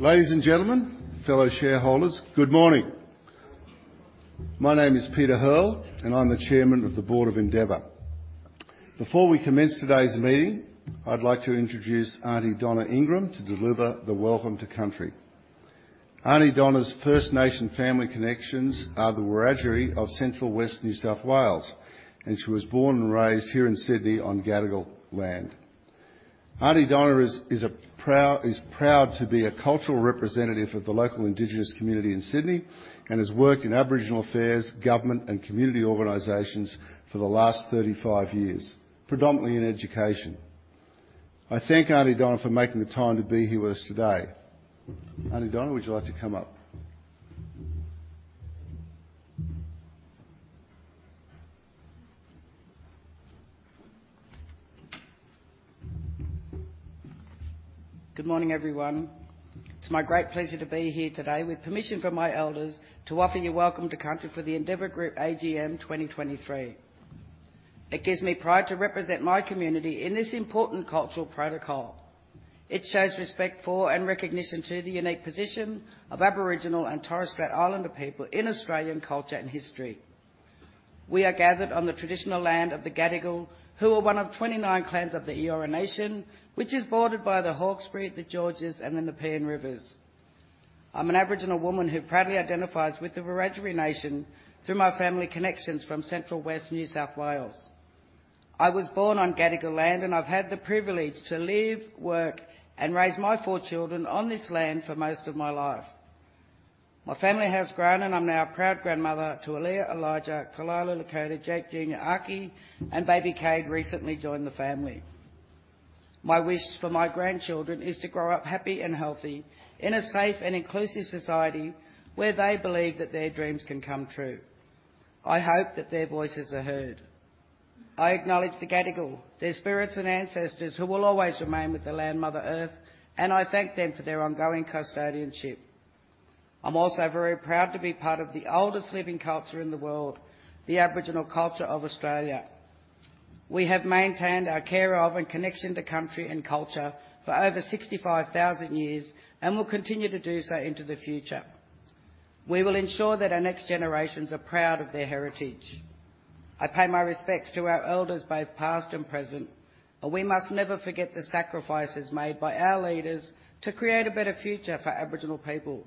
Ladies and gentlemen, fellow shareholders, good morning. My name is Peter Hearl, and I'm the Chairman of the Board of Endeavour. Before we commence today's meeting, I'd like to introduce Aunty Donna Ingram to deliver the Welcome to Country. Aunty Donna's First Nation family connections are the Wiradjuri of central West New South Wales, and she was born and raised here in Sydney on Gadigal land. Aunty Donna is a proud to be a cultural representative of the local Indigenous community in Sydney and has worked in Aboriginal affairs, government, and community organizations for the last 35 years, predominantly in education. I thank Aunty Donna for making the time to be here with us today. Aunty Donna, would you like to come up? Good morning, everyone. It's my great pleasure to be here today with permission from my elders to offer you Welcome to Country for the Endeavour Group AGM 2023. It gives me pride to represent my community in this important cultural protocol. It shows respect for and recognition to the unique position of Aboriginal and Torres Strait Islander people in Australian culture and history. We are gathered on the traditional land of the Gadigal, who are one of 29 clans of the Eora Nation, which is bordered by the Hawkesbury, the Georges, and the Nepean Rivers. I'm an Aboriginal woman who proudly identifies with the Wiradjuri Nation through my family connections from Central West New South Wales. I was born on Gadigal land, and I've had the privilege to live, work, and raise my four children on this land for most of my life. My family has grown, and I'm now a proud grandmother to Aliyah, Elijah, Kalila, Lakota, Jake Junior, Archie, and baby Cade recently joined the family. My wish for my grandchildren is to grow up happy and healthy in a safe and inclusive society where they believe that their dreams can come true. I hope that their voices are heard. I acknowledge the Gadigal, their spirits and ancestors, who will always remain with the land, Mother Earth, and I thank them for their ongoing custodianship. I'm also very proud to be part of the oldest living culture in the world, the Aboriginal culture of Australia. We have maintained our care of and connection to country and culture for over 65,000 years and will continue to do so into the future. We will ensure that our next generations are proud of their heritage. I pay my respects to our elders, both past and present, and we must never forget the sacrifices made by our leaders to create a better future for Aboriginal people.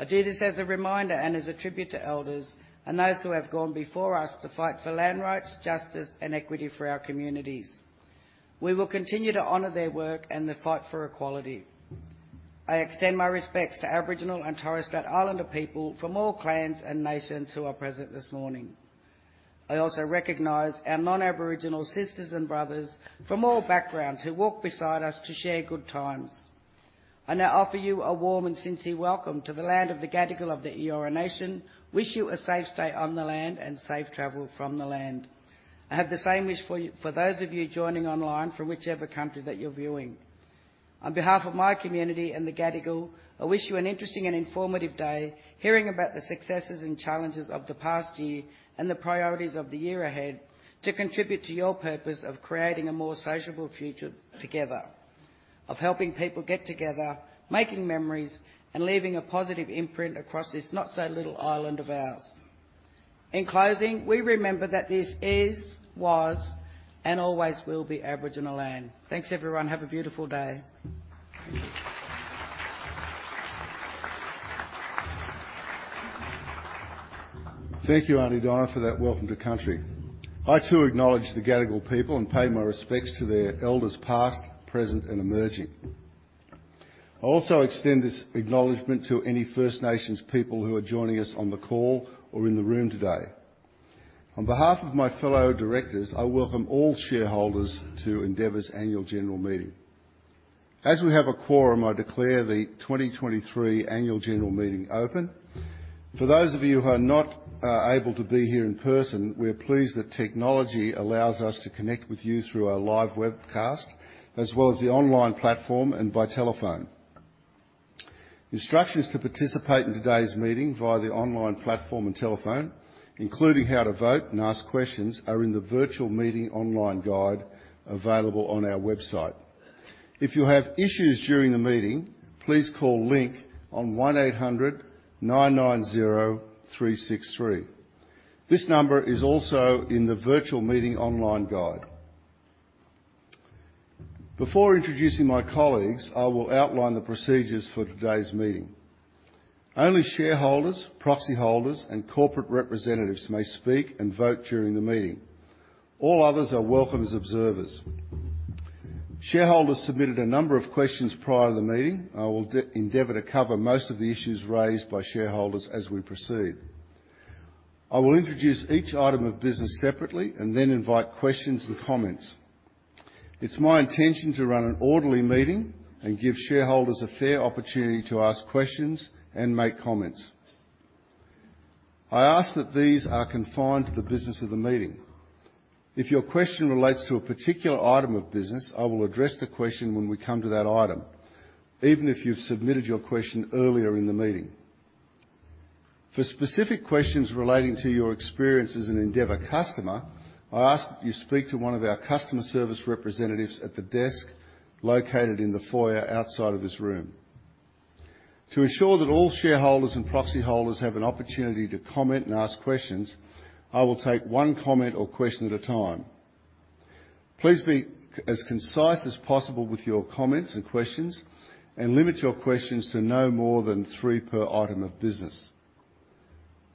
I do this as a reminder and as a tribute to elders and those who have gone before us to fight for land rights, justice, and equity for our communities. We will continue to honor their work and the fight for equality. I extend my respects to Aboriginal and Torres Strait Islander people from all clans and nations who are present this morning. I also recognize our non-Aboriginal sisters and brothers from all backgrounds who walk beside us to share good times. I now offer you a warm and sincere welcome to the land of the Gadigal of the Eora Nation. Wish you a safe stay on the land and safe travel from the land.I have the same wish for you, for those of you joining online from whichever country that you're viewing. On behalf of my community and the Gadigal, I wish you an interesting and informative day hearing about the successes and challenges of the past year and the priorities of the year ahead to contribute to your purpose of creating a more sociable future together, of helping people get together, making memories, and leaving a positive imprint across this not-so-little island of ours. In closing, we remember that this is, was, and always will be Aboriginal land. Thanks, everyone. Have a beautiful day. Thank you, Aunty Donna, for that Welcome to Country. I, too, acknowledge the Gadigal people and pay my respects to their elders, past, present, and emerging. I also extend this acknowledgement to any First Nations people who are joining us on the call or in the room today. On behalf of my fellow directors, I welcome all shareholders to Endeavour's Annual General Meeting. As we have a quorum, I declare the 2023 Annual General Meeting open. For those of you who are not able to be here in person, we are pleased that technology allows us to connect with you through our live webcast, as well as the online platform and by telephone. Instructions to participate in today's meeting via the online platform and telephone, including how to vote and ask questions, are in the Virtual Meeting Online Guide available on our website. If you have issues during the meeting, please call Link on 1800 990 363. This number is also in the Virtual Meeting Online Guide. Before introducing my colleagues, I will outline the procedures for today's meeting. Only shareholders, proxy holders, and corporate representatives may speak and vote during the meeting. All others are welcome as observers. Shareholders submitted a number of questions prior to the meeting. I will endeavour to cover most of the issues raised by shareholders as we proceed. I will introduce each item of business separately and then invite questions and comments. It's my intention to run an orderly meeting and give shareholders a fair opportunity to ask questions and make comments. I ask that these are confined to the business of the meeting. If your question relates to a particular item of business, I will address the question when we come to that item, even if you've submitted your question earlier in the meeting. For specific questions relating to your experience as an Endeavour customer, I ask that you speak to one of our customer service representatives at the desk located in the foyer outside of this room. To ensure that all shareholders and proxy holders have an opportunity to comment and ask questions, I will take one comment or question at a time. Please be as concise as possible with your comments and questions, and limit your questions to no more than three per item of business.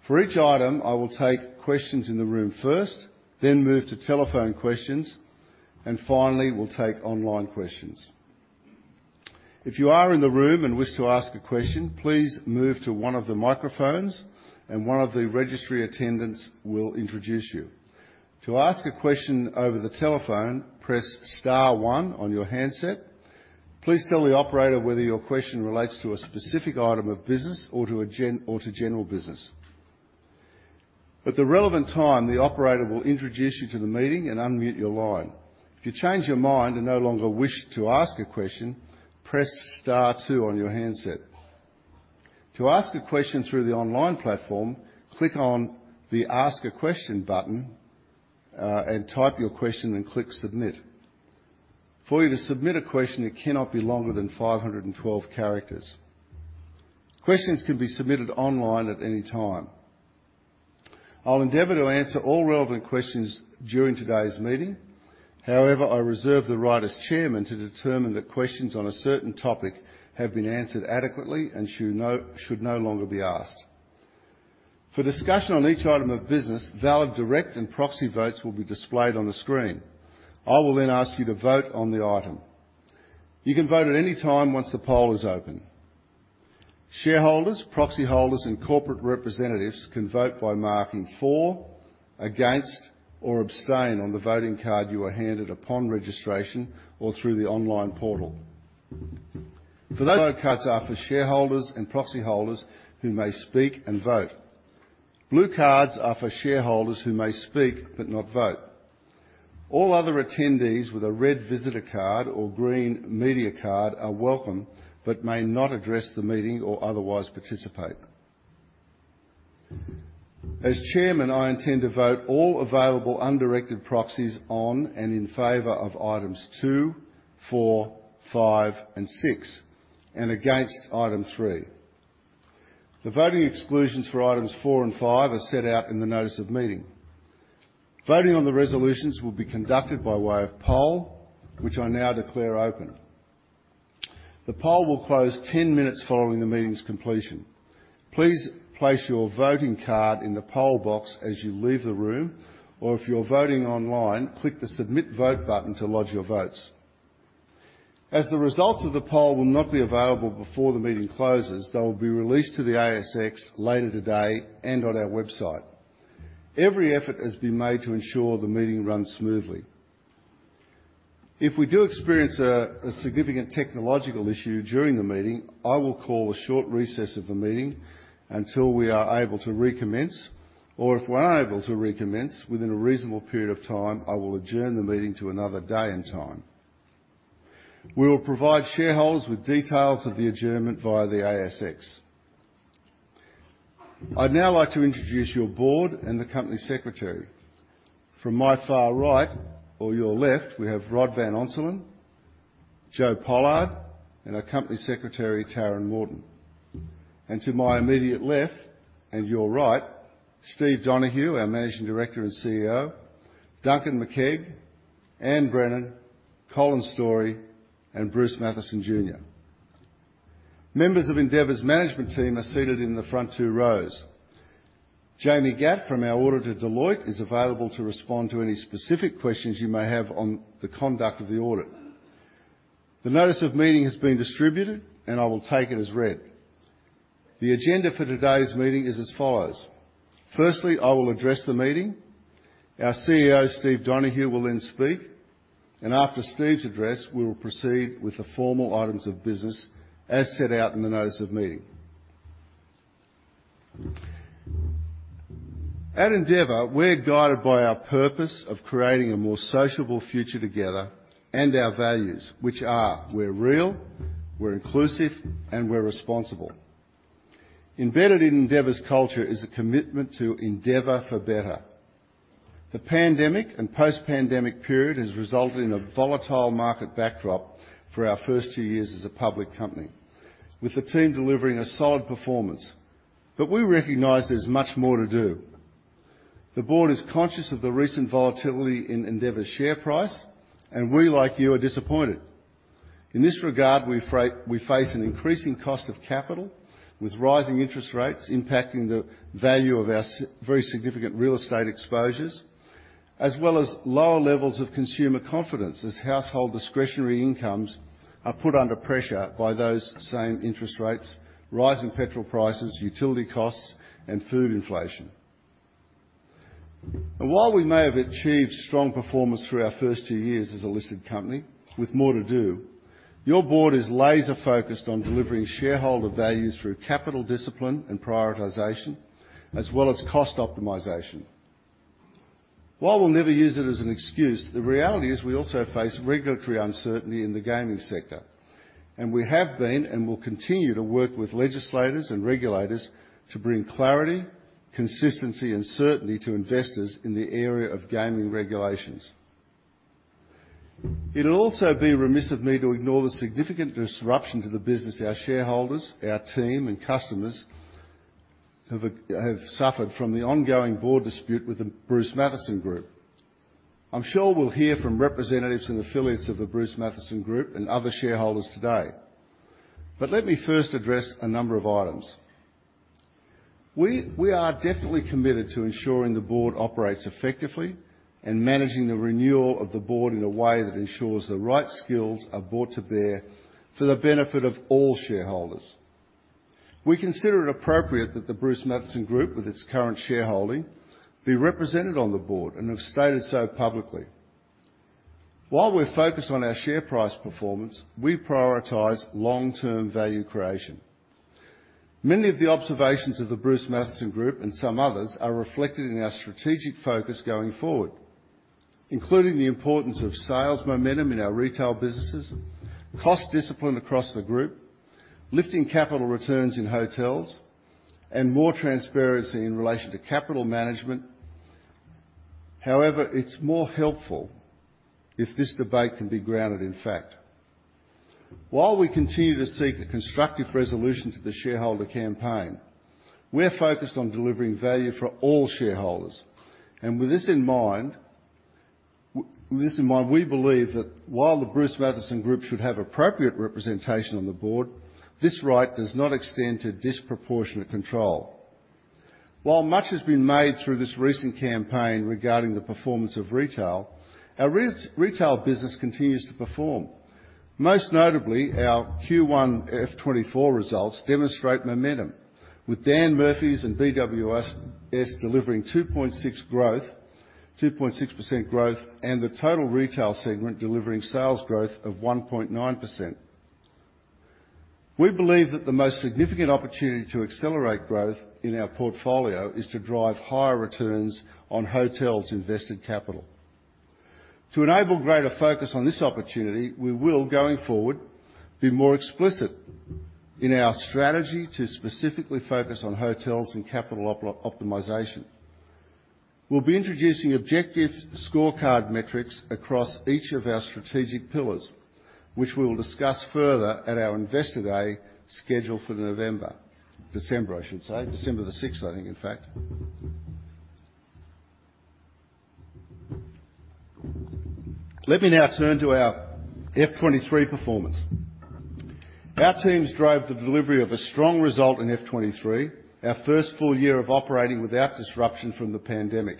For each item, I will take questions in the room first, then move to telephone questions, and finally, we'll take online questions. If you are in the room and wish to ask a question, please move to one of the microphones and one of the registry attendants will introduce you. To ask a question over the telephone, press star one on your handset. Please tell the operator whether your question relates to a specific item of business or to general business. At the relevant time, the operator will introduce you to the meeting and unmute your line. If you change your mind and no longer wish to ask a question, press star two on your handset. To ask a question through the online platform, click on the Ask a Question button, and type your question and click Submit. For you to submit a question, it cannot be longer than 512 characters. Questions can be submitted online at any time. I'll endeavor to answer all relevant questions during today's meeting. However, I reserve the right as Chairman to determine that questions on a certain topic have been answered adequately and should no longer be asked. For discussion on each item of business, valid direct and proxy votes will be displayed on the screen. I will then ask you to vote on the item. You can vote at any time once the poll is open. Shareholders, proxy holders, and corporate representatives can vote by marking for, against, or abstain on the voting card you were handed upon registration or through the online portal. For that, vote cards are for shareholders and proxy holders who may speak and vote. Blue cards are for shareholders who may speak but not vote. All other attendees with a red visitor card or green media card are welcome but may not address the meeting or otherwise participate. As Chairman, I intend to vote all available undirected proxies on and in favor of items two, four, five, and six, and against item three. The voting exclusions for items four and five are set out in the Notice of Meeting. Voting on the resolutions will be conducted by way of poll, which I now declare open. The poll will close 10 minutes following the meeting's completion. Please place your voting card in the poll box as you leave the room, or if you're voting online, click the Submit Vote button to lodge your votes. As the results of the poll will not be available before the meeting closes, they will be released to the ASX later today and on our website. Every effort has been made to ensure the meeting runs smoothly. If we do experience a significant technological issue during the meeting, I will call a short recess of the meeting until we are able to recommence, or if we're unable to recommence within a reasonable period of time, I will adjourn the meeting to another day and time. We will provide shareholders with details of the adjournment via the ASX. I'd now like to introduce your board and the Company Secretary. From my far right, or your left, we have Rod van Onselen, Joe Pollard, and our Company Secretary, Taryn Morton. And to my immediate left, and your right, Steve Donohue, our Managing Director and CEO, Duncan Makeig, Anne Brennan, Colin Storrie, and Bruce Mathieson Jr. Members of Endeavour's management team are seated in the front two rows. Jamie Gatt, from our auditor, Deloitte, is available to respond to any specific questions you may have on the conduct of the audit. The Notice of Meeting has been distributed, and I will take it as read. The agenda for today's meeting is as follows: firstly, I will address the meeting. Our CEO, Steve Donohue, will then speak, and after Steve's address, we will proceed with the formal items of business as set out in the Notice of Meeting. At Endeavour, we're guided by our purpose of creating a more sociable future together and our values, which are: we're real, we're inclusive, and we're responsible. Embedded in Endeavour's culture is a commitment to Endeavour for Better. The pandemic and post-pandemic period has resulted in a volatile market backdrop for our first two years as a public company, with the team delivering a solid performance. But we recognize there's much more to do. The board is conscious of the recent volatility in Endeavour's share price, and we, like you, are disappointed. In this regard, we face an increasing cost of capital, with rising interest rates impacting the value of our very significant real estate exposures, as well as lower levels of consumer confidence as household discretionary incomes are put under pressure by those same interest rates, rising petrol prices, utility costs, and food inflation. While we may have achieved strong performance through our first two years as a listed company, with more to do, your board is laser-focused on delivering shareholder value through capital discipline and prioritization, as well as cost optimization. While we'll never use it as an excuse, the reality is we also face regulatory uncertainty in the gaming sector, and we have been and will continue to work with legislators and regulators to bring clarity, consistency, and certainty to investors in the area of gaming regulations. It'll also be remiss of me to ignore the significant disruption to the business our shareholders, our team, and customers have suffered from the ongoing board dispute with the Bruce Mathieson Group. I'm sure we'll hear from representatives and affiliates of the Bruce Mathieson Group and other shareholders today. But let me first address a number of items. We are definitely committed to ensuring the board operates effectively and managing the renewal of the board in a way that ensures the right skills are brought to bear for the benefit of all shareholders. We consider it appropriate that the Bruce Mathieson Group, with its current shareholding, be represented on the board, and have stated so publicly. While we're focused on our share price performance, we prioritize long-term value creation. Many of the observations of the Bruce Mathieson Group, and some others, are reflected in our strategic focus going forward, including the importance of sales momentum in our retail businesses, cost discipline across the group, lifting capital returns in hotels, and more transparency in relation to capital management. However, it's more helpful if this debate can be grounded in fact. While we continue to seek a constructive resolution to the shareholder campaign, we're focused on delivering value for all shareholders. And with this in mind, we believe that while the Bruce Mathieson Group should have appropriate representation on the board, this right does not extend to disproportionate control. While much has been made through this recent campaign regarding the performance of retail, our retail business continues to perform. Most notably, our Q1 FY24 results demonstrate momentum, with Dan Murphy's and BWS delivering 2.6% growth, and the total retail segment delivering sales growth of 1.9%. We believe that the most significant opportunity to accelerate growth in our portfolio is to drive higher returns on hotels' invested capital. To enable greater focus on this opportunity, we will, going forward, be more explicit in our strategy to specifically focus on hotels and capital optimization. We'll be introducing objective scorecard metrics across each of our strategic pillars, which we will discuss further at our Investor Day, scheduled for December, I should say. December 6th, I think, in fact. Let me now turn to our FY2023 performance. Our teams drove the delivery of a strong result in FY2023, our first full year of operating without disruption from the pandemic,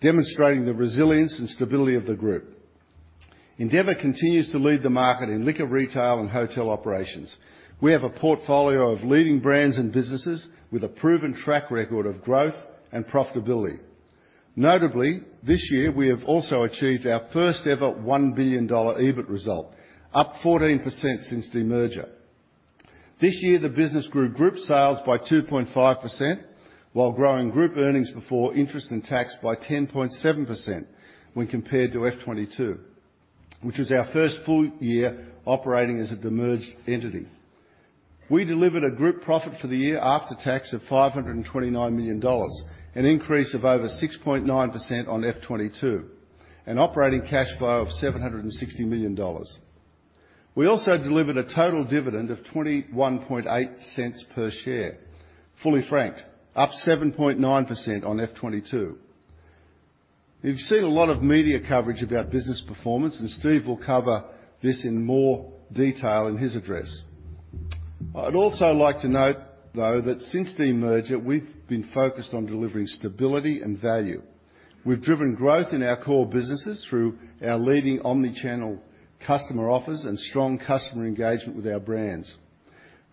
demonstrating the resilience and stability of the group. Endeavour continues to lead the market in liquor, retail, and hotel operations. We have a portfolio of leading brands and businesses with a proven track record of growth and profitability. Notably, this year, we have also achieved our first-ever 1 billion dollar EBIT result, up 14% since demerger. This year, the business grew group sales by 2.5%, while growing group earnings before interest and tax by 10.7% when compared to FY2022, which was our first full year operating as a demerged entity. We delivered a group profit for the year after tax of 529 million dollars, an increase of over 6.9% on FY2022, an operating cash flow of 760 million dollars. We also delivered a total dividend of 0.218 per share, fully franked, up 7.9% on FY2022. You've seen a lot of media coverage about business performance, and Steve will cover this in more detail in his address. I'd also like to note, though, that since the demerger, we've been focused on delivering stability and value. We've driven growth in our core businesses through our leading omni-channel customer offers and strong customer engagement with our brands.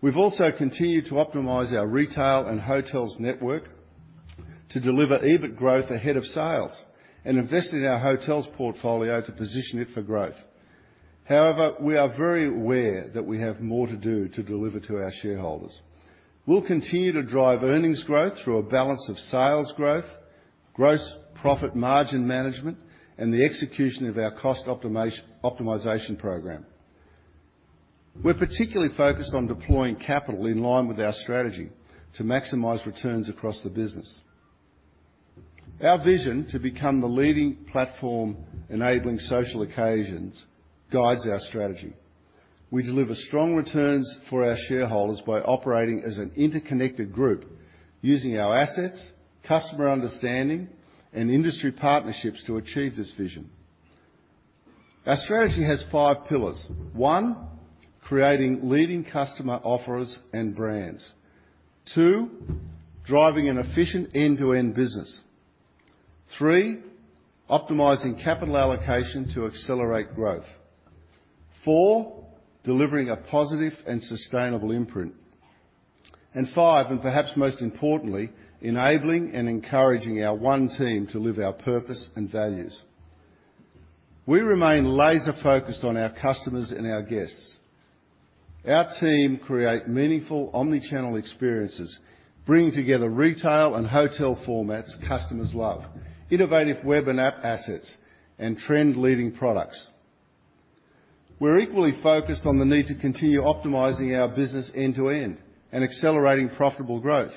We've also continued to optimize our retail and hotels network to deliver EBIT growth ahead of sales, and invested in our hotels portfolio to position it for growth. However, we are very aware that we have more to do to deliver to our shareholders. We'll continue to drive earnings growth through a balance of sales growth, gross profit margin management, and the execution of our cost optimization program. We're particularly focused on deploying capital in line with our strategy to maximize returns across the business. Our vision to become the leading platform enabling social occasions guides our strategy. We deliver strong returns for our shareholders by operating as an interconnected group, using our assets, customer understanding, and industry partnerships to achieve this vision. Our strategy has five pillars: one, creating leading customer offers and brands; two, driving an efficient end-to-end business; three, optimizing capital allocation to accelerate growth; four, delivering a positive and sustainable imprint; and five, and perhaps most importantly, enabling and encouraging our One Team to live our purpose and values. We remain laser focused on our customers and our guests. Our team create meaningful Omni-channel experiences, bringing together retail and hotel formats customers love, innovative web and app assets, and trend-leading products. We're equally focused on the need to continue optimizing our business end-to-end and accelerating profitable growth.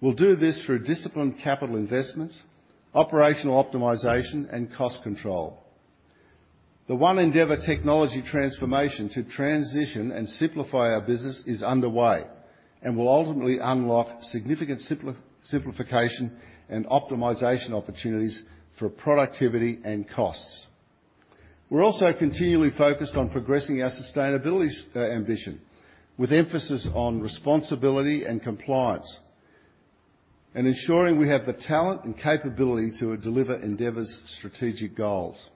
We'll do this through disciplined capital investments, operational optimization, and cost control. The One Endeavour technology transformation to transition and simplify our business is underway and will ultimately unlock significant simplification and optimization opportunities for productivity and costs. We're also continually focused on progressing our sustainability ambition, with emphasis on responsibility and compliance, and ensuring we have the talent and capability to deliver Endeavour's strategic goals.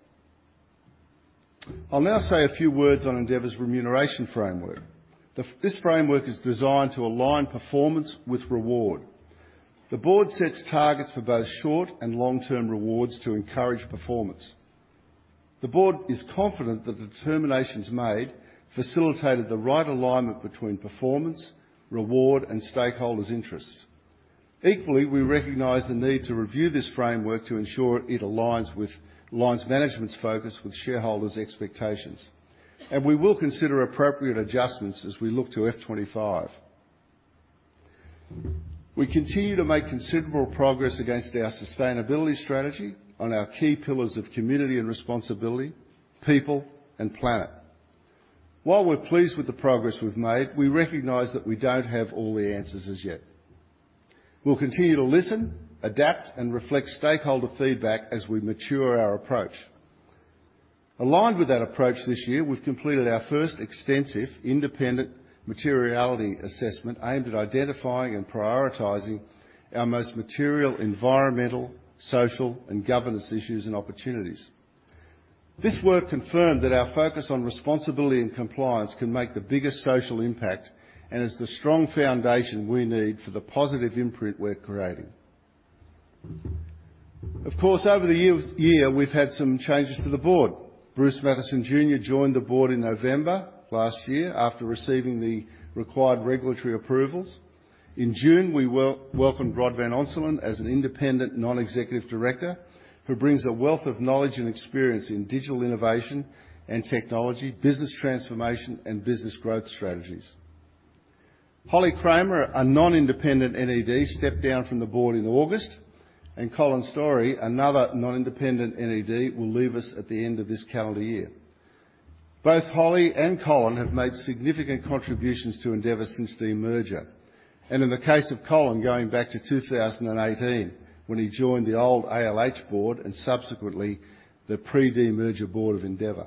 I'll now say a few words on Endeavour's remuneration framework. This framework is designed to align performance with reward. The board sets targets for both short and long-term rewards to encourage performance. The board is confident that the determinations made facilitated the right alignment between performance, reward, and stakeholders' interests. Equally, we recognize the need to review this framework to ensure it aligns management's focus with shareholders' expectations, and we will consider appropriate adjustments as we look to FY2025. We continue to make considerable progress against our sustainability strategy on our key pillars of community and responsibility, people and planet. While we're pleased with the progress we've made, we recognize that we don't have all the answers as yet. We'll continue to listen, adapt, and reflect stakeholder feedback as we mature our approach. Aligned with that approach this year, we've completed our first extensive independent materiality assessment aimed at identifying and prioritizing our most material environmental, social, and governance issues and opportunities. This work confirmed that our focus on responsibility and compliance can make the biggest social impact, and is the strong foundation we need for the positive imprint we're creating. Of course, over the year, we've had some changes to the board.. Bruce Mathieson Jr. joined the board in November last year after receiving the required regulatory approvals. In June, we welcomed Rod van Onselen as an independent, non-executive director, who brings a wealth of knowledge and experience in digital innovation and technology, business transformation, and business growth strategies. Holly Kramer, a non-independent NED, stepped down from the board in August, and Colin Storrie, another non-independent NED, will leave us at the end of this calendar year. Both Holly and Colin have made significant contributions to Endeavour since the demerger, and in the case of Colin, going back to 2018, when he joined the old ALH board and subsequently the pre-demerger board of Endeavour.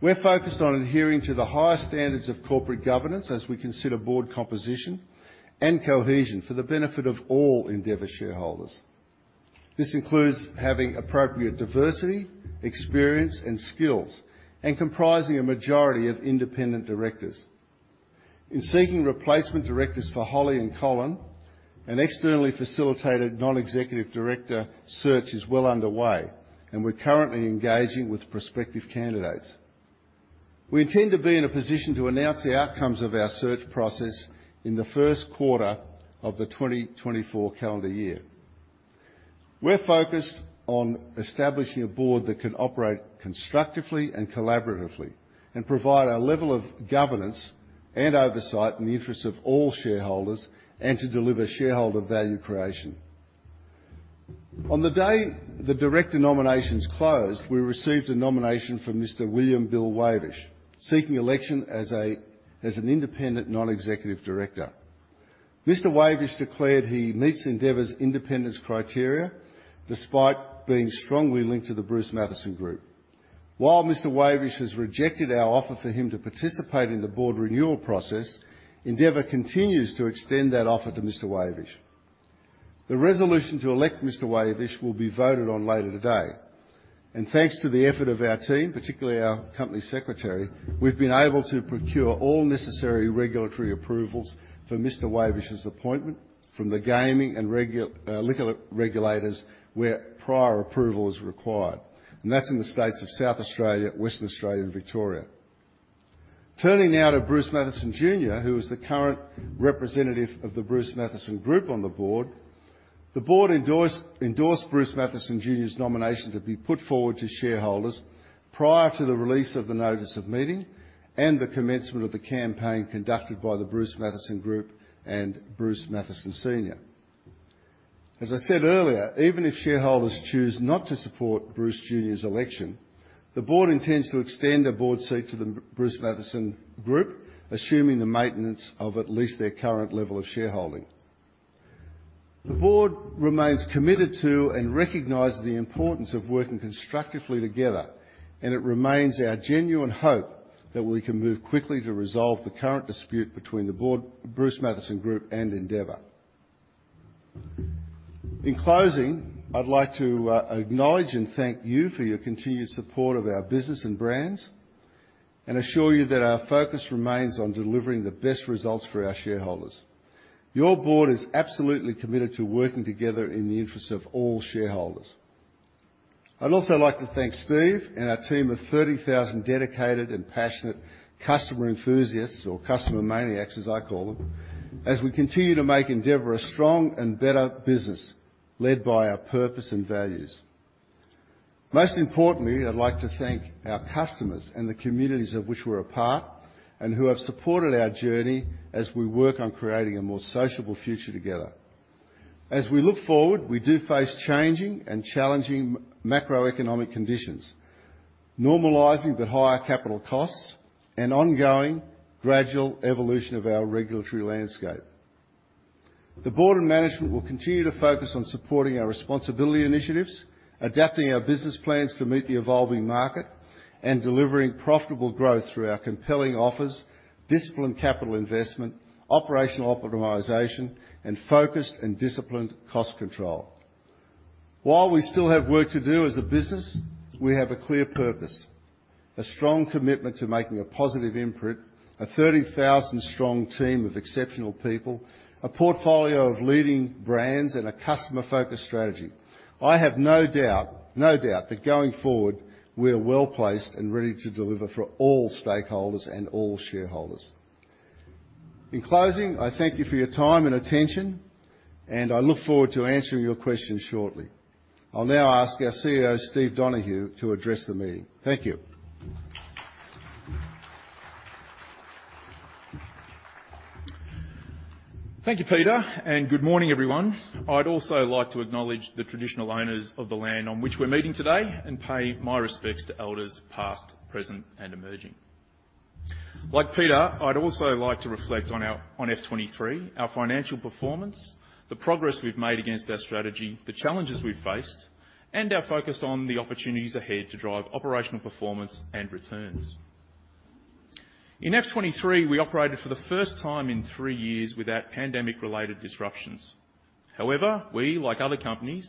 We're focused on adhering to the highest standards of corporate governance as we consider board composition and cohesion for the benefit of all Endeavour shareholders. This includes having appropriate diversity, experience, and skills, and comprising a majority of independent directors. In seeking replacement directors for Holly and Colin, an externally facilitated non-executive director search is well underway, and we're currently engaging with prospective candidates. We intend to be in a position to announce the outcomes of our search process in the first quarter of the 2024 calendar year. We're focused on establishing a board that can operate constructively and collaboratively, and provide a level of governance and oversight in the interests of all shareholders, and to deliver shareholder value creation. On the day the director nominations closed, we received a nomination from Mr. William "Bill" Wavish, seeking election as an independent non-executive director. Mr. Wavish declared he meets Endeavour's independence criteria despite being strongly linked to the Bruce Mathieson Group. While Mr. Wavish has rejected our offer for him to participate in the board renewal process, Endeavour continues to extend that offer to Mr. Wavish. The resolution to elect Mr Wavish will be voted on later today, and thanks to the effort of our team, particularly our company secretary, we've been able to procure all necessary regulatory approvals for Mr Wavish's appointment from the gaming and liquor regulators, where prior approval is required, and that's in the states of South Australia, Western Australia, and Victoria. Turning now to Bruce Mathieson Jr, who is the current representative of the Bruce Mathieson Group on the board. The board endorsed, endorsed Bruce Mathieson Jr.'s nomination to be put forward to shareholders prior to the release of the Notice of Meeting and the commencement of the campaign conducted by the Bruce Mathieson Group and Bruce Mathieson Sr.As I said earlier, even if shareholders choose not to support Bruce Jr.'s election, the board intends to extend a board seat to the Bruce Mathieson Group, assuming the maintenance of at least their current level of shareholding. The board remains committed to and recognizes the importance of working constructively together, and it remains our genuine hope that we can move quickly to resolve the current dispute between the board, Bruce Mathieson Group, and Endeavour. In closing, I'd like to acknowledge and thank you for your continued support of our business and brands and assure you that our focus remains on delivering the best results for our shareholders. Your board is absolutely committed to working together in the interest of all shareholders. I'd also like to thank Steve and our team of 30,000 dedicated and passionate customer enthusiasts, or customer maniacs, as I call them, as we continue to make Endeavour a strong and better business, led by our purpose and values. Most importantly, I'd like to thank our customers and the communities of which we're a part, and who have supported our journey as we work on creating a more sociable future together. As we look forward, we do face changing and challenging macroeconomic conditions, normalizing but higher capital costs, and ongoing gradual evolution of our regulatory landscape. The board and management will continue to focus on supporting our responsibility initiatives, adapting our business plans to meet the evolving market, and delivering profitable growth through our compelling offers, disciplined capital investment, operational optimization, and focused and disciplined cost control. While we still have work to do as a business, we have a clear purpose, a strong commitment to making a positive imprint, a 30,000-strong team of exceptional people, a portfolio of leading brands, and a customer-focused strategy. I have no doubt, no doubt that going forward, we are well-placed and ready to deliver for all stakeholders and all shareholders. In closing, I thank you for your time and attention, and I look forward to answering your questions shortly. I'll now ask our CEO, Steve Donohue, to address the meeting. Thank you. Thank you, Peter, and good morning, everyone. I'd also like to acknowledge the traditional owners of the land on which we're meeting today and pay my respects to elders past, present, and emerging. Like Peter, I'd also like to reflect on FY2023, our financial performance, the progress we've made against our strategy, the challenges we've faced, and our focus on the opportunities ahead to drive operational performance and returns. In FY2023, we operated for the first time in three years without pandemic-related disruptions. However, we, like other companies,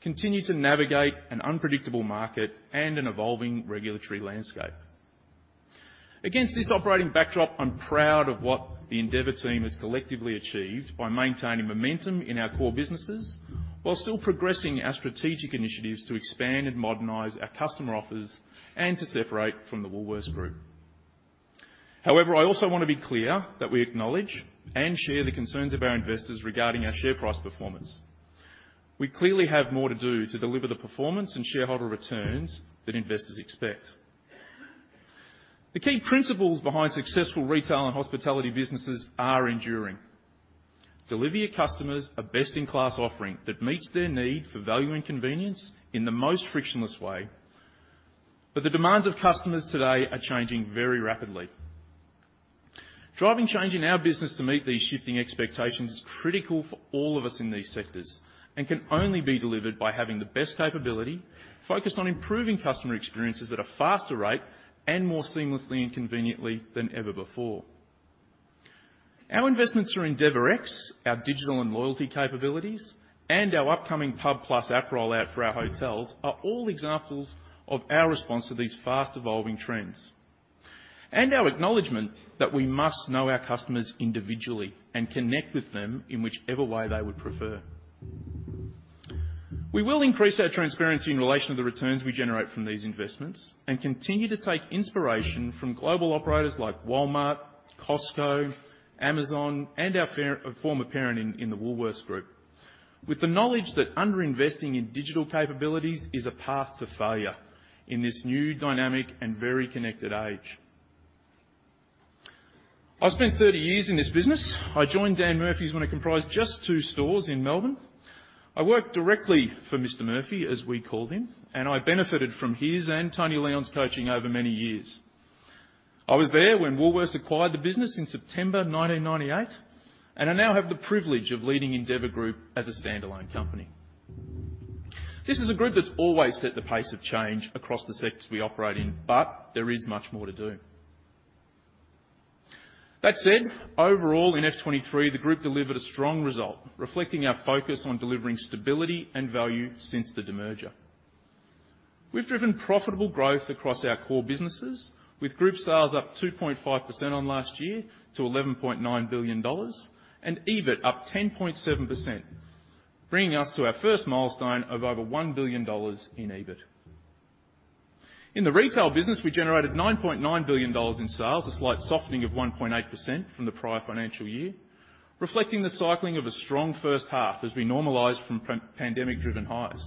continue to navigate an unpredictable market and an evolving regulatory landscape. Against this operating backdrop, I'm proud of what the Endeavour team has collectively achieved by maintaining momentum in our core businesses, while still progressing our strategic initiatives to expand and modernize our customer offers and to separate from the Woolworths Group. However, I also want to be clear that we acknowledge and share the concerns of our investors regarding our share price performance. We clearly have more to do to deliver the performance and shareholder returns that investors expect. The key principles behind successful retail and hospitality businesses are enduring. Deliver your customers a best-in-class offering that meets their need for value and convenience in the most frictionless way. But the demands of customers today are changing very rapidly. Driving change in our business to meet these shifting expectations is critical for all of us in these sectors and can only be delivered by having the best capability, focused on improving customer experiences at a faster rate and more seamlessly and conveniently than ever before. Our investments are in EndeavourX, our digital and loyalty capabilities, and our upcoming Pub + app rollout for our hotels are all examples of our response to these fast-evolving trends, and our acknowledgment that we must know our customers individually and connect with them in whichever way they would prefer. We will increase our transparency in relation to the returns we generate from these investments and continue to take inspiration from global operators like Walmart, Costco, Amazon, and our fair, former parent in the Woolworths Group. With the knowledge that under investing in digital capabilities is a path to failure in this new, dynamic, and very connected age. I've spent 30 years in this business. I joined Dan Murphy's when it comprised just two stores in Melbourne.I worked directly for Mr Murphy, as we called him, and I benefited from his and Tony Leon's coaching over many years. I was there when Woolworths acquired the business in September 1998, and I now have the privilege of leading Endeavour Group as a standalone company. This is a group that's always set the pace of change across the sectors we operate in, but there is much more to do. That said, overall, in FY2023, the group delivered a strong result, reflecting our focus on delivering stability and value since the demerger. We've driven profitable growth across our core businesses, with group sales up 2.5% on last year to 11.9 billion dollars, and EBIT up 10.7%, bringing us to our first milestone of over 1 billion dollars in EBIT. In the retail business, we generated 9.9 billion dollars in sales, a slight softening of 1.8% from the prior financial year, reflecting the cycling of a strong first half as we normalized from pandemic-driven highs.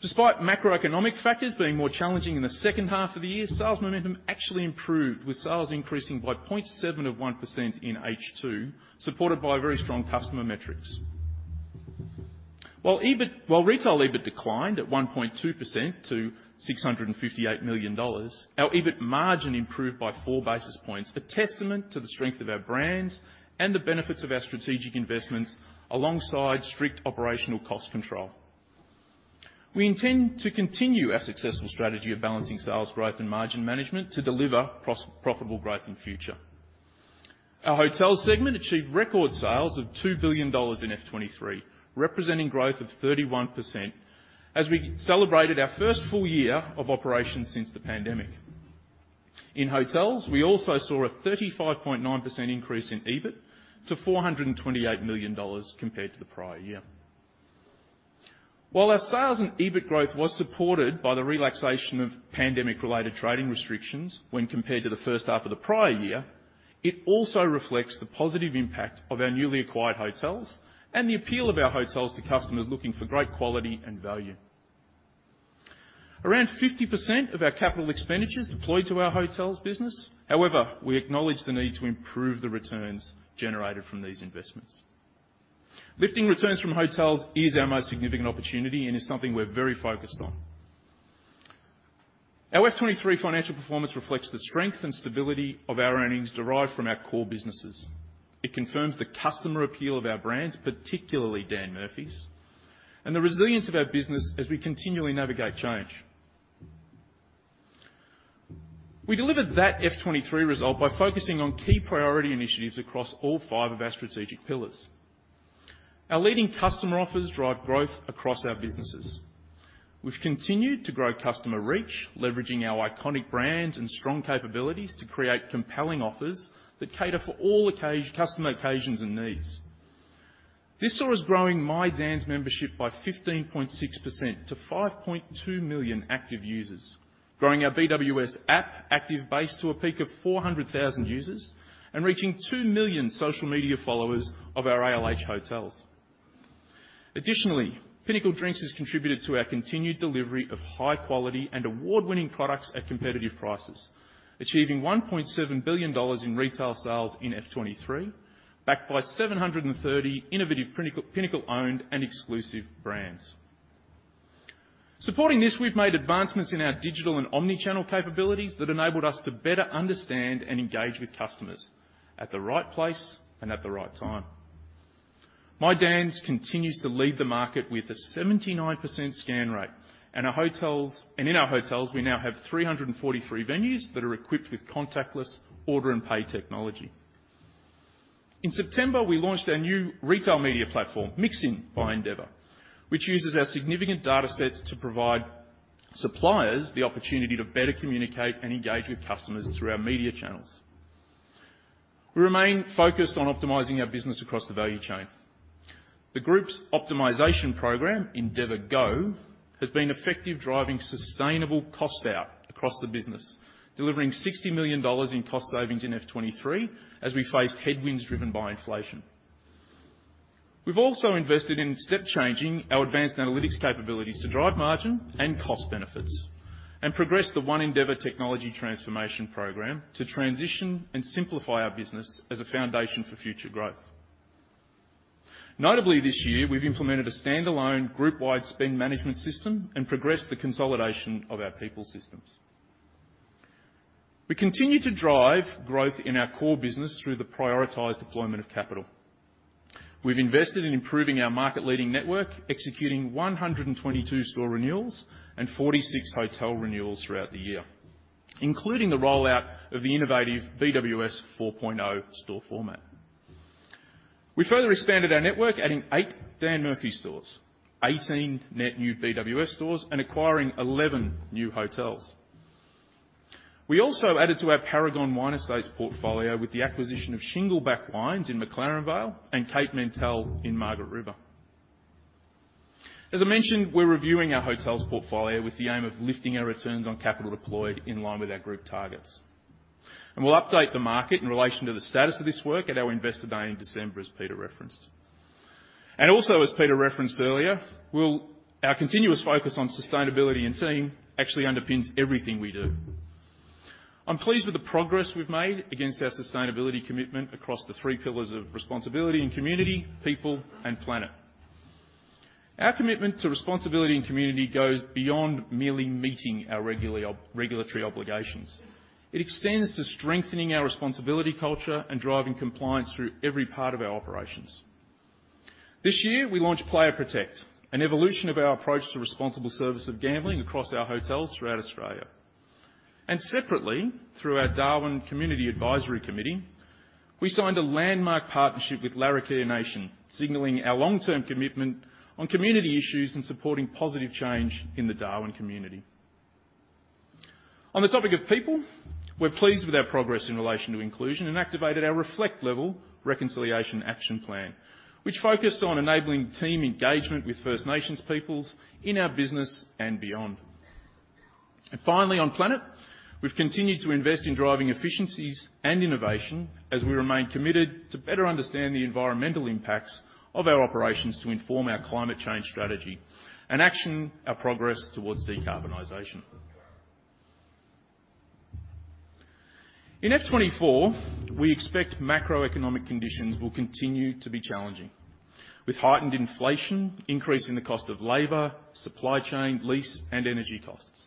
Despite macroeconomic factors being more challenging in the second half of the year, sales momentum actually improved, with sales increasing by 0.7% in H2, supported by very strong customer metrics. While retail EBIT declined 1.2% to 658 million dollars, our EBIT margin improved by 4 basis points, a testament to the strength of our brands and the benefits of our strategic investments alongside strict operational cost control. We intend to continue our successful strategy of balancing sales growth and margin management to deliver profitable growth in future. Our hotels segment achieved record sales of 2 billion dollars in FY2023, representing growth of 31%, as we celebrated our first full year of operations since the pandemic. In hotels, we also saw a 35.9% increase in EBIT to 428 million dollars compared to the prior year. \While our sales and EBIT growth was supported by the relaxation of pandemic-related trading restrictions when compared to the first half of the prior year, it also reflects the positive impact of our newly acquired hotels and the appeal of our hotels to customers looking for great quality and value. Around 50% of our capital expenditures deployed to our hotels business. However, we acknowledge the need to improve the returns generated from these investments. Lifting returns from hotels is our most significant opportunity and is something we're very focused on. Our FY2023 financial performance reflects the strength and stability of our earnings derived from our core businesses. It confirms the customer appeal of our brands, particularly Dan Murphy's, and the resilience of our business as we continually navigate change. We delivered that FY2023 result by focusing on key priority initiatives across all five of our strategic pillars. Our leading customer offers drive growth across our businesses. We've continued to grow customer reach, leveraging our iconic brands and strong capabilities to create compelling offers that cater for all occasions and needs. This saw us growing My Dan's membership by 15.6% to 5.2 million active users, growing our BWS app active base to a peak of 400,000 users, and reaching 2 million social media followers of our ALH hotels. Additionally, Pinnacle Drinks has contributed to our continued delivery of high quality and award-winning products at competitive prices, achieving 1.7 billion dollars in retail sales in FY2023, backed by 730 innovative Pinnacle, Pinnacle-owned, and exclusive brands. Supporting this, we've made advancements in our digital and omni-channel capabilities that enabled us to better understand and engage with customers at the right place and at the right time. My Dan's continues to lead the market with a 79% scan rate, and our hotels, and in our hotels, we now have 343 venues that are equipped with contactless order and pay technology. In September, we launched our new retail media platform, MixIn by Endeavour, which uses our significant data sets to provide suppliers the opportunity to better communicate and engage with customers through our media channels. We remain focused on optimizing our business across the value chain. The group's optimization program, Endeavour GO, has been effective, driving sustainable cost out across the business, delivering 60 million dollars in cost savings in FY2023 as we faced headwinds driven by inflation. We've also invested in step-changing our advanced analytics capabilities to drive margin and cost benefits, and progressed the One Endeavour technology transformation program to transition and simplify our business as a foundation for future growth. Notably, this year, we've implemented a standalone group-wide spend management system and progressed the consolidation of our people systems. We continue to drive growth in our core business through the prioritized deployment of capital. We've invested in improving our market-leading network, executing 122 store renewals and 46 hotel renewals throughout the year, including the rollout of the innovative BWS 4.0 store format. We further expanded our network, adding eight Dan Murphy's stores, 18 net new BWS stores, and acquiring 11 new hotels. We also added to our Paragon Wine Estates portfolio with the acquisition of Shingleback Wines in McLaren Vale and Cape Mentelle in Margaret River. As I mentioned, we're reviewing our hotels portfolio with the aim of lifting our returns on capital deployed in line with our group targets, and we'll update the market in relation to the status of this work at our Investor Day in December, as Peter referenced. And also, as Peter referenced earlier, we'll, our continuous focus on sustainability and team actually underpins everything we do. I'm pleased with the progress we've made against our sustainability commitment across the three pillars of responsibility and community, people, and planet. Our commitment to responsibility and community goes beyond merely meeting our regularly observed regulatory obligations. It extends to strengthening our responsibility culture and driving compliance through every part of our operations. This year, we launched Player Protect, an evolution of our approach to responsible service of gambling across our hotels throughout Australia. And separately, through our Darwin Community Advisory Committee, we signed a landmark partnership with Larrakia Nation, signaling our long-term commitment on community issues and supporting positive change in the Darwin community. On the topic of people, we're pleased with our progress in relation to inclusion and activated our Reflect Level Reconciliation Action Plan, which focused on enabling team engagement with First Nations peoples in our business and beyond. And finally, on planet, we've continued to invest in driving efficiencies and innovation as we remain committed to better understand the environmental impacts of our operations to inform our climate change strategy and action our progress towards decarbonization. In FY2024, we expect macroeconomic conditions will continue to be challenging, with heightened inflation increasing the cost of labor, supply chain, lease, and energy costs.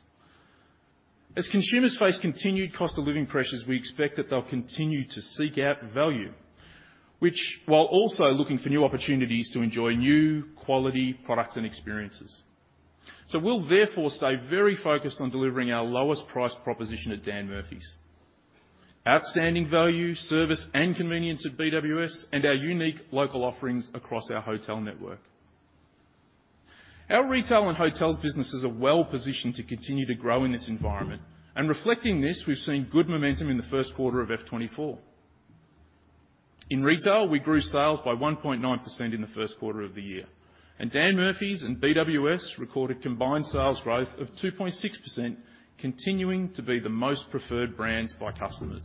As consumers face continued cost-of-living pressures, we expect that they'll continue to seek out value, which while also looking for new opportunities to enjoy new, quality products and experiences. So we'll therefore stay very focused on delivering our lowest price proposition at Dan Murphy's. Outstanding value, service, and convenience at BWS, and our unique local offerings across our hotel network. Our retail and hotels businesses are well-positioned to continue to grow in this environment, and reflecting this, we've seen good momentum in the first quarter of FY2024.In retail, we grew sales by 1.9% in the first quarter of the year, and Dan Murphy's and BWS recorded combined sales growth of 2.6%, continuing to be the most preferred brands by customers.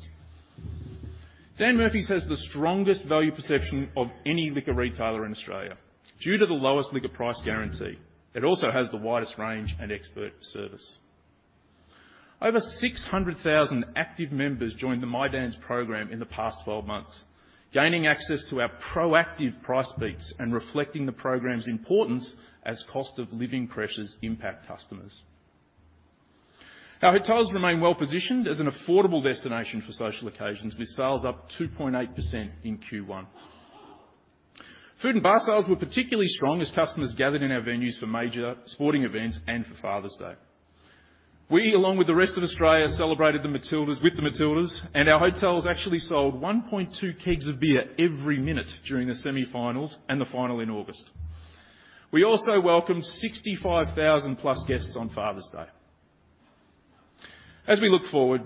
Dan Murphy's has the strongest value perception of any liquor retailer in Australia due to the lowest liquor price guarantee. It also has the widest range and expert service. Over 600,000 active members joined the My Dan's program in the past 12 months, gaining access to our proactive price beats and reflecting the program's importance as cost of living pressures impact customers. Our hotels remain well-positioned as an affordable destination for social occasions, with sales up 2.8% in Q1. Food and bar sales were particularly strong as customers gathered in our venues for major sporting events and for Father's Day.We, along with the rest of Australia, celebrated the Matildas with the Matildas, and our hotels actually sold 1.2 kegs of beer every minute during the semifinals and the final in August. We also welcomed 65,000+ guests on Father's Day. As we look forward,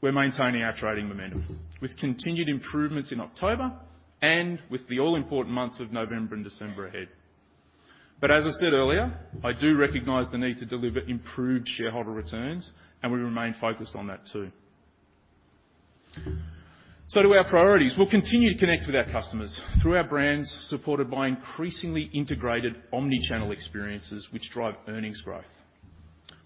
we're maintaining our trading momentum, with continued improvements in October and with the all-important months of November and December ahead. But as I said earlier, I do recognize the need to deliver improved shareholder returns, and we remain focused on that too. So to our priorities. We'll continue to connect with our customers through our brands, supported by increasingly integrated Omni-channel experiences, which drive earnings growth.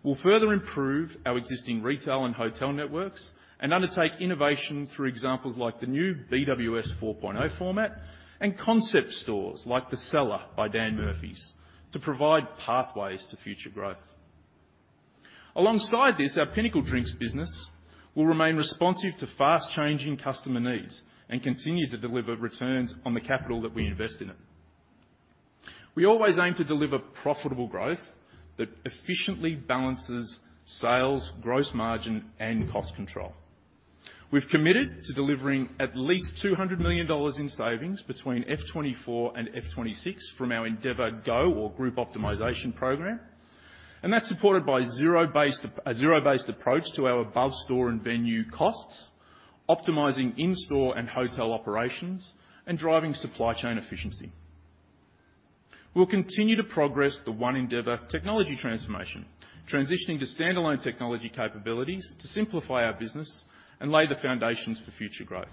We'll further improve our existing retail and hotel networks and undertake innovation through examples like the new BWS 4.0 format and concept stores like The Cellar by Dan Murphy's, to provide pathways to future growth. Alongside this, our Pinnacle Drinks business will remain responsive to fast-changing customer needs and continue to deliver returns on the capital that we invest in it. We always aim to deliver profitable growth that efficiently balances sales, gross margin, and cost control. We've committed to delivering at least 200 million dollars in savings between FY2024 and FY2026 from our Endeavour GO, our Group Optimization program, and that's supported by zero-based approach to our above-store and venue costs, optimizing in-store and hotel operations, and driving supply chain efficiency. We'll continue to progress the One Endeavour technology transformation, transitioning to standalone technology capabilities to simplify our business and lay the foundations for future growth.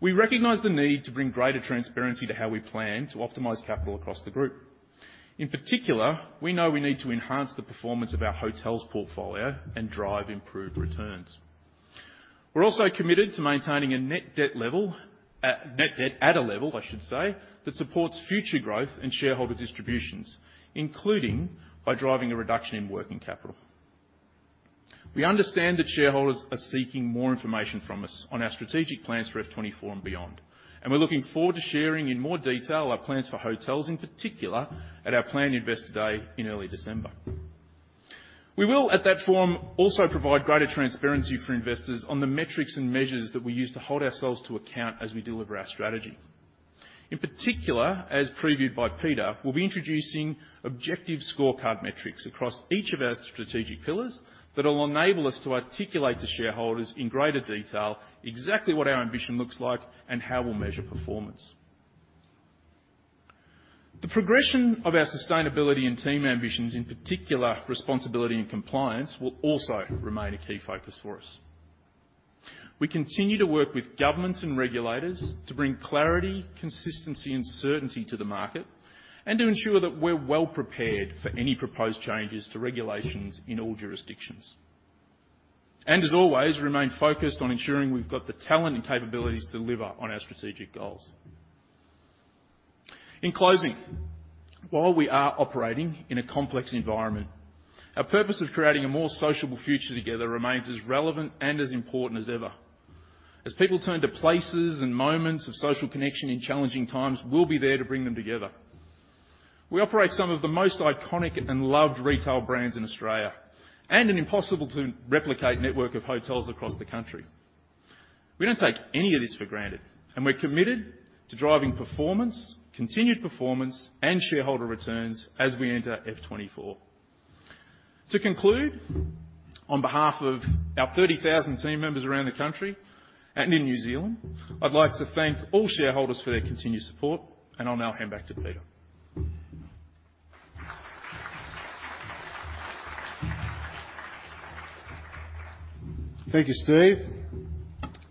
We recognize the need to bring greater transparency to how we plan to optimize capital across the group.In particular, we know we need to enhance the performance of our hotels portfolio and drive improved returns. We're also committed to maintaining net debt at a level, I should say, that supports future growth and shareholder distributions, including by driving a reduction in working capital. We understand that shareholders are seeking more information from us on our strategic plans for FY2024 and beyond, and we're looking forward to sharing in more detail our plans for hotels, in particular, at our planned Investor Day in early December. We will, at that forum, also provide greater transparency for investors on the metrics and measures that we use to hold ourselves to account as we deliver our strategy. In particular, as previewed by Peter, we'll be introducing objective scorecard metrics across each of our strategic pillars that will enable us to articulate to shareholders in greater detail exactly what our ambition looks like and how we'll measure performance. The progression of our sustainability and team ambitions, in particular, responsibility and compliance, will also remain a key focus for us. We continue to work with governments and regulators to bring clarity, consistency, and certainty to the market, and to ensure that we're well prepared for any proposed changes to regulations in all jurisdictions. And as always, remain focused on ensuring we've got the talent and capabilities to deliver on our strategic goals. In closing, while we are operating in a complex environment, our purpose of creating a more sociable future together remains as relevant and as important as ever. As people turn to places and moments of social connection in challenging times, we'll be there to bring them together. We operate some of the most iconic and loved retail brands in Australia and an impossible to replicate network of hotels across the country. We don't take any of this for granted, and we're committed to driving performance, continued performance, and shareholder returns as we enter FY2024.To conclude, on behalf of our 30,000 team members around the country and in New Zealand, I'd like to thank all shareholders for their continued support, and I'll now hand back to Peter. Thank you, Steve.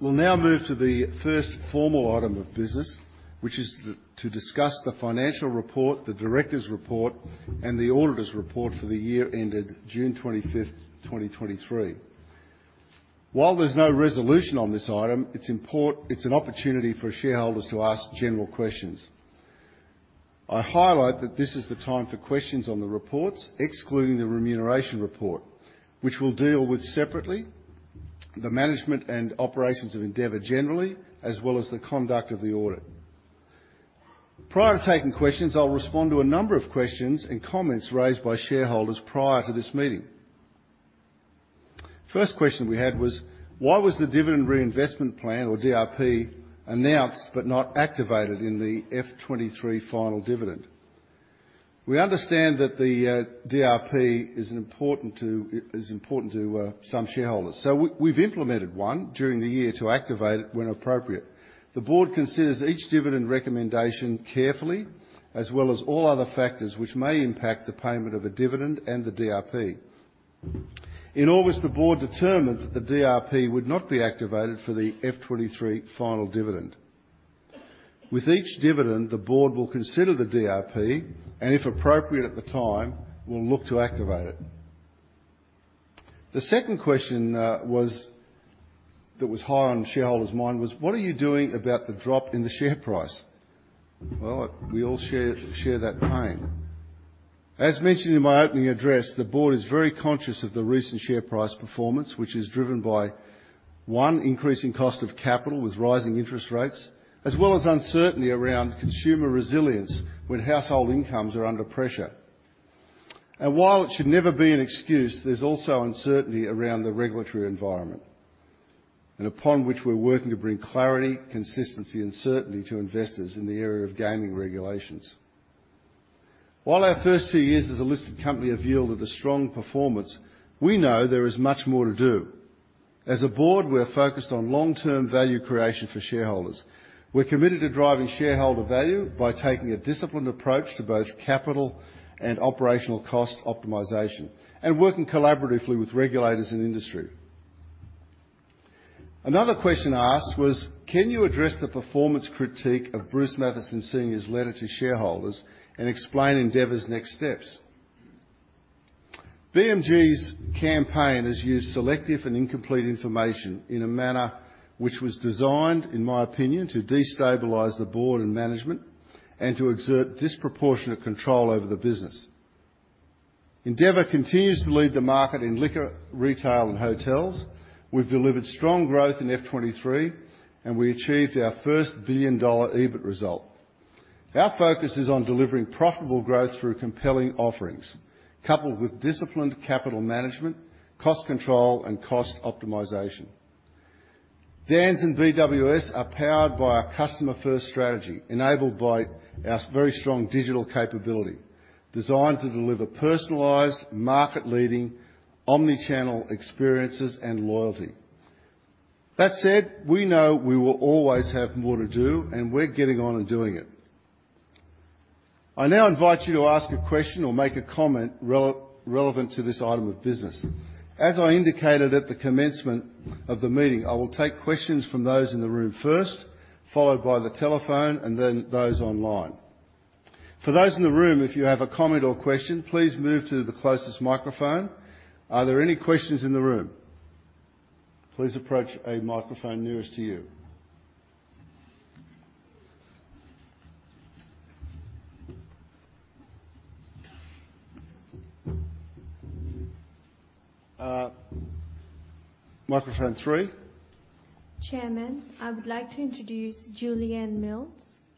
We'll now move to the first formal item of business, which is the, to discuss the financial report, the directors' report, and the auditors' report for the year ended June 25th, 2023. While there's no resolution on this item, it's an opportunity for shareholders to ask general questions. I highlight that this is the time for questions on the reports, excluding the remuneration report, which we'll deal with separately... the management and operations of Endeavour generally, as well as the conduct of the audit. Prior to taking questions, I'll respond to a number of questions and comments raised by shareholders prior to this meeting. First question we had was: Why was the dividend reinvestment plan, or DRP, announced but not activated in the FY2023 final dividend? We understand that the DRP is important to some shareholders, so we've implemented one during the year to activate it when appropriate. The board considers each dividend recommendation carefully, as well as all other factors which may impact the payment of a dividend and the DRP. In August, the board determined that the DRP would not be activated for the FY2023 final dividend. With each dividend, the board will consider the DRP, and if appropriate at the time, will look to activate it. The second question that was high on shareholders' mind was: What are you doing about the drop in the share price? Well, we all share that pain. As mentioned in my opening address, the board is very conscious of the recent share price performance, which is driven by, one, increasing cost of capital with rising interest rates, as well as uncertainty around consumer resilience when household incomes are under pressure. While it should never be an excuse, there's also uncertainty around the regulatory environment, and upon which we're working to bring clarity, consistency, and certainty to investors in the area of gaming regulations. While our first two years as a listed company have yielded a strong performance, we know there is much more to do. As a board, we're focused on long-term value creation for shareholders. We're committed to driving shareholder value by taking a disciplined approach to both capital and operational cost optimization and working collaboratively with regulators and industry. Another question asked was: Can you address the performance critique of Bruce Mathieson Sr's letter to shareholders and explain Endeavour's next steps? BMG's campaign has used selective and incomplete information in a manner which was designed, in my opinion, to destabilize the board and management and to exert disproportionate control over the business. Endeavour continues to lead the market in liquor, retail, and hotels. We've delivered strong growth in FY2023, and we achieved our first 1 billion dollar EBIT result. Our focus is on delivering profitable growth through compelling offerings, coupled with disciplined capital management, cost control, and cost optimization. Dan's and BWS are powered by our customer-first strategy, enabled by our very strong digital capability, designed to deliver personalized, market-leading, omni-channel experiences and loyalty. That said, we know we will always have more to do, and we're getting on and doing it. I now invite you to ask a question or make a comment relevant to this item of business. As I indicated at the commencement of the meeting, I will take questions from those in the room first, followed by the telephone, and then those online. For those in the room, if you have a comment or question, please move to the closest microphone. Are there any questions in the room? Please approach a microphone nearest to you. Microphone three. Chairman, I would like to introduce Julieanne Mills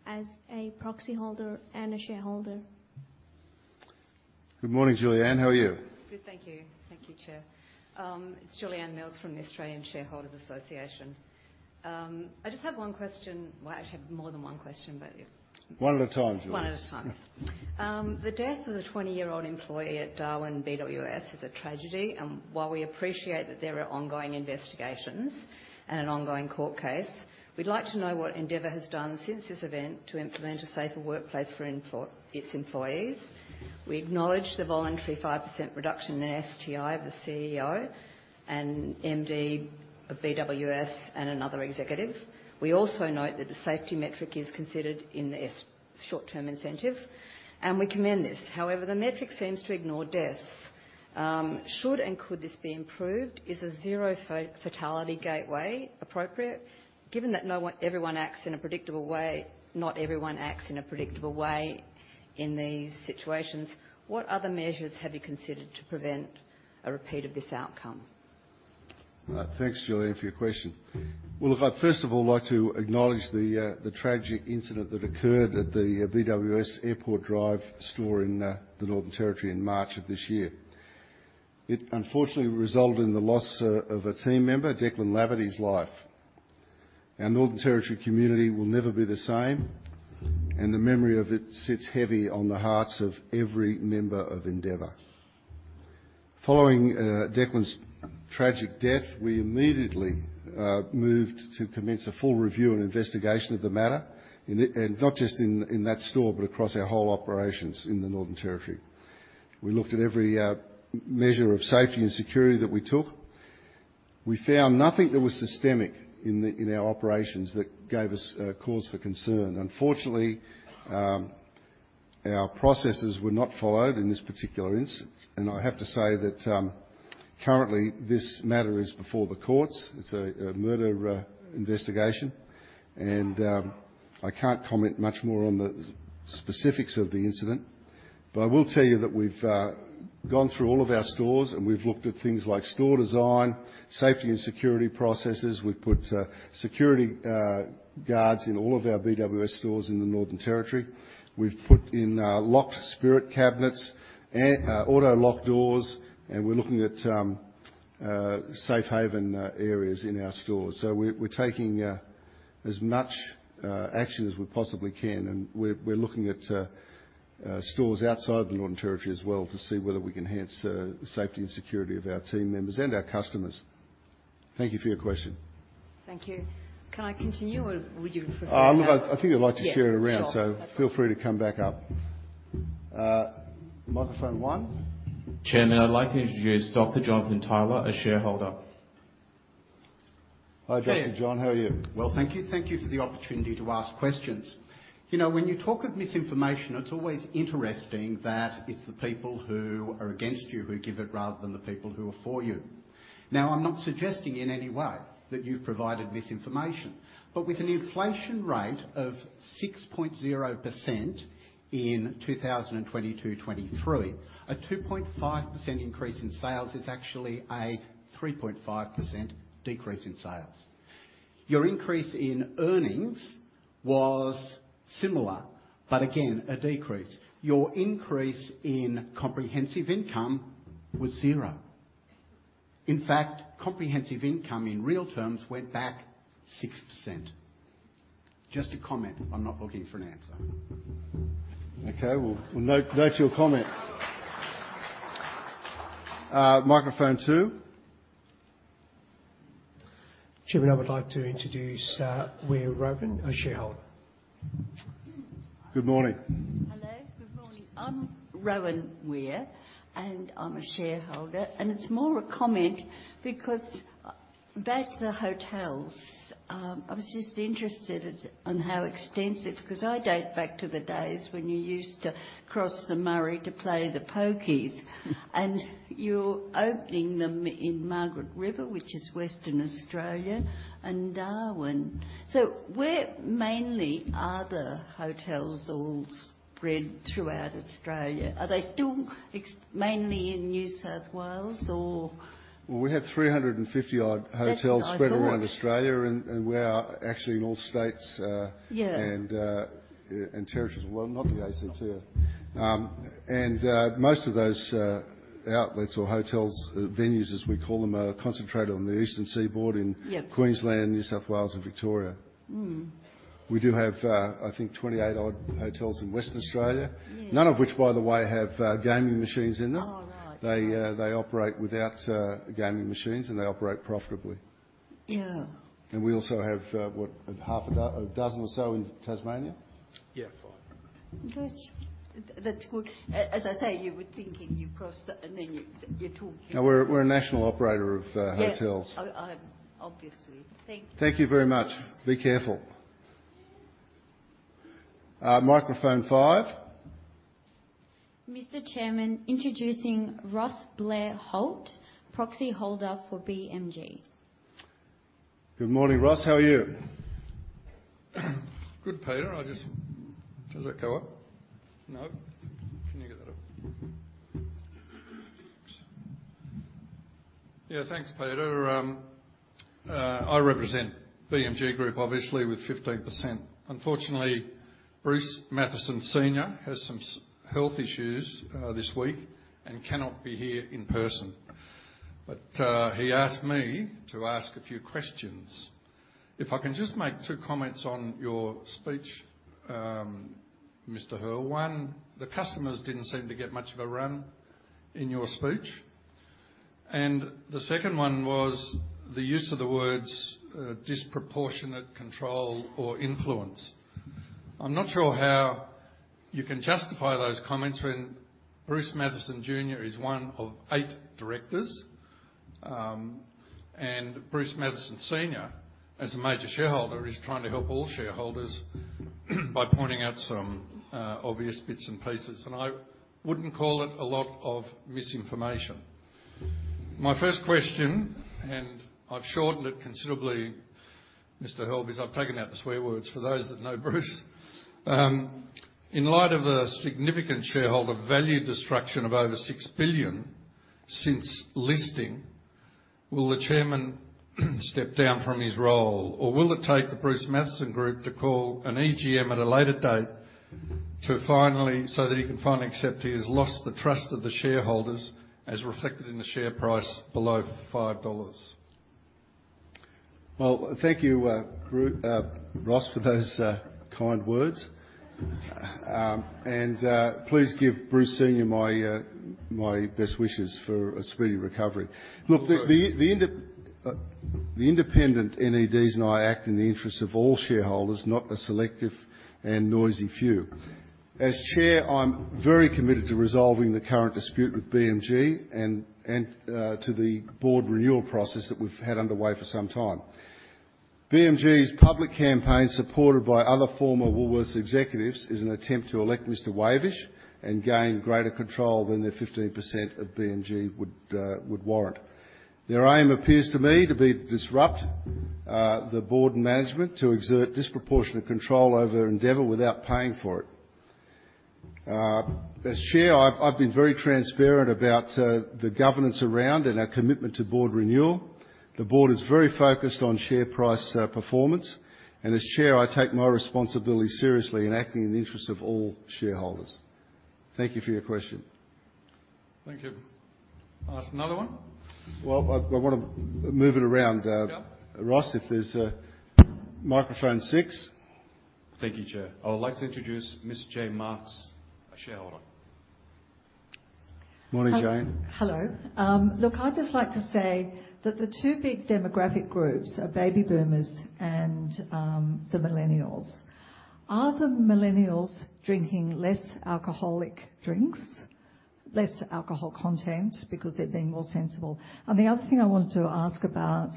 as a proxy holder and a shareholder. Good morning, Julianne. How are you? Good, thank you. Thank you, Chair. It's Julianne Mills from the Australian Shareholders Association. I just have one question. Well, I actually have more than one question, but yeah. One at a time, Julianne. One at a time. The death of the 20-year-old employee at Darwin BWS is a tragedy, and while we appreciate that there are ongoing investigations and an ongoing court case, we'd like to know what Endeavour has done since this event to implement a safer workplace for its employees. We acknowledge the voluntary 5% reduction in STI of the CEO and MD of BWS and another executive. We also note that the safety metric is considered in the short-term incentive, and we commend this. However, the metric seems to ignore deaths. Should and could this be improved? Is a zero fatality gateway appropriate? Given that not everyone acts in a predictable way in these situations, what other measures have you considered to prevent a repeat of this outcome? Thanks, Julianne, for your question. Well, look, I'd first of all like to acknowledge the tragic incident that occurred at the BWS Airport Drive store in the Northern Territory in March of this year. It unfortunately resulted in the loss of a team member, Declan Laverty's life. Our Northern Territory community will never be the same, and the memory of it sits heavy on the hearts of every member of Endeavour. Following Declan's tragic death, we immediately moved to commence a full review and investigation of the matter, and not just in that store, but across our whole operations in the Northern Territory. We looked at every measure of safety and security that we took. We found nothing that was systemic in our operations that gave us cause for concern. Unfortunately, our processes were not followed in this particular instance, and I have to say that, currently, this matter is before the courts. It's a murder investigation, and I can't comment much more on the specifics of the incident, but I will tell you that we've gone through all of our stores, and we've looked at things like store design, safety and security processes. We've put security guards in all of our BWS stores in the Northern Territory. We've put in locked spirit cabinets and auto-lock doors, and we're looking at safe haven areas in our stores. So we're taking as much action as we possibly can, and we're looking at stores outside the Northern Territory as well, to see whether we can enhance the safety and security of our team members and our customers. Thank you for your question. Thank you. Can I continue, or would you prefer to? I think I'd like to share it around. Yeah, sure. Feel free to come back up. Microphone one? Chairman, I'd like to introduce Dr. Jonathan Tyler, a shareholder. Hi, Dr. John. How are you? Well, thank you. Thank you for the opportunity to ask questions. You know, when you talk of misinformation, it's always interesting that it's the people who are against you who give it, rather than the people who are for you. Now, I'm not suggesting in any way that you've provided misinformation, but with an inflation rate of 6.0% in 2022-2023, a 2.5% increase in sales is actually a 3.5% decrease in sales. Your increase in earnings was similar, but again, a decrease. Your increase in comprehensive income was zero. In fact, comprehensive income, in real terms, went back 6%. Just a comment. I'm not looking for an answer. Okay, we'll note your comment. Microphone two. Chairman, I would like to introduce Weir Rohan, a shareholder. Good morning. Hello, good morning. I'm Rohan Weir, and I'm a shareholder, and it's more a comment because, back to the hotels. I was just interested in, on how extensive... Because I date back to the days when you used to cross the Murray to play the pokies, and you're opening them in Margaret River, which is Western Australia, and Darwin. So where mainly are the hotels all spread throughout Australia? Are they still mainly in New South Wales, or? Well, we have 350-odd hotels- That's what I thought. Spread around Australia, and we are actually in all states. Yeah And territories. Well, not the ACT. And, most of those outlets or hotels, venues, as we call them, are concentrated on the eastern seaboard in- Yeah Queensland, New South Wales, and Victoria. Mm. We do have, I think, 28 odd hotels in Western Australia. Yeah. None of which, by the way, have gaming machines in them. Oh, right. They, they operate without gaming machines, and they operate profitably. Yeah. And we also have, what? Half a dozen or so in Tasmania. Yeah, five. That's good. As I say, you were thinking, you crossed, and then you're talking. We're a national operator of hotels. Yeah. Obviously. Thank you. Thank you very much. Be careful. Microphone five. Mr. Chairman, introducing Ross Blair-Holt, proxy holder for BMG. Good morning, Ross. How are you? Good, Peter. I just- Does that go up? No. Can you get that up? Yeah, thanks, Peter. I represent BMG Group, obviously, with 15%. Unfortunately, Bruce Mathieson Senior has some health issues this week and cannot be here in person. But he asked me to ask a few questions. If I can just make two comments on your speech, Mr. Hearl. One, the customers didn't seem to get much of a run in your speech, and the second one was the use of the words disproportionate control or influence. I'm not sure how you can justify those comments when Bruce Mathieson Jr. is one of eight directors, and Bruce Mathieson Senior, as a major shareholder, is trying to help all shareholders by pointing out some obvious bits and pieces, and I wouldn't call it a lot of misinformation. My first question, and I've shortened it considerably, Mr. Hearl, because I've taken out the swear words for those that know Bruce. In light of a significant shareholder value destruction of over 6 billion since listing, will the chairman step down from his role, or will it take the Bruce Mathieson Group to call an EGM at a later date to finally-- so that he can finally accept he has lost the trust of the shareholders as reflected in the share price below 5 dollars? Well, thank you, Ross, for those kind words. And please give Bruce Senior my best wishes for a speedy recovery. Will do. Look, the independent NEDs and I act in the interests of all shareholders, not a selective and noisy few. As Chair, I'm very committed to resolving the current dispute with BMG and to the board renewal process that we've had underway for some time. BMG's public campaign, supported by other former Woolworths executives, is an attempt to elect Mr. Wavish and gain greater control than the 15% of BMG would warrant. Their aim appears to me to be to disrupt the board and management, to exert disproportionate control over Endeavour without paying for it. As Chair, I've been very transparent about the governance around and our commitment to board renewal. The board is very focused on share price performance, and as Chair, I take my responsibility seriously in acting in the interest of all shareholders. Thank you for your question. Thank you. Ask another one? Well, I wanna move it around. Yeah. Ross, if there's microphone six. Thank you, Chair. I would like to introduce Ms. Jane Marks, a shareholder. Morning, Jane. Hello. Look, I'd just like to say that the two big demographic groups are baby boomers and the millennials. Are the millennials drinking less alcoholic drinks, less alcohol content, because they're being more sensible? And the other thing I wanted to ask about,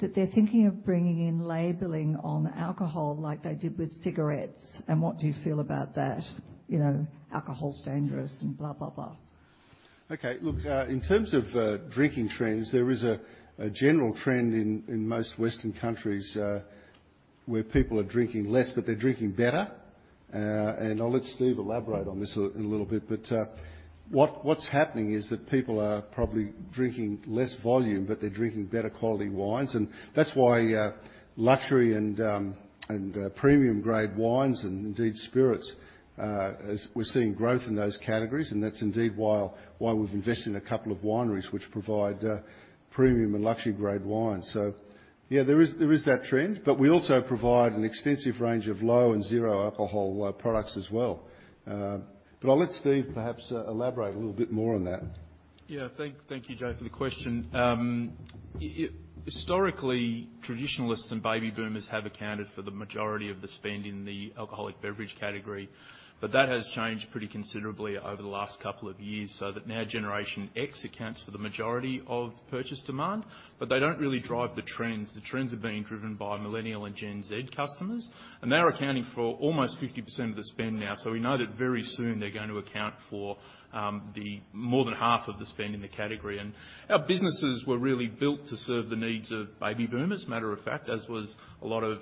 that they're thinking of bringing in labeling on alcohol like they did with cigarettes, and what do you feel about that? You know, alcohol is dangerous and blah, blah, blah. Okay. Look, in terms of drinking trends, there is a general trend in most Western countries where people are drinking less, but they're drinking better. And I'll let Steve elaborate on this in a little bit, but what's happening is that people are probably drinking less volume, but they're drinking better quality wines, and that's why luxury and premium-grade wines and indeed spirits, as we're seeing growth in those categories, and that's indeed why we've invested in a couple of wineries, which provide premium and luxury grade wines. So yeah, there is that trend, but we also provide an extensive range of low and zero alcohol products as well. But I'll let Steve perhaps elaborate a little bit more on that. Yeah. Thank you, Jane, for the question. Historically, traditionalists and baby boomers have accounted for the majority of the spend in the alcoholic beverage category, but that has changed pretty considerably over the last couple of years, so that now Generation X accounts for the majority of purchase demand, but they don't really drive the trends. The trends are being driven by Millennial and Gen Z customers, and they're accounting for almost 50% of the spend now. So we know that very soon they're going to account for the more than half of the spend in the category. Our businesses were really built to serve the needs of baby boomers, matter of fact, as was a lot of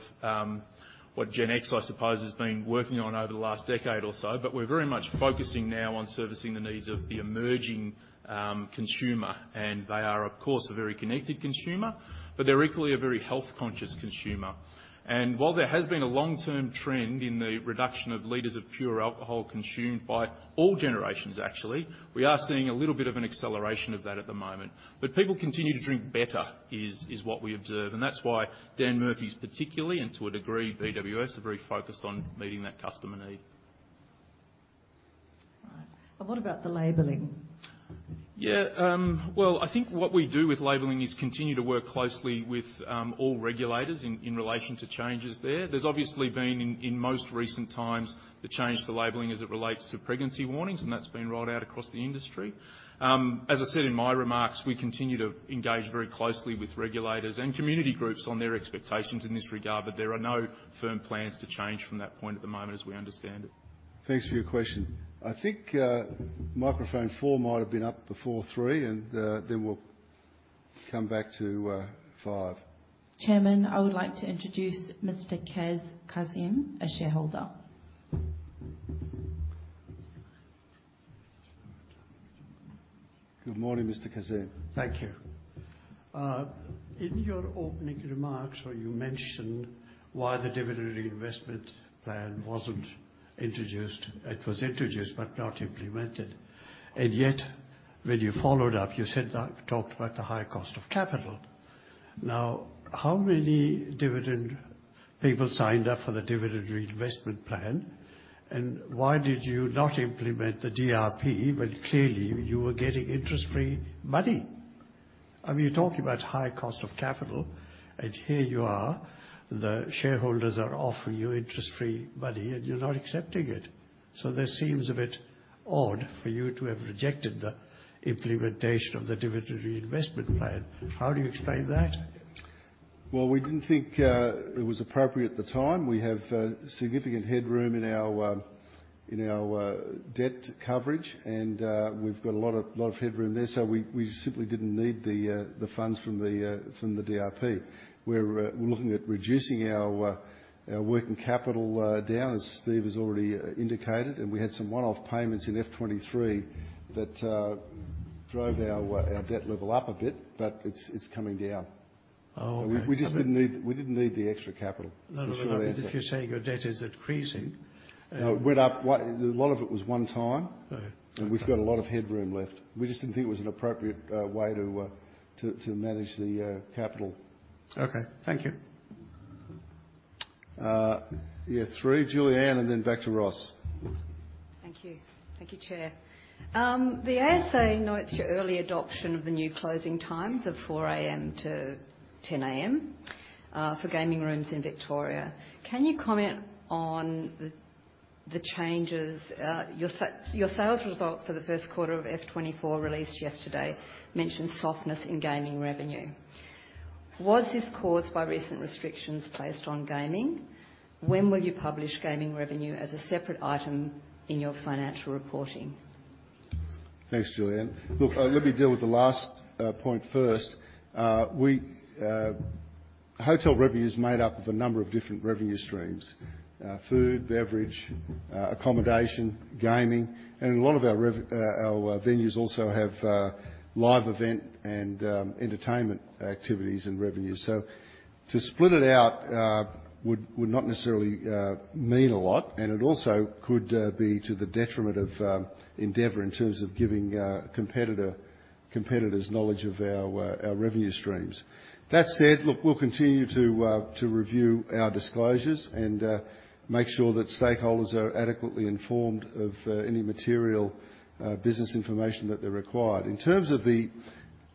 what Gen X, I suppose, has been working on over the last decade or so, but we're very much focusing now on servicing the needs of the emerging consumer, and they are, of course, a very connected consumer, but they're equally a very health-conscious consumer. And while there has been a long-term trend in the reduction of liters of pure alcohol consumed by all generations, actually, we are seeing a little bit of an acceleration of that at the moment. But people continue to drink better, is, is what we observe, and that's why Dan Murphy's particularly, and to a degree, BWS, are very focused on meeting that customer need. Right. And what about the labeling? Yeah, well, I think what we do with labeling is continue to work closely with all regulators in relation to changes there. There's obviously been in most recent times the change to labeling as it relates to pregnancy warnings, and that's been rolled out across the industry. As I said in my remarks, we continue to engage very closely with regulators and community groups on their expectations in this regard, but there are no firm plans to change from that point at the moment, as we understand it. Thanks for your question. I think microphone four might have been up before three, and then we'll come back to five. Chairman, I would like to introduce Mr. Kaz Kazim, a shareholder. Good morning, Mr. Kazim. Thank you. In your opening remarks, where you mentioned why the dividend reinvestment plan wasn't introduced, it was introduced, but not implemented, and yet, when you followed up, you said, talked about the high cost of capital. Now, how many dividend people signed up for the dividend reinvestment plan, and why did you not implement the DRP, when clearly you were getting interest-free money? I mean, you're talking about high cost of capital, and here you are, the shareholders are offering you interest-free money, and you're not accepting it. So this seems a bit odd for you to have rejected the implementation of the dividend reinvestment plan. How do you explain that? Well, we didn't think it was appropriate at the time. We have significant headroom in our debt coverage, and we've got a lot of headroom there, so we simply didn't need the funds from the DRP. We're looking at reducing our working capital down, as Steve has already indicated, and we had some one-off payments in FY2023 that drove our debt level up a bit, but it's coming down. Oh, okay. We just didn't need the extra capital. No, no, but if you're saying your debt is increasing- No, it went up. Well, a lot of it was one time. Okay. We've got a lot of headroom left. We just didn't think it was an appropriate way to manage the capital. Okay, thank you. Yeah, three, Julianne, and then back to Ross. Thank you. Thank you, Chair. The ASA notes your early adoption of the new closing times of 4:00 A.M.-10:00 A.M. for gaming rooms in Victoria. Can you comment on the changes? Your sales results for the first quarter of FY2024, released yesterday, mentioned softness in gaming revenue. Was this caused by recent restrictions placed on gaming? When will you publish gaming revenue as a separate item in your financial reporting? Thanks, Julianne. Look, let me deal with the last point first. We, hotel revenue is made up of a number of different revenue streams: food, beverage, accommodation, gaming, and a lot of our revenue—our venues also have live event and entertainment activities and revenues. So to split it out would not necessarily mean a lot, and it also could be to the detriment of Endeavour in terms of giving a competitor, competitors knowledge of our revenue streams. That said, look, we'll continue to review our disclosures and make sure that stakeholders are adequately informed of any material business information that they're required.In terms of the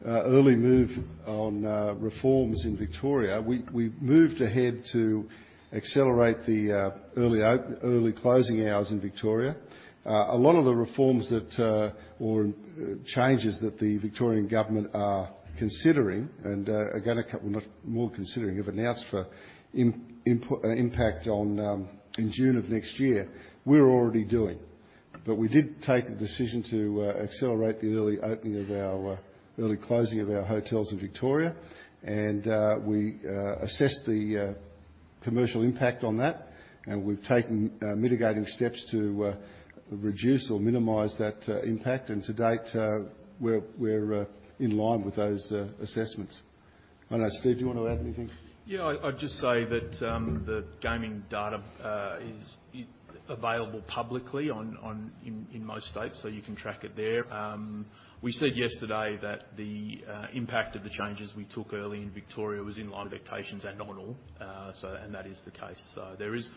early move on reforms in Victoria, we, we've moved ahead to accelerate the early closing hours in Victoria. A lot of the reforms that or changes that the Victorian government are considering, and again, a couple, not more considering, have announced for impact on in June of next year, we're already doing. But we did take a decision to accelerate the early opening of our early closing of our hotels in Victoria, and we assessed the commercial impact on that, and we've taken mitigating steps to reduce or minimize that impact. And to date, we're in line with those assessments. I don't know, Steve, do you want to add anything? Yeah, I'd just say that the gaming data is available publicly online in most states, so you can track it there. We said yesterday that the impact of the changes we took early in Victoria was in line with expectations and nominal. So, and that is the case. So there is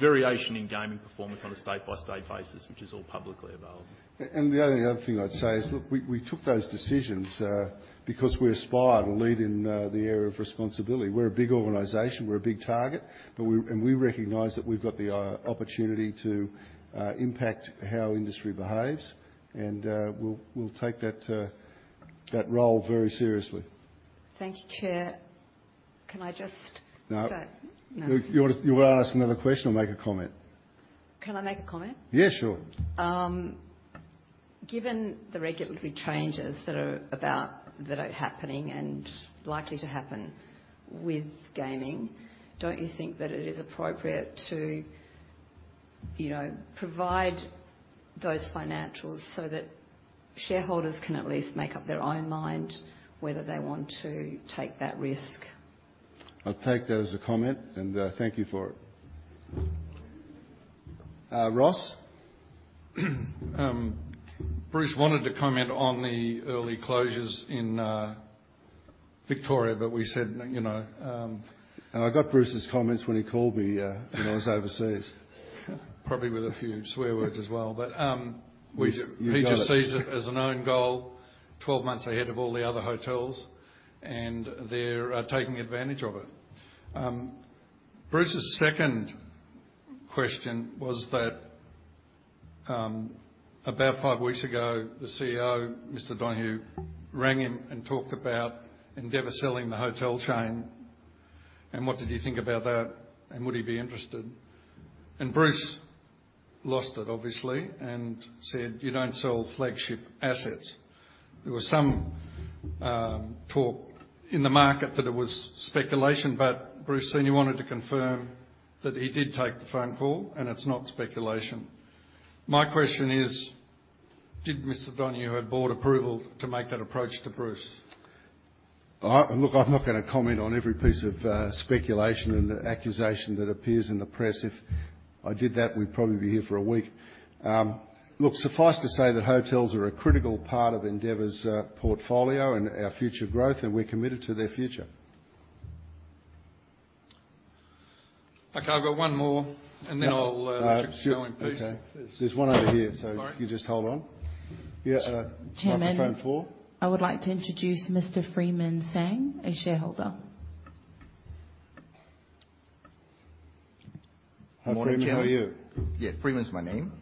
variation in gaming performance on a state-by-state basis, which is all publicly available. The only other thing I'd say is, look, we took those decisions because we aspire to lead in the area of responsibility. We're a big organization. We're a big target, but we recognize that we've got the opportunity to impact how industry behaves, and we'll take that role very seriously. Thank you, Chair. Can I just- No. So, no. You wanna ask another question or make a comment? Can I make a comment? Yeah, sure. Given the regulatory changes that are about, that are happening and likely to happen with gaming, don't you think that it is appropriate to, you know, provide those financials so that shareholders can at least make up their own mind whether they want to take that risk? I'll take that as a comment, and thank you for it. Ross? Bruce wanted to comment on the early closures in Victoria, but we said, you know. I got Bruce's comments when he called me when I was overseas. Probably with a few swear words as well, but, we- You got it. He just sees it as an own goal, 12 months ahead of all the other hotels, and they're taking advantage of it. Bruce's second question was that, about five weeks ago, the CEO, Mr. Donohue, rang him and talked about Endeavour selling the hotel chain, and what did he think about that, and would he be interested? And Bruce lost it, obviously, and said, "You don't sell flagship assets." There was some talk in the market that it was speculation, but Bruce Senior wanted to confirm that he did take the phone call, and it's not speculation. My question is: Did Mr. Donohue have board approval to make that approach to Bruce? I look, I'm not gonna comment on every piece of speculation and accusation that appears in the press. If I did that, we'd probably be here for a week. Look, suffice to say that hotels are a critical part of Endeavour's portfolio and our future growth, and we're committed to their future. Okay, I've got one more, and then I'll keep going, please. Okay. There's one over here, so- Sorry. -If you just hold on. Yeah, Chairman- Microphone four. I would like to introduce Mr. Freeman Tsang, a shareholder. Good morning, how are you? Yeah, Freeman is my name.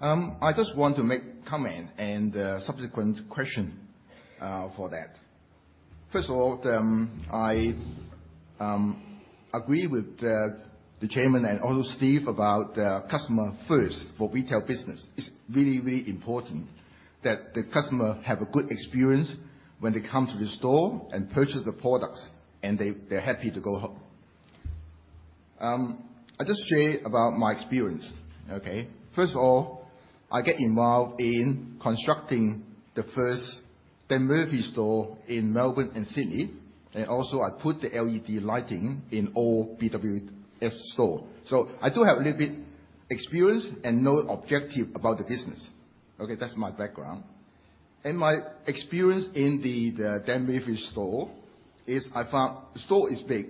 I just want to make comment and a subsequent question for that. First of all, I agree with the chairman and also Steve about customer first for retail business. It's really, really important that the customer have a good experience when they come to the store and purchase the products, and they, they're happy to go home. I just share about my experience, okay? First of all, I get involved in constructing the first Dan Murphy's store in Melbourne and Sydney, and also I put the LED lighting in all BWS store. So I do have a little bit experience and know objective about the business. Okay, that's my background. My experience in the Dan Murphy's store is I found the store is big,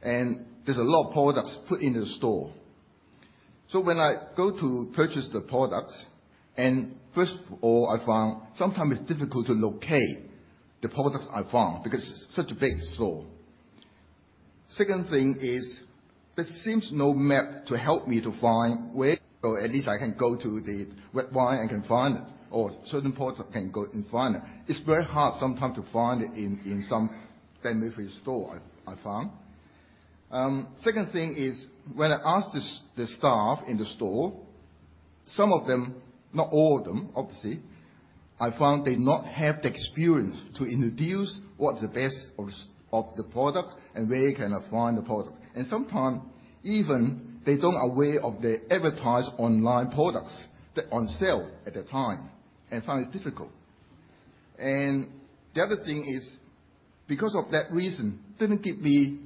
and there's a lot of products put in the store. So when I go to purchase the products, and first of all, I found sometimes it's difficult to locate the products I want because it's such a big store. Second thing is, there seems no map to help me to find where, or at least I can go to the website, I can find it, or certain product, I can go and find it. It's very hard sometimes to find it in some Dan Murphy's store, I found. Second thing is, when I ask the staff in the store, some of them, not all of them, obviously, I found they not have the experience to introduce what the best of the product and where you can find the product. And sometimes even they don't aware of the advertised online products that on sale at the time, and I find it difficult. And the other thing is, because of that reason, didn't give me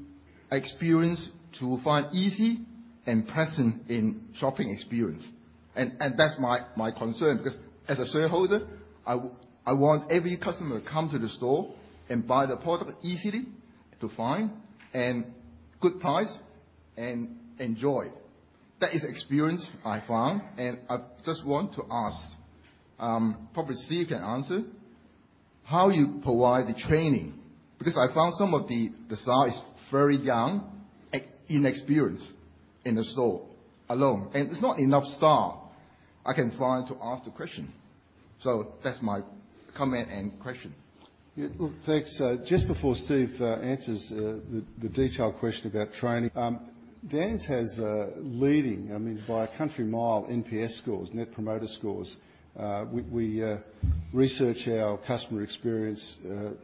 experience to find easy and pleasant in shopping experience. And that's my concern, because as a shareholder, I want every customer come to the store and buy the product easily, to find, and good price, and enjoy. That is the experience I found, and I just want to ask, probably Steve can answer, how you provide the training? Because I found some of the staff is very young and inexperienced in the store alone. And there's not enough staff I can find to ask the question. So that's my comment and question. Yeah, look, thanks. Just before Steve answers the detailed question about training. Dan's has a leading, I mean, by a country mile, NPS scores, Net Promoter Scores. We research our customer experience,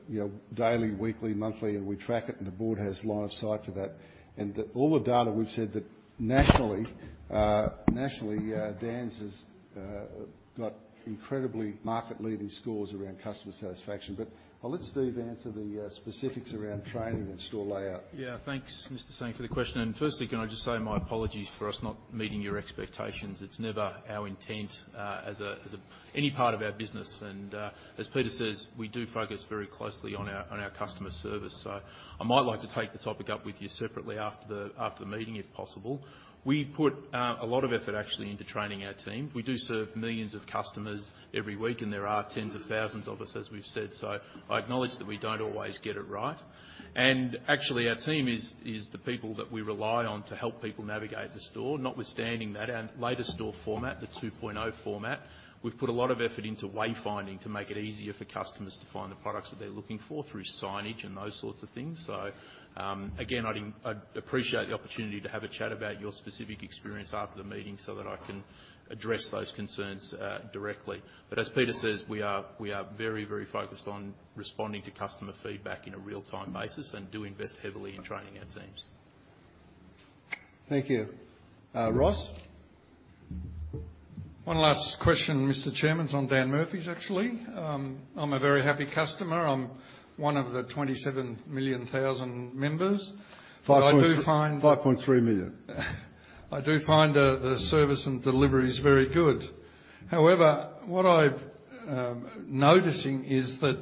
you know, daily, weekly, monthly, and we track it, and the board has line of sight to that. And all the data we've said that nationally, Dan's has got incredibly market-leading scores around customer satisfaction. But I'll let Steve answer the specifics around training and store layout. Yeah. Thanks, Mr. Tsang, for the question. And firstly, can I just say my apologies for us not meeting your expectations. It's never our intent as any part of our business, and as Peter says, we do focus very closely on our customer service. So I might like to take the topic up with you separately after the meeting, if possible. We put a lot of effort actually into training our team. We do serve millions of customers every week, and there are tens of thousands of us, as we've said. So I acknowledge that we don't always get it right. And actually, our team is the people that we rely on to help people navigate the store. Notwithstanding that, our latest store format, the 2.0 format, we've put a lot of effort into wayfinding to make it easier for customers to find the products that they're looking for through signage and those sorts of things.. So, again, I'd appreciate the opportunity to have a chat about your specific experience after the meeting so that I can address those concerns directly. But as Peter says, we are, we are very, very focused on responding to customer feedback in a real-time basis and do invest heavily in training our teams. Thank you. Ross? One last question, Mr. Chairman. It's on Dan Murphy's, actually. I'm a very happy customer. I'm one of the 27 million thousand members. Five point- I do find- 5.3 million. I do find the service and delivery is very good. However, what I've noticing is that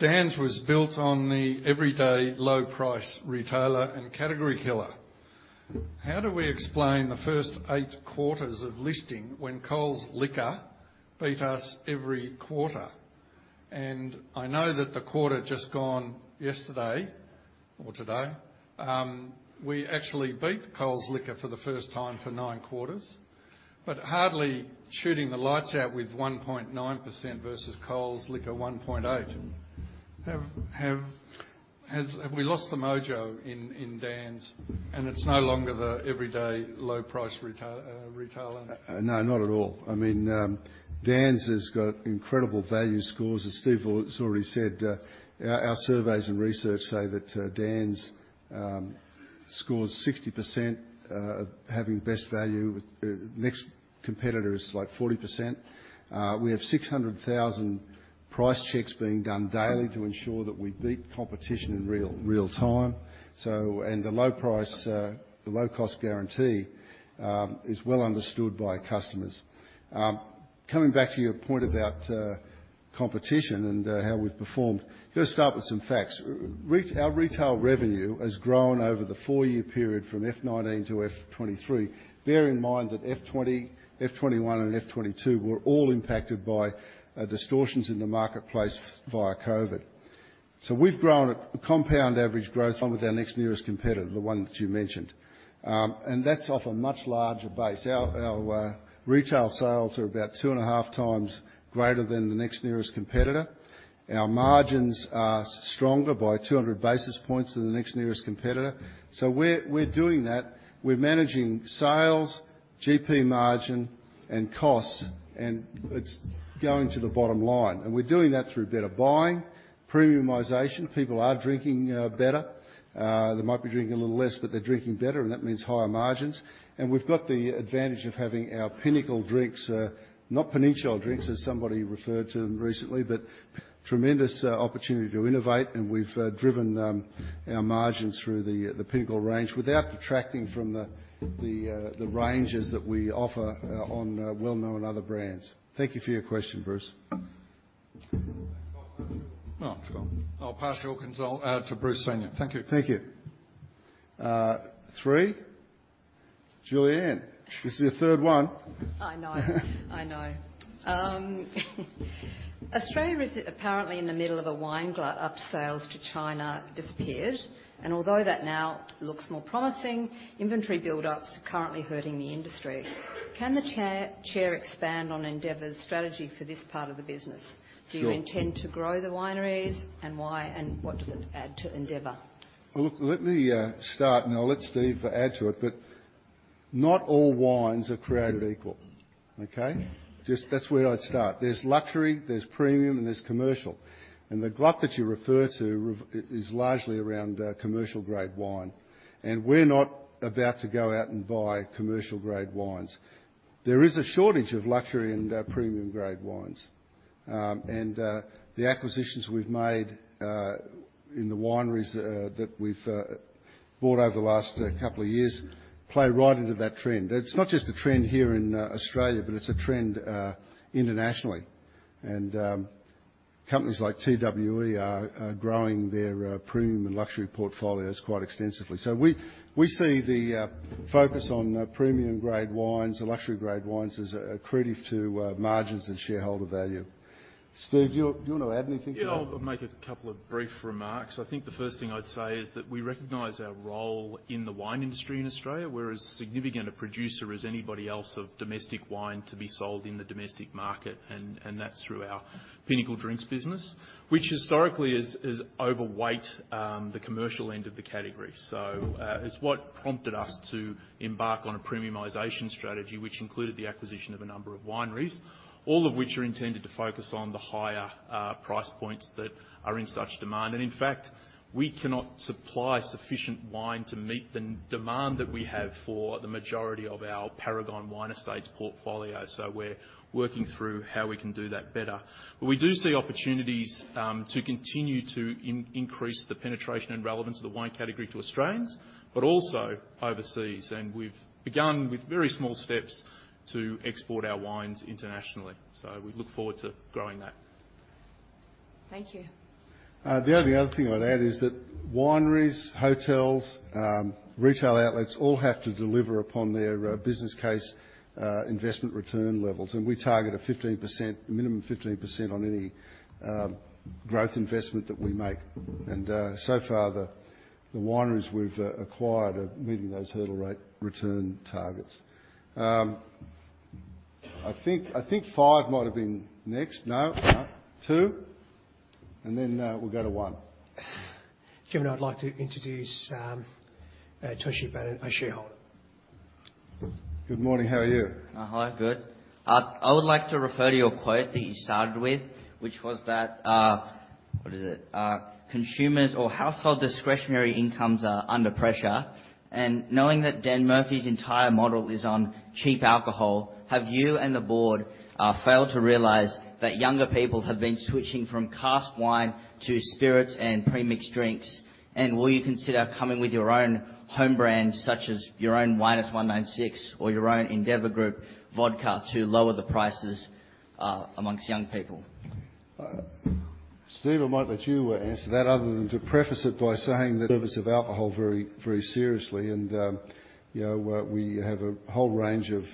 Dan's was built on the everyday low price retailer and category killer. How do we explain the first eight quarters of listing when Coles Liquor beat us every quarter? And I know that the quarter just gone yesterday, or today, we actually beat Coles Liquor for the first time for nine quarters, but hardly shooting the lights out with 1.9% versus Coles Liquor 1.8%. Have we lost the mojo in Dan's, and it's no longer the everyday low-price retailer? No, not at all. I mean, Dan's has got incredible value scores, as Steve has already said. Our surveys and research say that Dan's scores 60% of having best value. With next competitor is like 40%. We have 600,000 price checks being done daily to ensure that we beat the competition in real time. So... And the low price, the low-cost guarantee is well understood by customers. Coming back to your point about competition and how we've performed, let's start with some facts. Our retail revenue has grown over the four-year period from FY2019-FY2023. Bear in mind that FY2020, FY2021, and FY2022 were all impacted by distortions in the marketplace via COVID.So we've grown at a compound average growth on with our next nearest competitor, the one that you mentioned. And that's off a much larger base. Our retail sales are about 2.5x greater than the next nearest competitor. Our margins are stronger by 200 basis points than the next nearest competitor. So we're doing that. We're managing sales, GP margin, and costs, and it's going to the bottom line, and we're doing that through better buying, premiumization. People are drinking better. They might be drinking a little less, but they're drinking better, and that means higher margins. We've got the advantage of having our Pinnacle Drinks, not peninsular drinks, as somebody referred to them recently, but tremendous opportunity to innovate, and we've driven our margins through the Pinnacle range without detracting from the ranges that we offer on well-known other brands. Thank you for your question, Bruce. Oh, it's gone. I'll pass your consult to Bruce Senior. Thank you. Thank you. Three, Julianne, this is your third one. I know. I know. Australia is apparently in the middle of a wine glut, exports to China disappeared, and although that now looks more promising, inventory buildups are currently hurting the industry. Can the chair expand on Endeavour's strategy for this part of the business? Sure. Do you intend to grow the wineries, and why, and what does it add to Endeavour? Look, let me start, and I'll let Steve add to it. Not all wines are created equal, okay? Just, that's where I'd start. There's luxury, there's premium, and there's commercial, and the glut that you refer to is largely around commercial-grade wine, and we're not about to go out and buy commercial-grade wines. There is a shortage of luxury and premium-grade wines. And the acquisitions we've made in the wineries that we've bought over the last couple of years play right into that trend. It's not just a trend here in Australia, but it's a trend internationally, and companies like TWE are growing their premium and luxury portfolios quite extensively. So we see the focus on premium-grade wines and luxury-grade wines as accretive to margins and shareholder value. Steve, do you want to add anything to that? Yeah, I'll make a couple of brief remarks. I think the first thing I'd say is that we recognize our role in the wine industry in Australia. We're as significant a producer as anybody else of domestic wine to be sold in the domestic market, and that's through our Pinnacle Drinks business, which historically is overweight, the commercial end of the category. So, it's what prompted us to embark on a premiumization strategy, which included the acquisition of a number of wineries, all of which are intended to focus on the higher price points that are in such demand. And in fact, we cannot supply sufficient wine to meet the demand that we have for the majority of our Paragon Wine Estates portfolio, so we're working through how we can do that better. But we do see opportunities, to continue to increase the penetration and relevance of the wine category to Australians, but also overseas, and we've begun with very small steps to export our wines internationally. So we look forward to growing that. Thank you. The only other thing I'd add is that wineries, hotels, retail outlets, all have to deliver upon their business case, investment return levels, and we target a 15%, minimum 15% on any growth investment that we make. And, so far, the wineries we've acquired are meeting those hurdle rate return targets. I think five might have been next. No, no, two, and then we'll go to one. Chairman, I'd like to introduce Toshi Bana, a shareholder. Good morning. How are you? Hi. Good. I would like to refer to your quote that you started with, which was that... What is it? Consumers or household discretionary incomes are under pressure, and knowing that Dan Murphy's entire model is on cheap alcohol, have you and the board failed to realize that younger people have been switching from cask wine to spirits and pre-mixed drinks? And will you consider coming with your own home brand, such as your own Minus 196, or your own Endeavour Group Vodka, to lower the prices among young people? Steve, I might let you answer that, other than to preface it by saying that service of alcohol very, very seriously, and, you know, we, we have a whole range of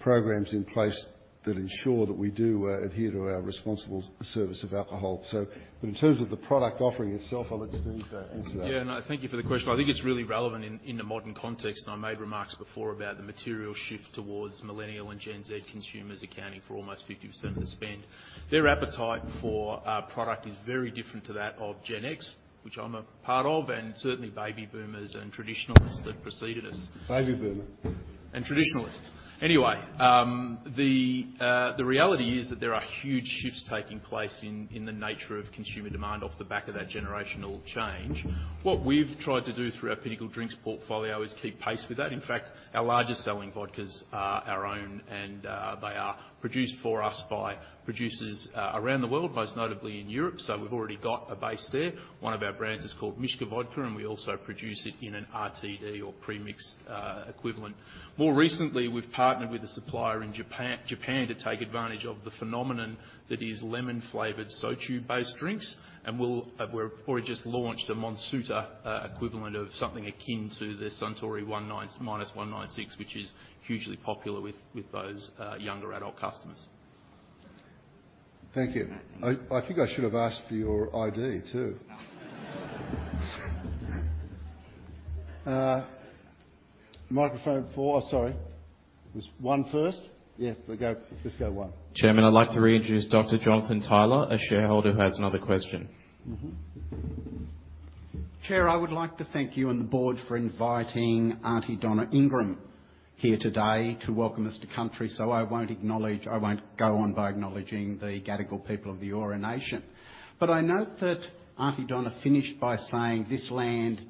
programs in place that ensure that we do adhere to our responsible service of alcohol. So in terms of the product offering itself, I'll let Steve answer that. Yeah, no, thank you for the question. I think it's really relevant in the modern context, and I made remarks before about the material shift towards Millennial and Gen Z consumers accounting for almost 50% of the spend. Their appetite for our product is very different to that of Gen X, which I'm a part of, and certainly baby boomers and traditionalists that preceded us. Baby boomers. And traditionalists. Anyway, the reality is that there are huge shifts taking place in the nature of consumer demand off the back of that generational change. What we've tried to do through our Pinnacle Drinks portfolio is keep pace with that. In fact, our largest selling vodkas are our own, and they are produced for us by producers around the world, most notably in Europe, so we've already got a base there. One of our brands is called Mishka Vodka, and we also produce it in an RTD or pre-mixed equivalent. More recently, we've partnered with a supplier in Japan to take advantage of the phenomenon that is lemon-flavored soju-based drinks, and we've already just launched a Monsuta, equivalent of something akin to the Suntory 196, which is hugely popular with those younger adult customers. Thank you. I think I should have asked for your ID, too. Microphone four. Oh, sorry. It's one first? Yeah, we go, let's go one. Chairman, I'd like to reintroduce Dr. Jonathan Tyler, a shareholder who has another question. Mm-hmm. Chair, I would like to thank you and the board for inviting Aunty Donna Ingram here today to welcome us to Country. So I won't acknowledge. I won't go on by acknowledging the Gadigal people of the Eora Nation. But I note that Aunty Donna finished by saying, "This land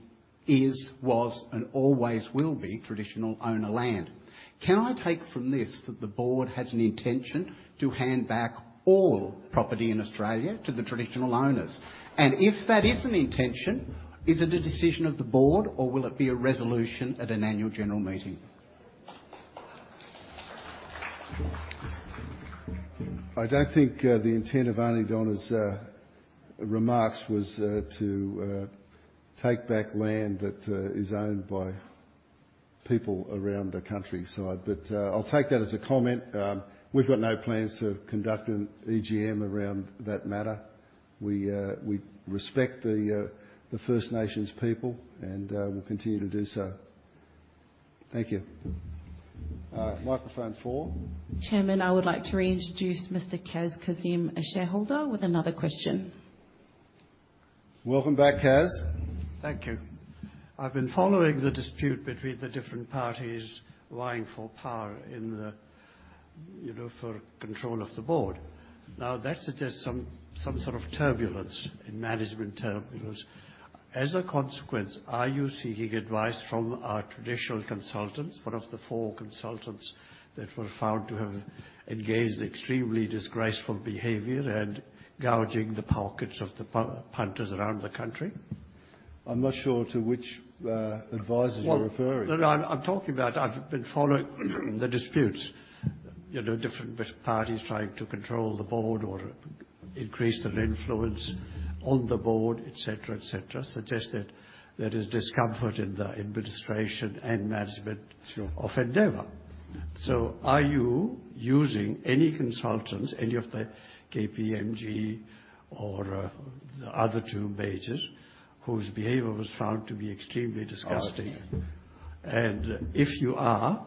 is, was, and always will be Traditional Owner land." Can I take from this that the board has an intention to hand back all property in Australia to the Traditional Owners? And if that is an intention, is it a decision of the board, or will it be a resolution at an annual general meeting? I don't think the intent of Aunty Donna's remarks was to take back land that is owned by people around the countryside, but I'll take that as a comment. We've got no plans to conduct an EGM around that matter. We respect the First Nations people, and we'll continue to do so. Thank you. Microphone four. Chairman, I would like to reintroduce Mr. Kaz Kazim, a shareholder with another question. Welcome back, Kaz. Thank you. I've been following the dispute between the different parties vying for power in the, you know, for control of the board. Now, that suggests some, some sort of turbulence in management terms. As a consequence, are you seeking advice from our traditional consultants, one of the four consultants that were found to have engaged in extremely disgraceful behavior and gouging the pockets of the punters around the country? I'm not sure to which advisors you're referring to. Well, no, I'm, I'm talking about I've been following the disputes. You know, different parties trying to control the board or increase their influence on the board, et cetera, et cetera, suggesting there is discomfort in the administration and management- Sure. Of Endeavour. So are you using any consultants, any of the KPMG or the other two majors, whose behavior was found to be extremely disgusting? Got it. If you are,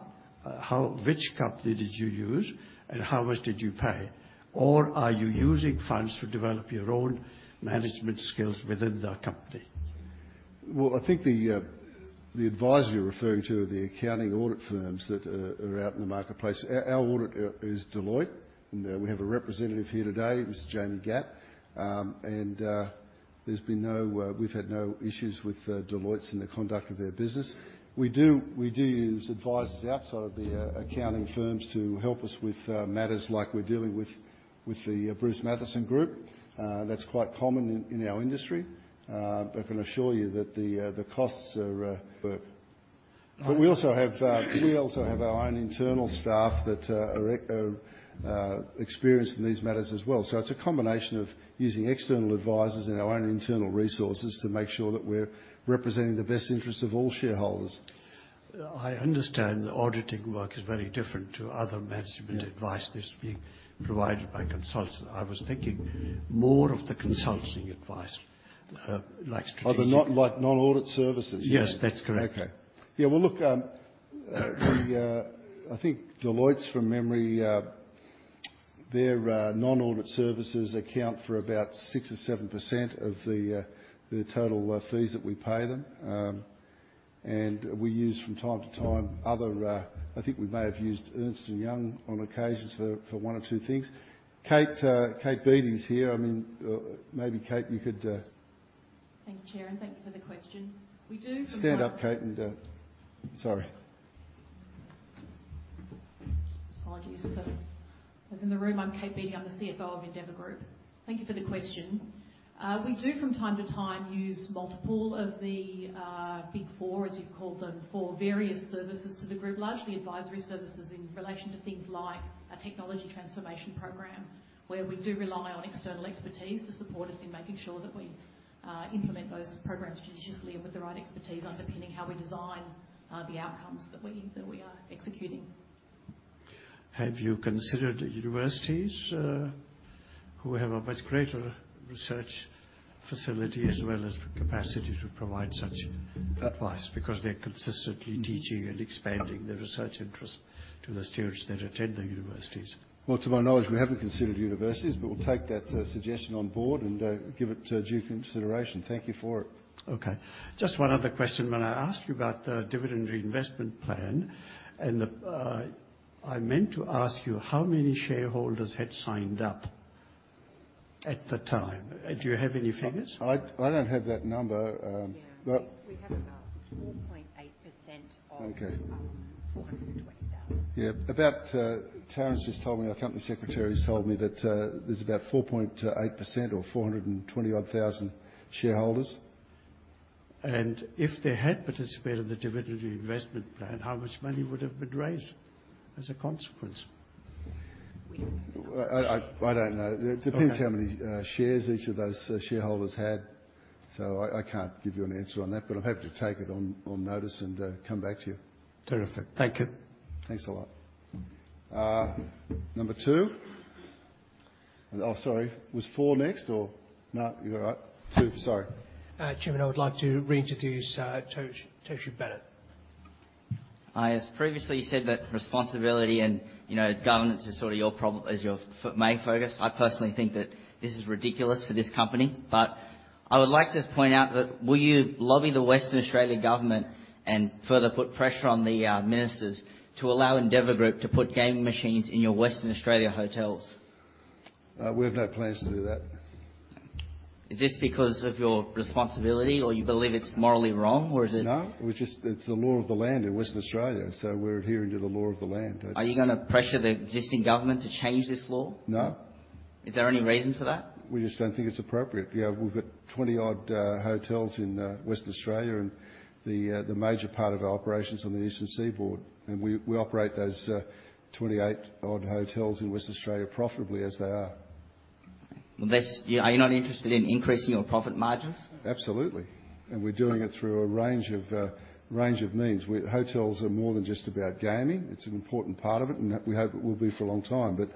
how—which company did you use, and how much did you pay? Or are you using funds to develop your own management skills within the company? Well, I think the advisory you're referring to are the accounting audit firms that are out in the marketplace. Our audit is Deloitte, and we have a representative here today, Mr. Jamie Gatt. And there's been no... we've had no issues with Deloitte in the conduct of their business. We do use advisors outside of the accounting firms to help us with matters like we're dealing with the Bruce Mathieson Group. That's quite common in our industry. I can assure you that the costs are, but- I- but we also have our own internal staff that are experienced in these matters as well. So it's a combination of using external advisors and our own internal resources to make sure that we're representing the best interests of all shareholders. I understand the auditing work is very different to other management- Yeah Advice that's being provided by consultants. I was thinking more of the consulting advice, like strategic. Oh, the, like, non-audit services? Yes, that's correct. Okay. Yeah, well, look, I think Deloitte from memory, their non-audit services account for about 6% or 7% of the total fees that we pay them. We use from time to time other. I think we may have used Ernst & Young on occasions for one or two things. Kate, Kate Beattie is here. I mean, maybe Kate, you could. Thank you, Chair, and thank you for the question. We do from time- Stand up, Kate, and... Sorry. Apologies. So as in the room, I'm Kate Beattie. I'm the CFO of Endeavour Group. Thank you for the question. We do, from time to time, use multiple of the Big Four, as you call them, for various services to the group. Largely advisory services in relation to things like a technology transformation program, where we do rely on external expertise to support us in making sure that we implement those programs judiciously and with the right expertise underpinning how we design the outcomes that we, that we are executing. Have you considered universities who have a much greater research facility as well as the capacity to provide such advice? Because they're consistently teaching and expanding their research interest to the students that attend the universities. Well, to my knowledge, we haven't considered universities, but we'll take that suggestion on board and give it due consideration. Thank you for it. Okay. Just one other question. When I asked you about the dividend reinvestment plan, and the, I meant to ask you, how many shareholders had signed up at the time? Do you have any figures? I don't have that number, but- Yeah, we have about 4.8% of- Okay. 420,000. Yeah, about, Taryn just told me, our Company Secretary's told me that there's about 4.8% or 420,000-odd shareholders. If they had participated in the Dividend Reinvestment Plan, how much money would have been raised as a consequence? We-I don't know. Okay. It depends how many shares each of those shareholders had, so I, I can't give you an answer on that, but I'm happy to take it on notice and come back to you. Terrific. Thank you. Thanks a lot. Number two? Oh, sorry, was four next or... No, you're all right. Two, sorry. Chairman, I would like to reintroduce, Toby, Toby Bennett. I has previously said that responsibility and, you know, governance is sort of your problem, is your f- main focus. I personally think that this is ridiculous for this company, but I would like to just point out that will you lobby the Western Australian government and further put pressure on the ministers to allow Endeavour Group to put gaming machines in your Western Australia hotels? We have no plans to do that. Is this because of your responsibility, or you believe it's morally wrong, or is it? No, we just... It's the law of the land in Western Australia, so we're adhering to the law of the land. Are you gonna pressure the existing government to change this law? No. Is there any reason for that? We just don't think it's appropriate. Yeah, we've got 20-odd hotels in Western Australia, and the major part of our operation's on the eastern seaboard, and we operate those 28-odd hotels in Western Australia profitably as they are. Well, that's, are you not interested in increasing your profit margins? Absolutely. And we're doing it through a range of means. Hotels are more than just about gaming. It's an important part of it, and that we hope it will be for a long time, but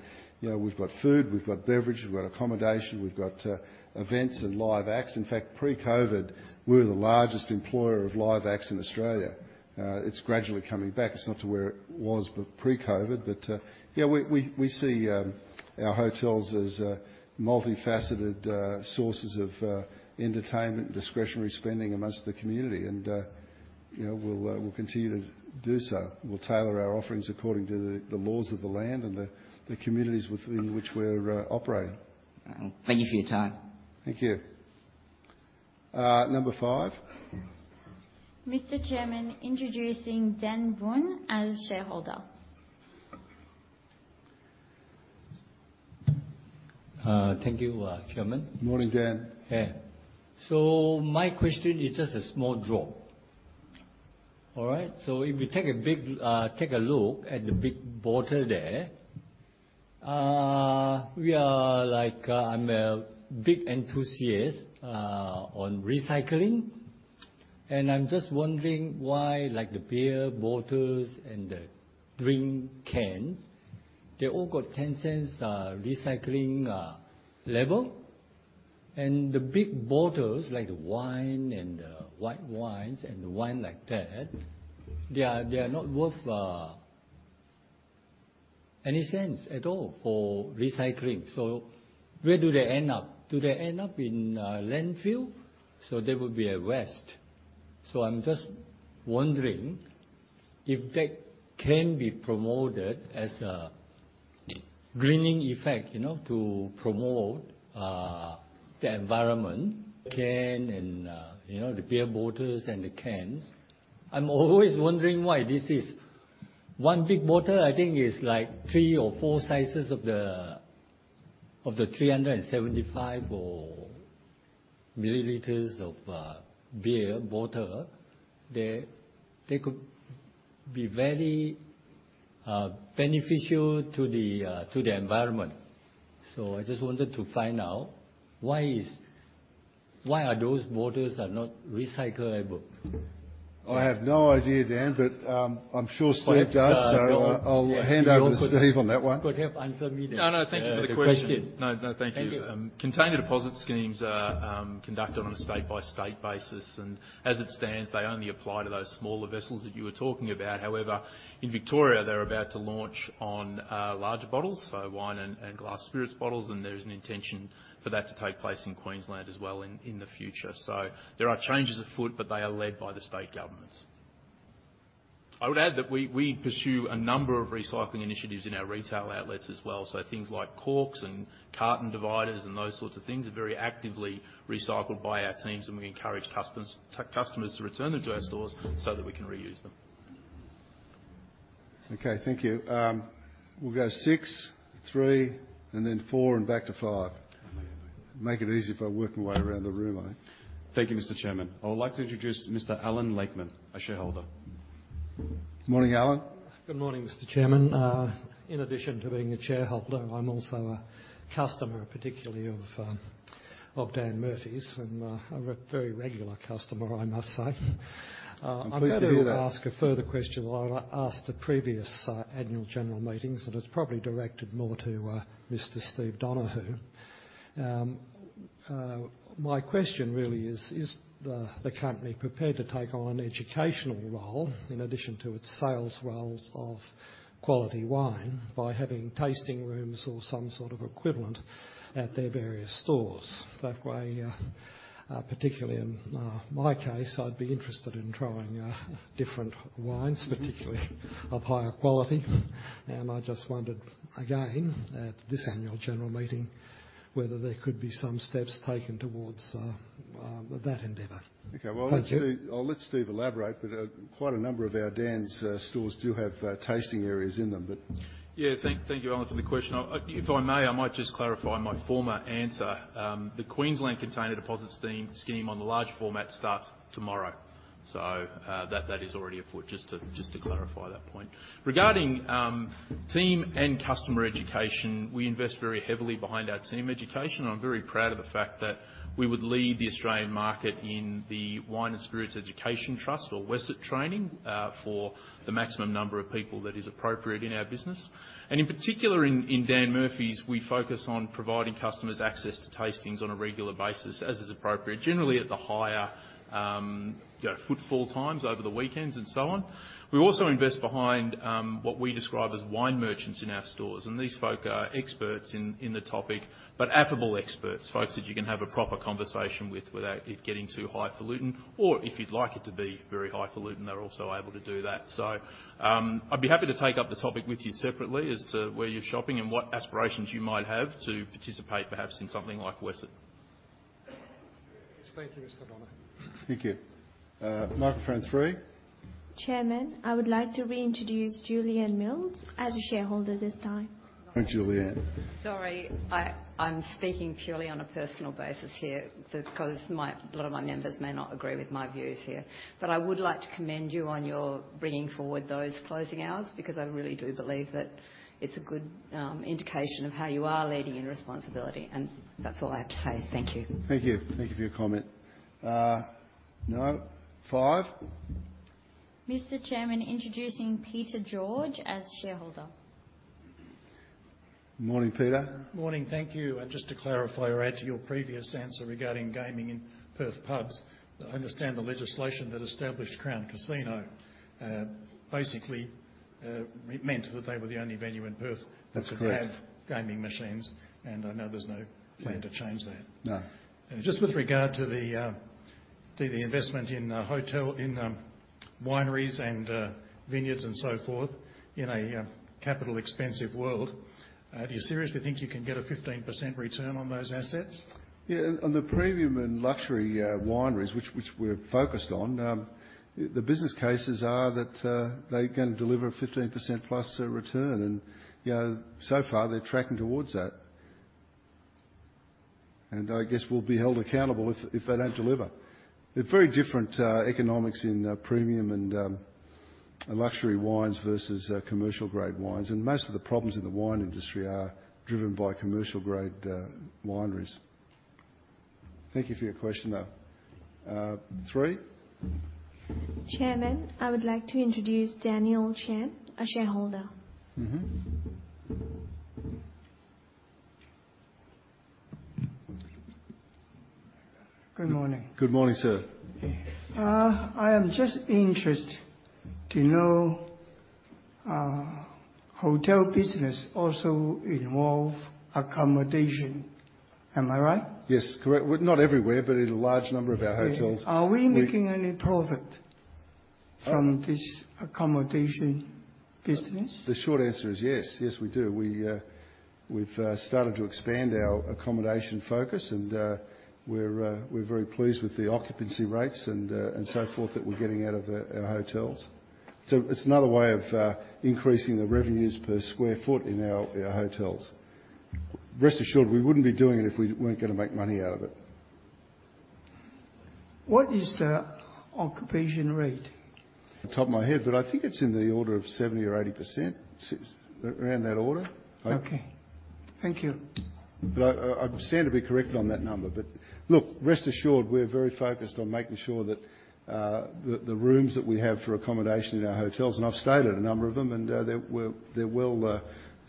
you know, we've got food, we've got beverage, we've got accommodation, we've got events and live acts. In fact, pre-COVID, we were the largest employer of live acts in Australia. It's gradually coming back. It's not to where it was with pre-COVID, but yeah, we see our hotels as multifaceted sources of entertainment and discretionary spending amongst the community, and you know, we'll continue to do so. We'll tailor our offerings according to the laws of the land and the communities within which we're operating. Thank you for your time. Thank you.... number five? Mr. Chairman, introducing Dan Boon as shareholder. Thank you, Chairman. Morning, Dan. Hey. So my question is just a small drop. All right? So if you take a look at the big bottle there, like, I'm a big enthusiast on recycling, and I'm just wondering why, like, the beer bottles and the drink cans, they all got 10 cents recycling label. And the big bottles, like the wine and the white wines and wine like that, they are not worth any cents at all for recycling. So where do they end up? Do they end up in a landfill? So they will be a waste. So I'm just wondering if that can be promoted as a greening effect, you know, to promote the environment, cans and, you know, the beer bottles and the cans. I'm always wondering why this is. One big bottle, I think, is like three or four sizes of the, of the 375ml of beer bottle. They, they could be very beneficial to the, to the environment. So I just wanted to find out why is - why are those bottles are not recyclable? I have no idea, Dan, but I'm sure Steve does. But, uh- So I'll hand over to Steve on that one. Could help answer me? No, no, thank you for the question. Thank you. No, no, thank you. Container deposit schemes are conducted on a state-by-state basis, and as it stands, they only apply to those smaller vessels that you were talking about. However, in Victoria, they're about to launch on larger bottles, so wine and glass spirits bottles, and there is an intention for that to take place in Queensland as well in the future. So there are changes afoot, but they are led by the state governments. I would add that we pursue a number of recycling initiatives in our retail outlets as well. So things like corks and carton dividers and those sorts of things are very actively recycled by our teams, and we encourage customers to return them to our stores so that we can reuse them. Okay, thank you. We'll go six, three, and then four, and back to five. Make it easy by working my way around the room, I think. Thank you, Mr. Chairman. I would like to introduce Mr. Alan Lakeman, a shareholder. Morning, Alan. Good morning, Mr. Chairman. In addition to being a shareholder, I'm also a customer, particularly of Dan Murphy's, and a very regular customer, I must say. I'm pleased to hear that. I'm going to ask a further question that I asked at the previous annual general meetings, and it's probably directed more to Mr. Steve Donohue. My question really is: Is the company prepared to take on an educational role, in addition to its sales roles of quality wine, by having tasting rooms or some sort of equivalent at their various stores? That way, particularly in my case, I'd be interested in trying different wines, particularly of higher quality. And I just wondered, again, at this annual general meeting, whether there could be some steps taken towards that endeavor. Okay. Thank you. Well, I'll let Steve, I'll let Steve elaborate, but quite a number of our Dan's stores do have tasting areas in them, but... Yeah, thank, thank you, Alan, for the question. If I may, I might just clarify my former answer. The Queensland Container Deposit Scheme on the large format starts tomorrow. So, that is already afoot, just to clarify that point. Regarding team and customer education, we invest very heavily behind our team education. I'm very proud of the fact that we would lead the Australian market in the Wine and Spirit Education Trust, or WSET training, for the maximum number of people that is appropriate in our business. And in particular, in Dan Murphy's, we focus on providing customers access to tastings on a regular basis, as is appropriate, generally at the higher, you know, footfall times over the weekends and so on. We also invest behind what we describe as wine merchants in our stores, and these folk are experts in the topic, but affable experts, folks that you can have a proper conversation with without it getting too highfalutin, or if you'd like it to be very highfalutin, they're also able to do that. So, I'd be happy to take up the topic with you separately as to where you're shopping and what aspirations you might have to participate, perhaps, in something like WSET. Thank you, Mr. Donohue. Thank you. Microphone three. Chairman, I would like to reintroduce Julianne Mills as a shareholder this time. Hi, Julianne. Sorry, I'm speaking purely on a personal basis here because my, a lot of my members may not agree with my views here. But I would like to commend you on your bringing forward those closing hours because I really do believe that it's a good indication of how you are leading in responsibility, and that's all I have to say. Thank you. Thank you. Thank you for your comment. Now, five. Mr. Chairman, introducing Peter George as shareholder. Morning, Peter. Morning. Thank you. And just to clarify or add to your previous answer regarding gaming in Perth pubs, I understand the legislation that established Crown Casino, basically, meant that they were the only venue in Perth- That's correct that could have gaming machines, and I know there's no plan to change that. No. Just with regard to the investment in hotel in... wineries and, vineyards and so forth in a, capital expensive world, do you seriously think you can get a 15% return on those assets? Yeah, on the premium and luxury wineries, which we're focused on, the business cases are that they're gonna deliver a 15%+ return. And, you know, so far, they're tracking towards that. And I guess we'll be held accountable if they don't deliver. They're very different economics in premium and luxury wines versus commercial-grade wines, and most of the problems in the wine industry are driven by commercial-grade wineries. Thank you for your question, though. Three? Chairman, I would like to introduce Daniel Chan, a shareholder. Mm-hmm. Good morning. Good morning, sir. I am just interested to know, hotel business also involve accommodation. Am I right? Yes, correct. Well, not everywhere, but in a large number of our hotels- Are we making any profit from this accommodation business? The short answer is yes. Yes, we do. We, we've started to expand our accommodation focus, and, we're, we're very pleased with the occupancy rates and, and so forth that we're getting out of the, our hotels. So it's another way of, increasing the revenues per square foot in our, our hotels. Rest assured, we wouldn't be doing it if we weren't gonna make money out of it. What is the occupation rate? The top of my head, but I think it's in the order of 70%-80%, around that order. Okay. Thank you. But I stand to be corrected on that number, but look, rest assured, we're very focused on making sure that the rooms that we have for accommodation in our hotels, and I've stayed at a number of them, and they're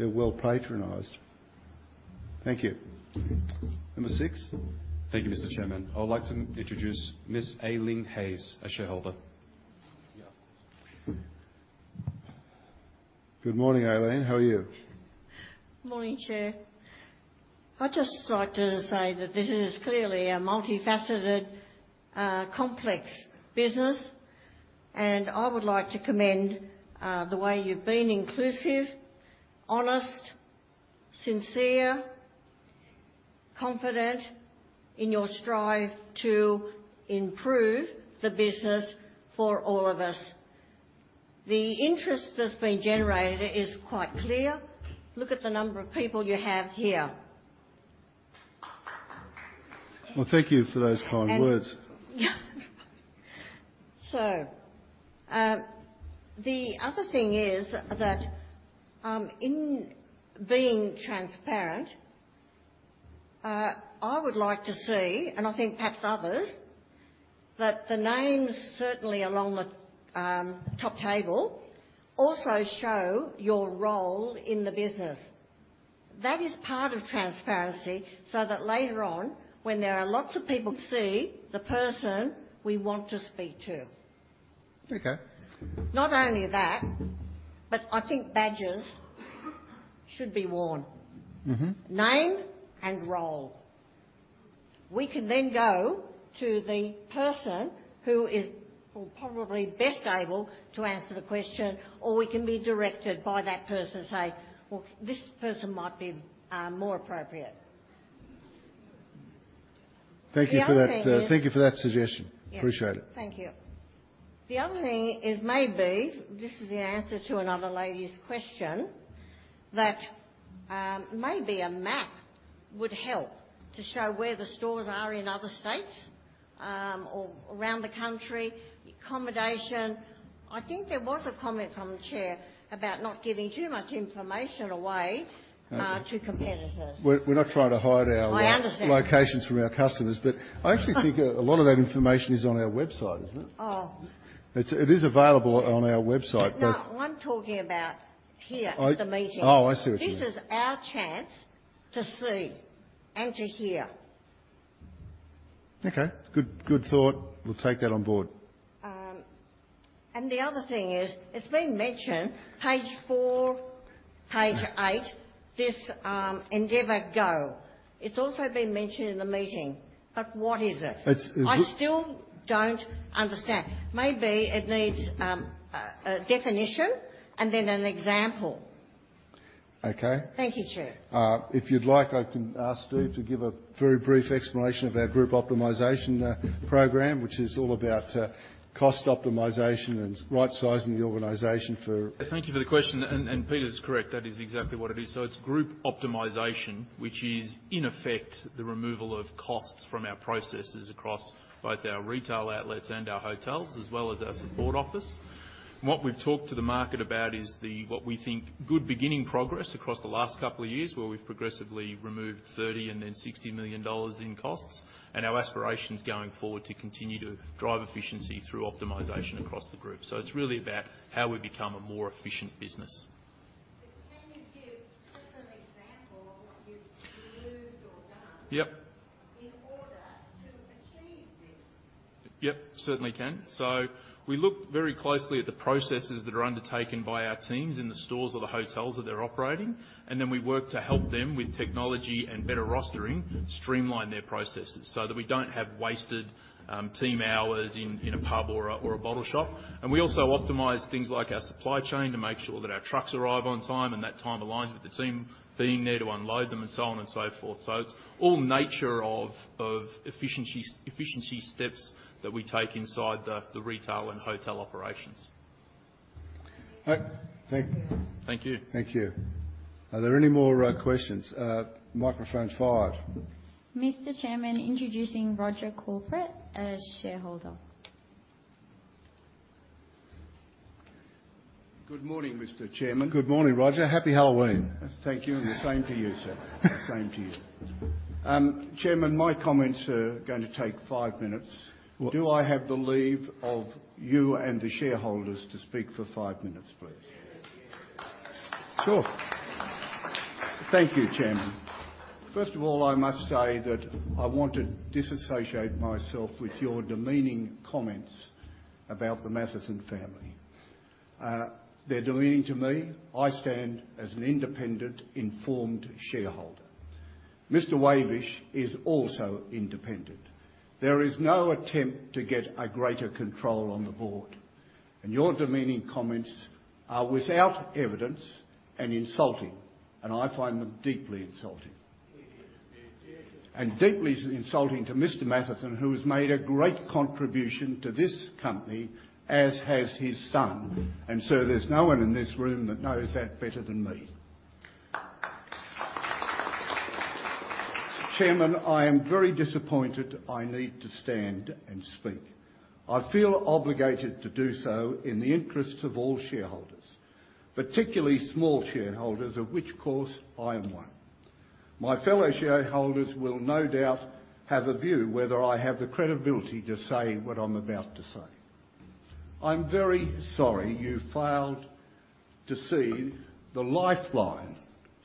well patronized. Thank you. Number six? Thank you, Mr. Chairman. I would like to introduce Ms. Aileen Hayes, a shareholder. Good morning, Aileen. How are you? Morning, Chair. I'd just like to say that this is clearly a multifaceted, complex business, and I would like to commend the way you've been inclusive, honest, sincere, confident in your strive to improve the business for all of us. The interest that's been generated is quite clear. Look at the number of people you have here. Well, thank you for those kind words. And, yeah, so, the other thing is that, in being transparent, I would like to see, and I think perhaps others, that the names certainly along the, top table also show your role in the business. That is part of transparency, so that later on, when there are lots of people, see the person we want to speak to. Okay. Not only that, but I think badges should be worn. Mm-hmm. Name and role. We can then go to the person who is probably best able to answer the question, or we can be directed by that person, say, "Well, this person might be more appropriate. Thank you for that. The other thing is- Thank you for that suggestion. Yes. Appreciate it. Thank you. The other thing is maybe, this is the answer to another lady's question, that, maybe a map would help to show where the stores are in other states, or around the country, accommodation. I think there was a comment from the chair about not giving too much information away- Okay to competitors. We're not trying to hide our- I understand Locations from our customers, but I actually think a lot of that information is on our website, isn't it? Oh. It is available on our website, but- No, I'm talking about here- Oh At the meeting. Oh, I see what you mean. This is our chance to see and to hear. Okay. Good, good thought. We'll take that on board. The other thing is, it's been mentioned, page four, page eight- Yeah This, Endeavour GO. It's also been mentioned in the meeting, but what is it? It's, it's- I still don't understand. Maybe it needs a definition and then an example. Okay. Thank you, Chair. If you'd like, I can ask Steve to give a very brief explanation of our group optimization program, which is all about cost optimization and right-sizing the organization for- Thank you for the question, and, and Peter's correct. That is exactly what it is. So it's group optimization, which is, in effect, the removal of costs from our processes across both our retail outlets and our hotels, as well as our support office. What we've talked to the market about is the, what we think, good beginning progress across the last couple of years, where we've progressively removed AUD 30 million and then AUD 60 million in costs, and our aspirations going forward to continue to drive efficiency through optimization across the group. So it's really about how we become a more efficient business. Can you give just an example of what you've removed or done? Yep... in order- Yep, certainly can. So we look very closely at the processes that are undertaken by our teams in the stores or the hotels that they're operating, and then we work to help them with technology and better rostering, streamline their processes, so that we don't have wasted team hours in a pub or a bottle shop. And we also optimize things like our supply chain to make sure that our trucks arrive on time, and that time aligns with the team being there to unload them, and so on and so forth. So it's all nature of efficiency steps that we take inside the retail and hotel operations. All right. Thank you. Thank you. Thank you. Are there any more questions? Microphone five. Mr. Chairman, introducing Roger Corbett as shareholder. Good morning, Mr. Chairman. Good morning, Roger. Happy Halloween! Thank you, and the same to you, sir. Same to you. Chairman, my comments are gonna take five minutes. Well- Do I have the leave of you and the shareholders to speak for five minutes, please? Sure. Thank you, Chairman. First of all, I must say that I want to disassociate myself with your demeaning comments about the Mathieson family. They're demeaning to me. I stand as an independent, informed shareholder. Mr. Wavish is also independent. There is no attempt to get a greater control on the board, and your demeaning comments are without evidence and insulting, and I find them deeply insulting. Hear, hear. Deeply insulting to Mr. Mathieson, who has made a great contribution to this company, as has his son. Sir, there's no one in this room that knows that better than me. Chairman, I am very disappointed I need to stand and speak. I feel obligated to do so in the interests of all shareholders, particularly small shareholders, of which, of course, I am one. My fellow shareholders will no doubt have a view whether I have the credibility to say what I'm about to say. I'm very sorry you failed to see the lifeline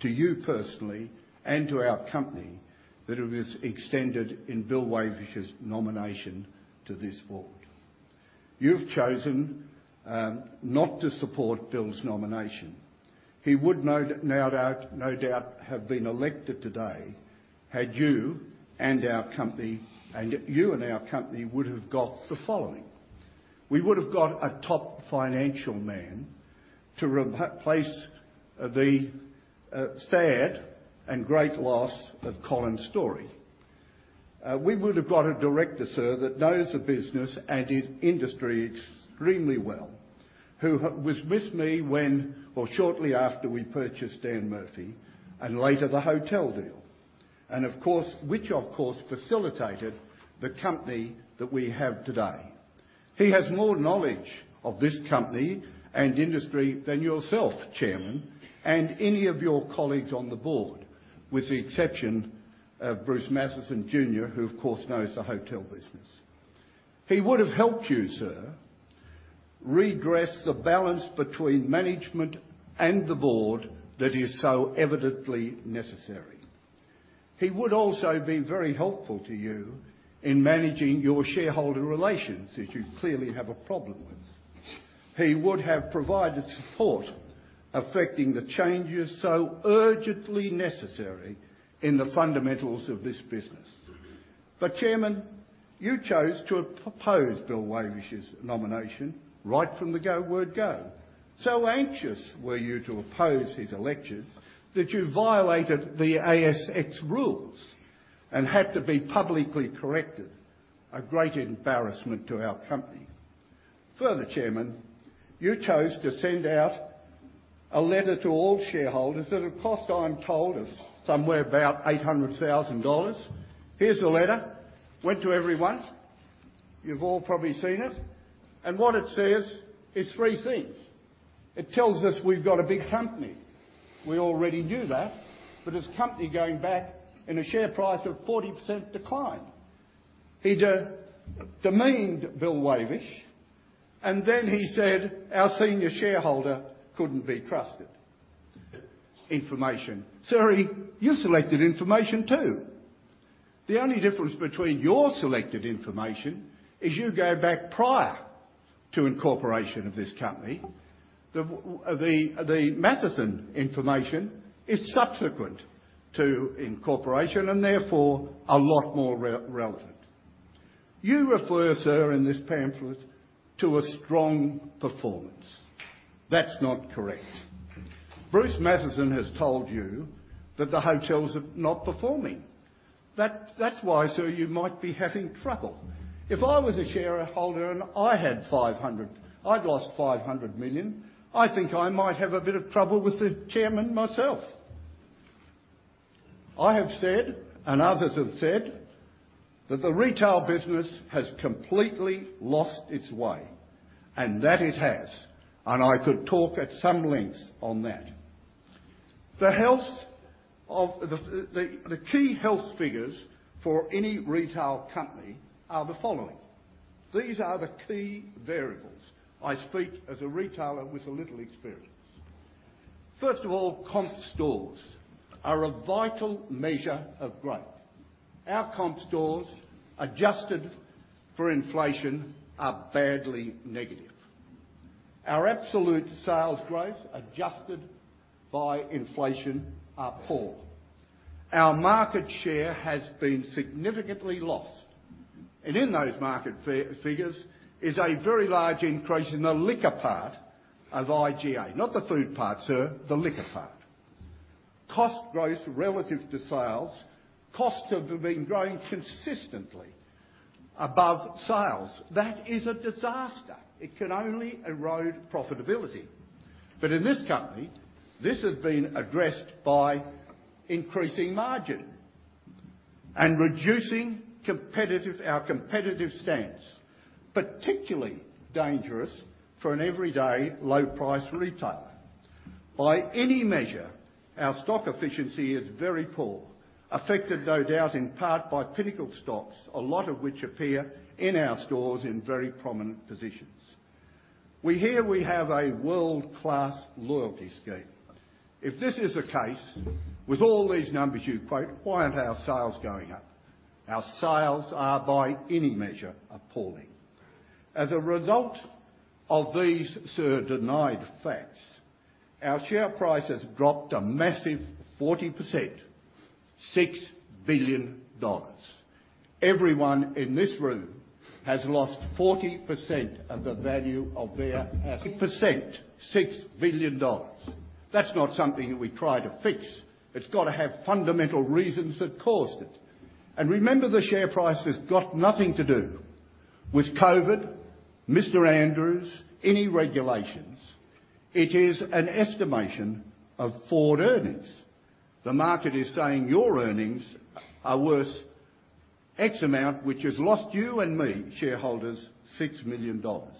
to you personally and to our company that it was extended in Bill Wavish's nomination to this board. You've chosen not to support Bill's nomination. He would no doubt, no doubt, have been elected today, had you and our company - and you and our company would have got the following: We would have got a top financial man to replace the sad and great loss of Colin Storrie. We would have got a director, sir, that knows the business and his industry extremely well, who was with me when or shortly after we purchased Dan Murphy's and later the hotel deal, and of course, which of course facilitated the company that we have today. He has more knowledge of this company and industry than yourself, Chairman, and any of your colleagues on the board, with the exception of Bruce Mathieson Jr, who of course knows the hotel business. He would have helped you, sir, redress the balance between management and the board that is so evidently necessary. He would also be very helpful to you in managing your shareholder relations, that you clearly have a problem with. He would have provided support, affecting the changes so urgently necessary in the fundamentals of this business. But Chairman, you chose to oppose Bill Wavish's nomination right from the get-go. So anxious were you to oppose his election, that you violated the ASX rules and had to be publicly corrected, a great embarrassment to our company. Further, Chairman, you chose to send out a letter to all shareholders that have cost, I'm told, us somewhere about 800,000 dollars. Here's the letter. Went to everyone. You've all probably seen it, and what it says is three things: It tells us we've got a big company. We already knew that, but it's a company going back in a share price of 40% decline. He demeaned Bill Wavish, and then he said our senior shareholder couldn't be trusted. Information. Sorry, you selected information, too. The only difference between your selected information is you go back prior to incorporation of this company. The Mathieson information is subsequent to incorporation and therefore a lot more relevant. You refer, sir, in this pamphlet to a strong performance. That's not correct. Bruce Mathieson has told you that the hotels are not performing. That's why, sir, you might be having trouble. If I was a shareholder and I had lost 500 million, I think I might have a bit of trouble with the chairman myself. I have said, and others have said, that the retail business has completely lost its way, and that it has, and I could talk at some length on that. The health of the key health figures for any retail company are the following. These are the key variables. I speak as a retailer with a little experience. First of all, comp stores are a vital measure of growth. Our comp stores, adjusted for inflation, are badly negative. Our absolute sales growth, adjusted by inflation, are poor. Our market share has been significantly lost, and in those market figures is a very large increase in the liquor part of IGA. Not the food part, sir, the liquor part. Cost growth relative to sales, costs have been growing consistently above sales. That is a disaster! It can only erode profitability. But in this company, this has been addressed by increasing margin and reducing our competitive stance, particularly dangerous for an everyday low price retailer. By any measure, our stock efficiency is very poor, affected, no doubt, in part by Pinnacle stocks, a lot of which appear in our stores in very prominent positions. We hear we have a world-class loyalty scheme. If this is the case, with all these numbers you quote, why aren't our sales going up? Our sales are, by any measure, appalling. As a result of these, sir, denied facts, our share price has dropped a massive 40%, 6 billion dollars. Everyone in this room has lost 40% of the value of their percent, 6 billion dollars. That's not something that we try to fix. It's got to have fundamental reasons that caused it. And remember, the share price has got nothing to do with COVID, Mr. Andrews, any regulations. It is an estimation of forward earnings. The market is saying your earnings are worth X amount, which has lost you and me, shareholders, 6 million dollars.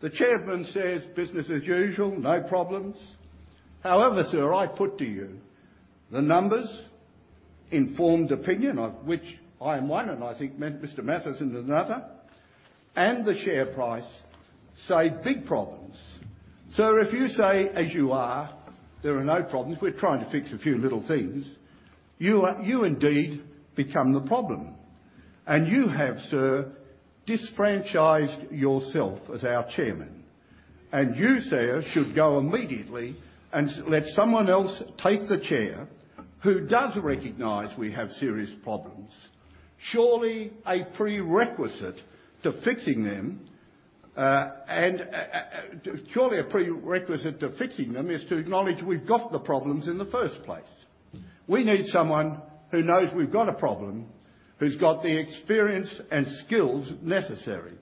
The chairman says, "Business as usual, no problems." However, sir, I put to you, the numbers, informed opinion, of which I am one, and I think Mr. Mathieson is another, and the share price, say big problems. Sir, if you say, as you are, "There are no problems, we're trying to fix a few little things," you are, you indeed become the problem. And you have, sir, disfranchised yourself as our chairman, and you, sir, should go immediately and let someone else take the chair who does recognize we have serious problems. Surely, a prerequisite to fixing them, surely a prerequisite to fixing them is to acknowledge we've got the problems in the first place. We need someone who knows we've got a problem, who's got the experience and skills necessary.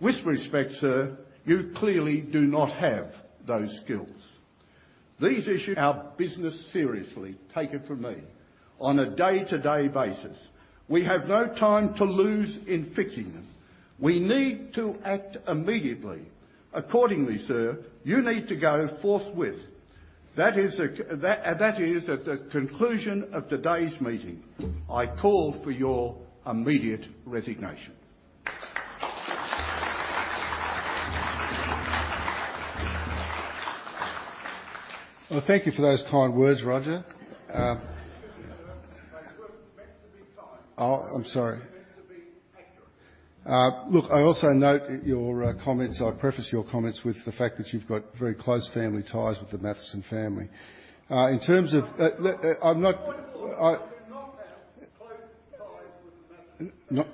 With respect, sir, you clearly do not have those skills. These issues, our business seriously, take it from me, on a day-to-day basis. We have no time to lose in fixing them. We need to act immediately. Accordingly, sir, you need to go forthwith. That is, at the conclusion of today's meeting, I call for your immediate resignation. Well, thank you for those kind words, Roger. They weren't meant to be kind. Oh, I'm sorry. They were meant to be accurate. Look, I also note your comments. I preface your comments with the fact that you've got very close family ties with the Mathieson family. In terms of let, I'm not, I- Not that close ties with the Mathieson. Not-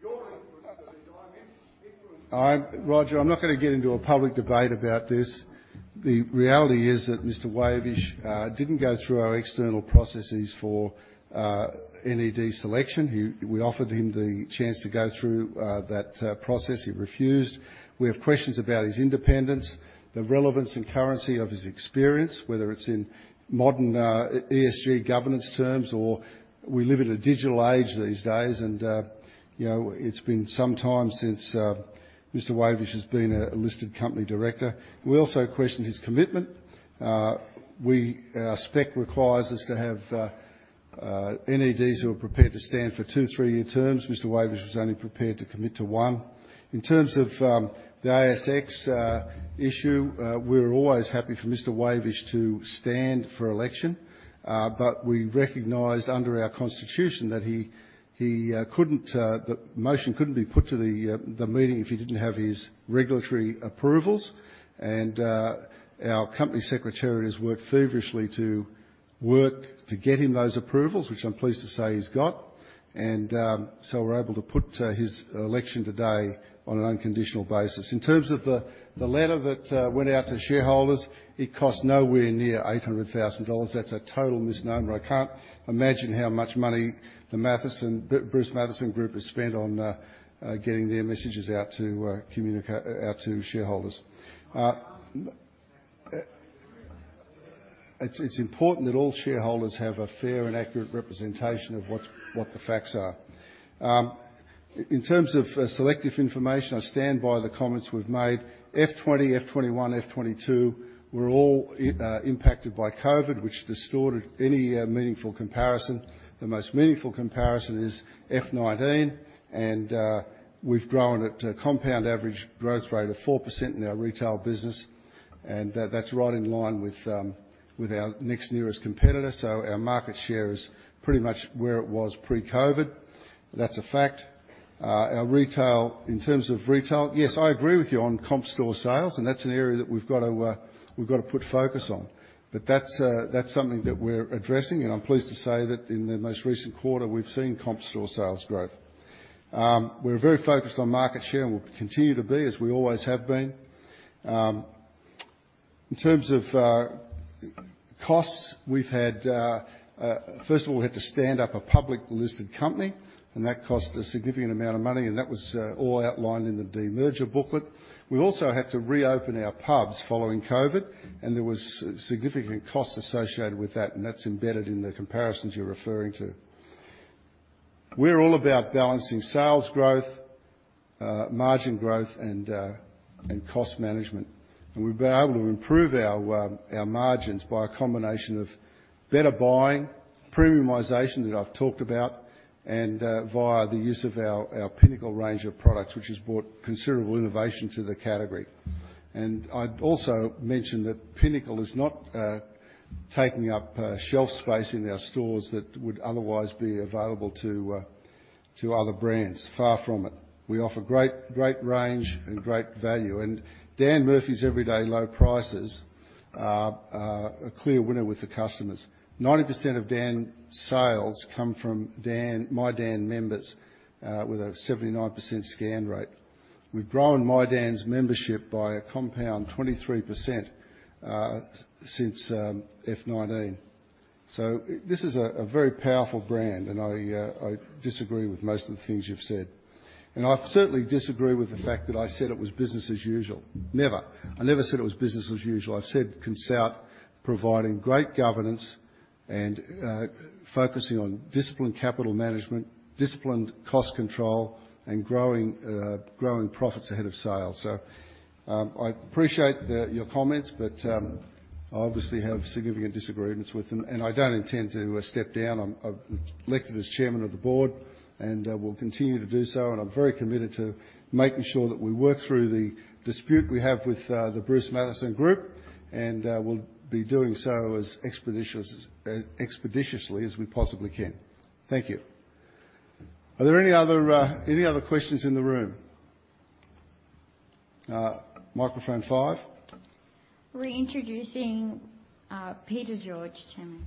Your influence with the Mathieson is different. I'm Roger, I'm not going to get into a public debate about this. The reality is that Mr. Wavish didn't go through our external processes for NED selection. He, we offered him the chance to go through that process. He refused. We have questions about his independence, the relevance and currency of his experience, whether it's in modern ESG governance terms, or we live in a digital age these days, and you know, it's been some time since Mr. Wavish has been a listed company director. We also questioned his commitment. We, our spec requires us to have NEDs who are prepared to stand for two three-year terms. Mr. Wavish was only prepared to commit to one. In terms of the ASX issue, we're always happy for Mr.Wavish to stand for election, but we recognized under our constitution that he couldn't, the motion couldn't be put to the meeting if he didn't have his regulatory approvals. Our company secretary has worked feverishly to get him those approvals, which I'm pleased to say he's got. So we're able to put his election today on an unconditional basis. In terms of the letter that went out to shareholders, it cost nowhere near 800,000 dollars. That's a total misnomer. I can't imagine how much money the Mathieson, Bruce Mathieson Group, has spent on getting their messages out to shareholders. It's important that all shareholders have a fair and accurate representation of what the facts are. In terms of selective information, I stand by the comments we've made. FY2020, FY2021, FY2022 were all impacted by COVID, which distorted any meaningful comparison. The most meaningful comparison is FY2019, and we've grown at a compound average growth rate of 4% in our retail business, and that- that's right in line with our next nearest competitor. So our market share is pretty much where it was pre-COVID. That's a fact. Our retail, in terms of retail, yes, I agree with you on comp store sales, and that's an area that we've got to we've got to put focus on. But that's that's something that we're addressing, and I'm pleased to say that in the most recent quarter, we've seen comp store sales growth. We're very focused on market share and will continue to be, as we always have been. In terms of costs, we've had first of all, we had to stand up a public-listed company, and that cost a significant amount of money, and that was all outlined in the demerger booklet. We also had to reopen our pubs following COVID, and there was significant costs associated with that, and that's embedded in the comparisons you're referring to. We're all about balancing sales growth, margin growth, and and cost management, and we've been able to improve our our margins by a combination of better buying, premiumization that I've talked about, and via the use of our our Pinnacle range of products, which has brought considerable innovation to the category. I'd also mention that Pinnacle is not taking up shelf space in our stores that would otherwise be available to other brands. Far from it. We offer great, great range and great value. Dan Murphy's everyday low prices are a clear winner with the customers. 90% of Dan sales come from Dan, My Dan's members, with a 79% scan rate. We've grown My Dan's membership by a compound 23%, since FY2019. So this is a very powerful brand, and I disagree with most of the things you've said. I certainly disagree with the fact that I said it was business as usual. Never. I never said it was business as usual. I've said Consort providing great governance and, focusing on disciplined capital management, disciplined cost control, and growing, growing profits ahead of sale. So, I appreciate your comments, but, I obviously have significant disagreements with them, and I don't intend to step down. I've elected as chairman of the board and, will continue to do so, and I'm very committed to making sure that we work through the dispute we have with, the Bruce Mathieson Group, and, we'll be doing so as expeditious, as expeditiously as we possibly can. Thank you. Are there any other questions in the room? Microphone five. Reintroducing Peter George, Chairman.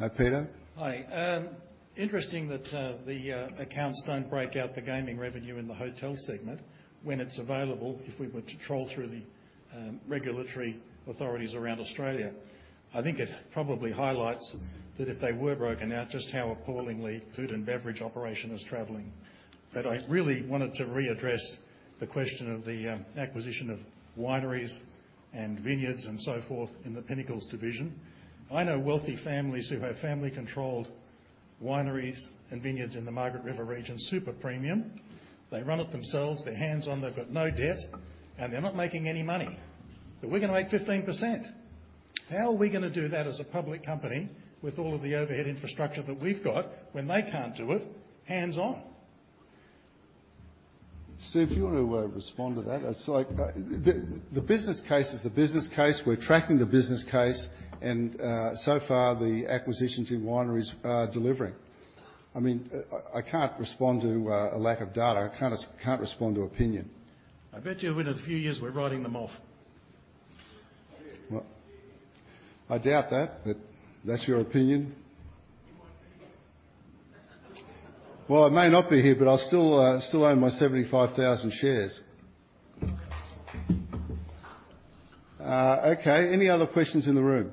Hi, Peter. Hi. Interesting that the accounts don't break out the gaming revenue in the hotel segment when it's available, if we were to troll through the regulatory authorities around Australia. I think it probably highlights that if they were broken out, just how appallingly food and beverage operation is traveling. But I really wanted to readdress the question of the acquisition of wineries and vineyards and so forth in the Pinnacle division. I know wealthy families who have family-controlled wineries and vineyards in the Margaret River region, super premium. They run it themselves, hands-on, they've got no debt, and they're not making any money. But we're gonna make 15%. How are we gonna do that as a public company with all of the overhead infrastructure that we've got when they can't do it hands-on? Steve, do you want to respond to that? It's like, the business case is the business case. We're tracking the business case, and so far, the acquisitions in wineries are delivering. I mean, I can't respond to a lack of data. I can't respond to opinion. I bet you in a few years, we're writing them off. Well, I doubt that, but that's your opinion. You won't be here. Well, I may not be here, but I still still own my 75,000 shares. Okay, any other questions in the room?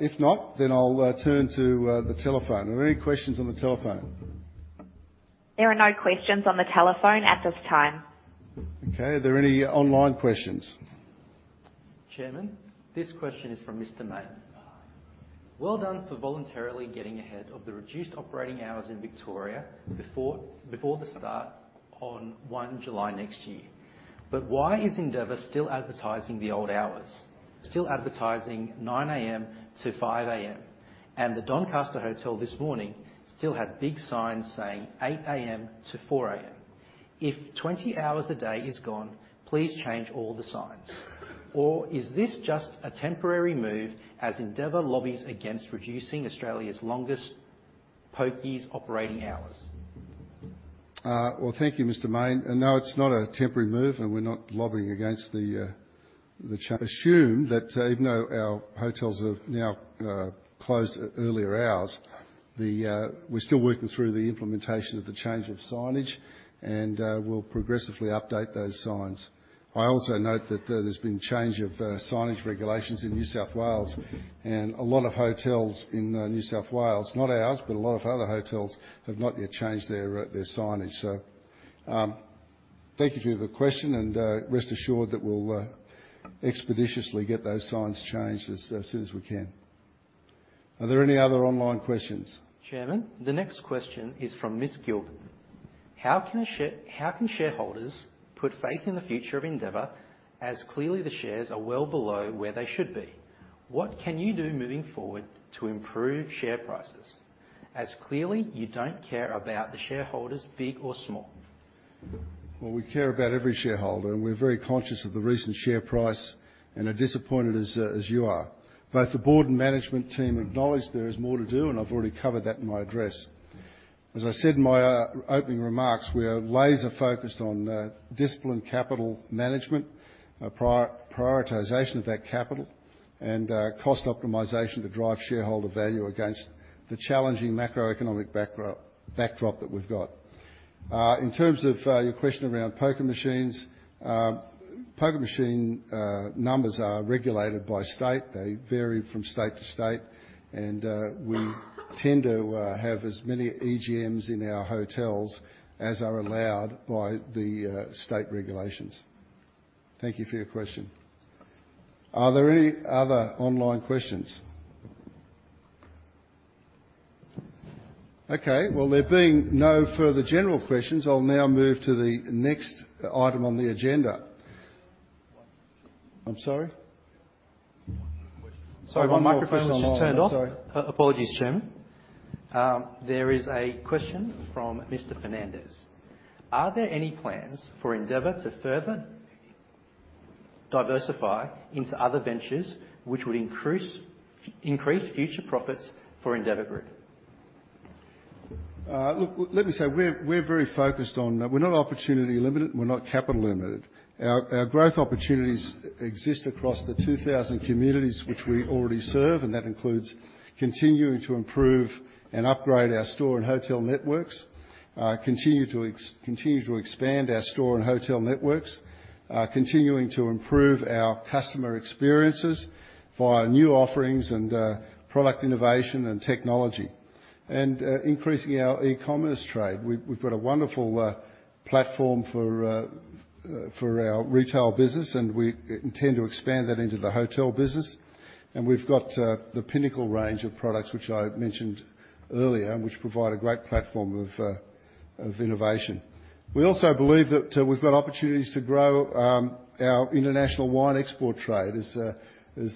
If not, then I'll turn to the telephone. Are there any questions on the telephone? There are no questions on the telephone at this time. Okay. Are there any online questions? Chairman, this question is from Mr. Mayne. Well done for voluntarily getting ahead of the reduced operating hours in Victoria before the start on 1 July next year. But why is Endeavour still advertising the old hours, still advertising 9:00 A.M.-5:00 A.M., and the Doncaster Hotel this morning still had big signs saying 8:00 A.M.-4:00 A.M.? If 20 hours a day is gone, please change all the signs. Or is this just a temporary move as Endeavour lobbies against reducing Australia's longest pokies operating hours? Well, thank you, Mr. Mayne. No, it's not a temporary move, and we're not lobbying against the change. Assume that even though our hotels have now closed at earlier hours, we're still working through the implementation of the change of signage, and we'll progressively update those signs. I also note that there's been change of signage regulations in New South Wales, and a lot of hotels in New South Wales, not ours, but a lot of other hotels have not yet changed their signage. So, thank you for the question, and rest assured that we'll expeditiously get those signs changed as soon as we can. Are there any other online questions? Chairman, the next question is from Miss Gilbert: How can shareholders put faith in the future of Endeavour, as clearly the shares are well below where they should be? What can you do moving forward to improve share prices, as clearly you don't care about the shareholders, big or small? Well, we care about every shareholder, and we're very conscious of the recent share price and are disappointed as you are. Both the board and management team acknowledge there is more to do, and I've already covered that in my address. As I said in my opening remarks, we are laser-focused on disciplined capital management, prioritization of that capital, and cost optimization to drive shareholder value against the challenging macroeconomic backdrop that we've got. In terms of your question around poker machines, poker machine numbers are regulated by state. They vary from state to state, and we tend to have as many EGMs in our hotels as are allowed by the state regulations. Thank you for your question. Are there any other online questions? Okay, well, there being no further general questions, I'll now move to the next item on the agenda. I'm sorry? Sorry, my microphone was just turned off. I'm sorry. Apologies, Chairman. There is a question from Mr. Fernandez: Are there any plans for Endeavour to further diversify into other ventures which would increase future profits for Endeavour Group? Look, let me say, we're very focused on. We're not opportunity limited, and we're not capital limited. Our growth opportunities exist across the 2,000 communities which we already serve, and that includes continuing to improve and upgrade our store and hotel networks, continue to expand our store and hotel networks, continuing to improve our customer experiences via new offerings and product innovation and technology, and increasing our e-commerce trade. We've got a wonderful platform for our retail business, and we intend to expand that into the hotel business, and we've got the Pinnacle range of products, which I mentioned earlier, which provide a great platform of innovation. We also believe that we've got opportunities to grow our international wine export trade as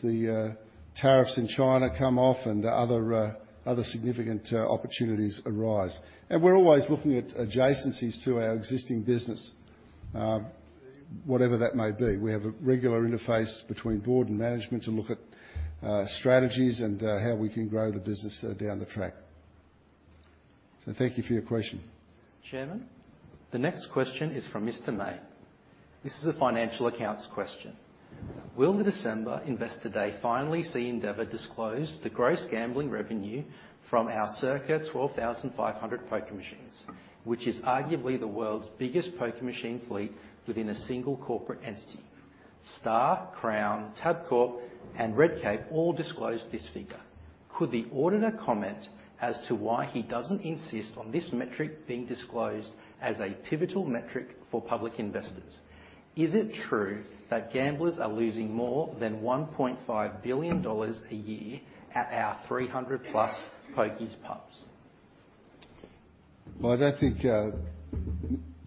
the tariffs in China come off and other other significant opportunities arise. We're always looking at adjacencies to our existing business, whatever that may be. We have a regular interface between board and management to look at strategies and how we can grow the business down the track. Thank you for your question. Chairman, the next question is from Mr. May. This is a financial accounts question: Will the December Investor Day finally see Endeavour disclose the gross gambling revenue from our circa 12,500 poker machines, which is arguably the world's biggest poker machine fleet within a single corporate entity? Star, Crown, Tabcorp, and Redcape all disclose this figure. Could the auditor comment as to why he doesn't insist on this metric being disclosed as a pivotal metric for public investors? Is it true that gamblers are losing more than 1.5 billion dollars a year at our 300+ pokies pubs? Well, I don't think,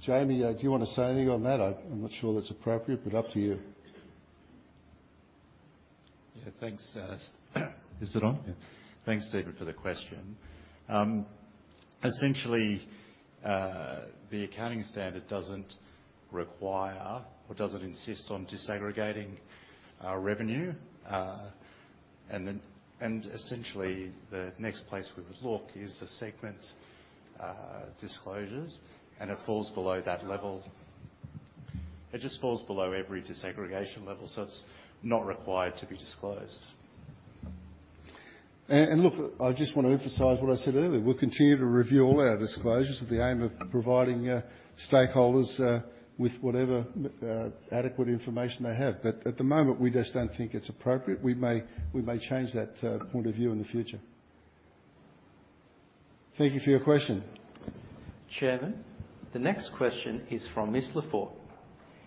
Jamie, do you want to say anything on that? I, I'm not sure that's appropriate, but up to you. Yeah, thanks. Is it on? Yeah. Thanks, David, for the question. Essentially, the accounting standard doesn't require or doesn't insist on disaggregating our revenue. And then, and essentially, the next place we would look is the segment disclosures, and it falls below that level. It just falls below every disaggregation level, so it's not required to be disclosed. And look, I just want to emphasize what I said earlier. We'll continue to review all our disclosures with the aim of providing stakeholders with whatever adequate information they have. But at the moment, we just don't think it's appropriate. We may change that point of view in the future. Thank you for your question. Chairman, the next question is from Miss LaForte: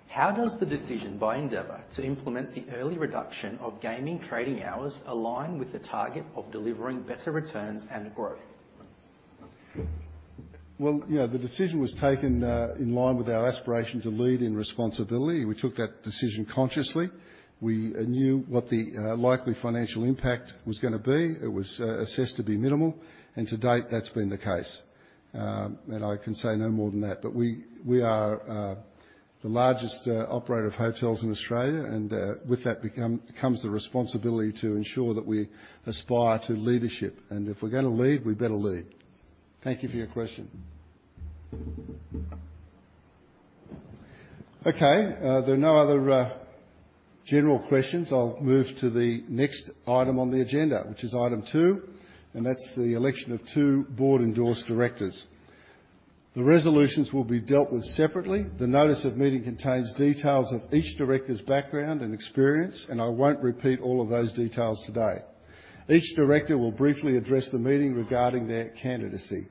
How does the decision by Endeavour to implement the early reduction of gaming trading hours align with the target of delivering better returns and growth? Well, yeah, the decision was taken in line with our aspiration to lead in responsibility. We took that decision consciously. We knew what the likely financial impact was gonna be. It was assessed to be minimal, and to date, that's been the case. And I can say no more than that, but we are the largest operator of hotels in Australia, and with that comes the responsibility to ensure that we aspire to leadership, and if we're gonna lead, we better lead. Thank you for your question. Okay, there are no other general questions. I'll move to the next item on the agenda, which is item two, and that's the election of two board-endorsed directors. The resolutions will be dealt with separately. The Notice of Meeting contains details of each director's background and experience, and I won't repeat all of those details today. Each director will briefly address the meeting regarding their candidacy....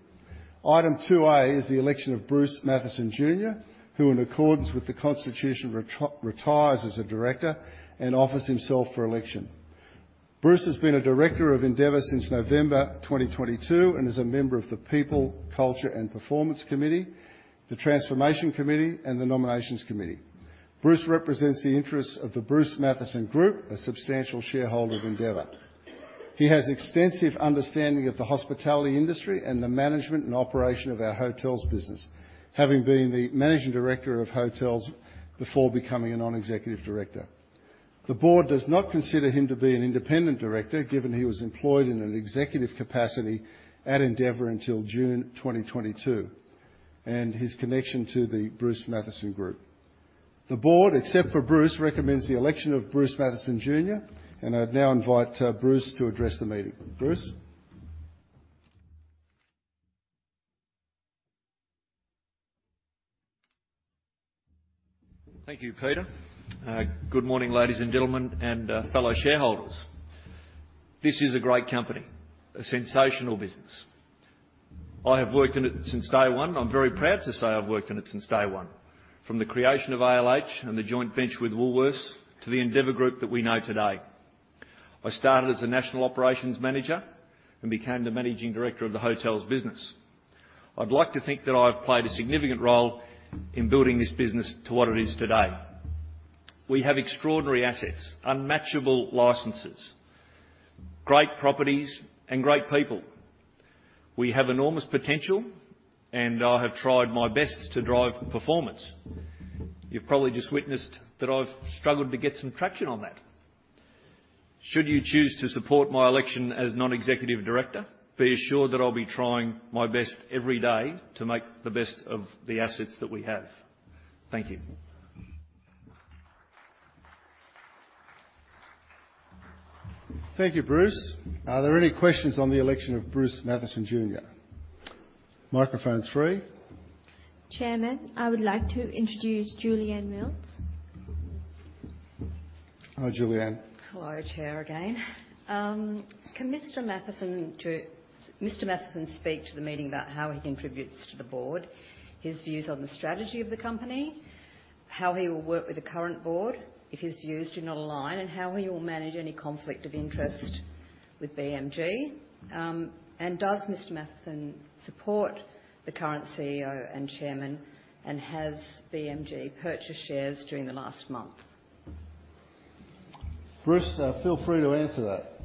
Item two A is the election of Bruce Mathieson Jr, who in accordance with the constitution, retires as a director and offers himself for election. Bruce has been a director of Endeavour since November 2022, and is a member of the People, Culture and Performance Committee, the Transformation Committee, and the Nominations Committee. Bruce represents the interests of the Bruce Mathieson Group, a substantial shareholder of Endeavour. He has extensive understanding of the hospitality industry and the management and operation of our hotels business, having been the managing director of hotels before becoming a non-executive director. The board does not consider him to be an independent director, given he was employed in an executive capacity at Endeavour until June 2022, and his connection to the Bruce Mathieson Group. The board, except for Bruce, recommends the election of Bruce Mathieson Jr, and I'd now invite Bruce to address the meeting. Bruce? Thank you, Peter. Good morning, ladies and gentlemen, and fellow shareholders. This is a great company, a sensational business. I have worked in it since day one. I'm very proud to say I've worked in it since day one, from the creation of ALH and the joint venture with Woolworths to the Endeavour Group that we know today. I started as a national operations manager and became the managing director of the hotels business. I'd like to think that I've played a significant role in building this business to what it is today. We have extraordinary assets, unmatchable licenses, great properties, and great people. We have enormous potential, and I have tried my best to drive performance. You've probably just witnessed that I've struggled to get some traction on that. Should you choose to support my election as non-executive director, be assured that I'll be trying my best every day to make the best of the assets that we have. Thank you. Thank you, Bruce. Are there any questions on the election of Bruce Mathieson Jr? Microphone three. Chairman, I would like to introduce Julianne Mills. Hi, Julianne. Hello, Chair, again. Can Mr. Mathieson speak to the meeting about how he contributes to the board, his views on the strategy of the company, how he will work with the current board if his views do not align, and how he will manage any conflict of interest with BMG? And does Mr. Mathieson support the current CEO and Chairman, and has BMG purchased shares during the last month? Bruce, feel free to answer that.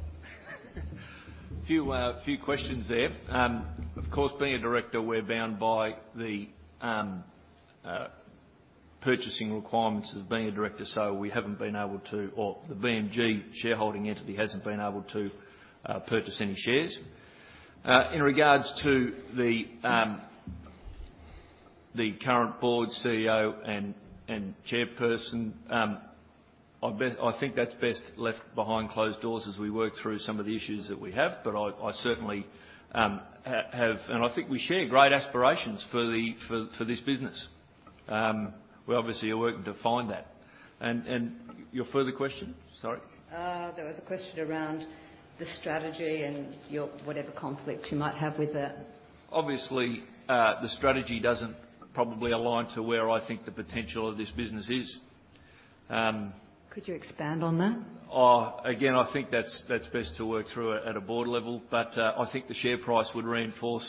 A few questions there. Of course, being a director, we're bound by the purchasing requirements of being a director, so we haven't been able to. Well, the BMG shareholding entity hasn't been able to purchase any shares. In regards to the current board, CEO, and chairperson, I think that's best left behind closed doors as we work through some of the issues that we have, but I certainly have and I think we share great aspirations for this business. We obviously are working to find that. And your further question? Sorry. There was a question around the strategy and your whatever conflicts you might have with that. Obviously, the strategy doesn't probably align to where I think the potential of this business is. Could you expand on that? Again, I think that's best to work through at a board level, but I think the share price would reinforce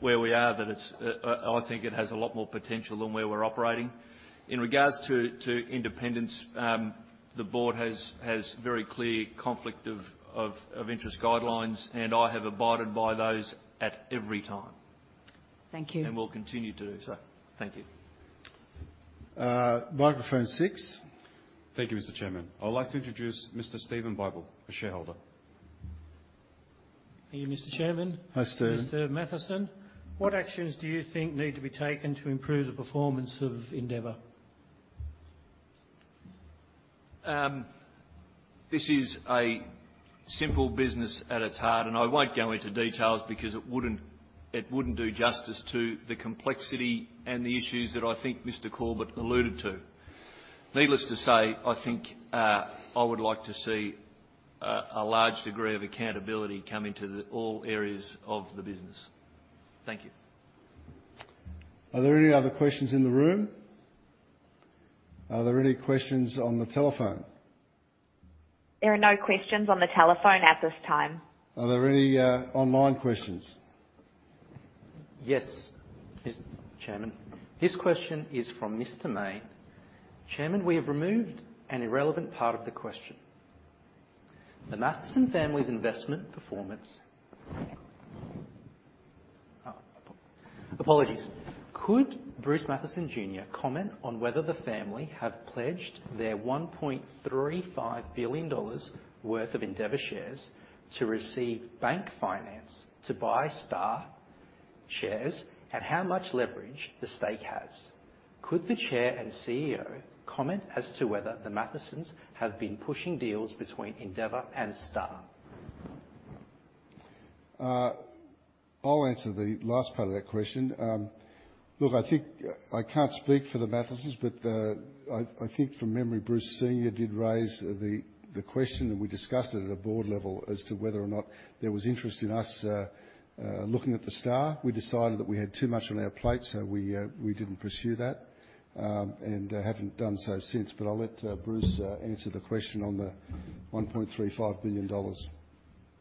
where we are, that it's I think it has a lot more potential than where we're operating. In regards to independence, the board has very clear conflict of interest guidelines, and I have abided by those at every time. Thank you. And will continue to do so. Thank you. Microphone six. Thank you, Mr. Chairman. I would like to introduce Mr. Steven Riedel, a shareholder. Thank you, Mr. Chairman. Hi, Steven. Mr. Mathieson, what actions do you think need to be taken to improve the performance of Endeavour? This is a simple business at its heart, and I won't go into details because it wouldn't do justice to the complexity and the issues that I think Mr. Corbett alluded to. Needless to say, I think, I would like to see a large degree of accountability come into all areas of the business. Thank you. Are there any other questions in the room? Are there any questions on the telephone? There are no questions on the telephone at this time. Are there any online questions? Yes, Mr. Chairman. This question is from Mr. Mayne. Chairman, we have removed an irrelevant part of the question. The Mathieson family's investment performance... Apologies. Could Bruce Mathieson Jr. comment on whether the family have pledged their 1.35 billion dollars worth of Endeavour shares to receive bank finance to buy Star shares, and how much leverage the stake has? Could the Chair and CEO comment as to whether the Mathiesons have been pushing deals between Endeavour and Star? I'll answer the last part of that question. Look, I think I can't speak for the Mathiesons, but I think from memory, Bruce Senior did raise the question, and we discussed it at a board level as to whether or not there was interest in us looking at the Star. We decided that we had too much on our plate, so we didn't pursue that and haven't done so since, but I'll let Bruce answer the question on the 1.35 billion dollars.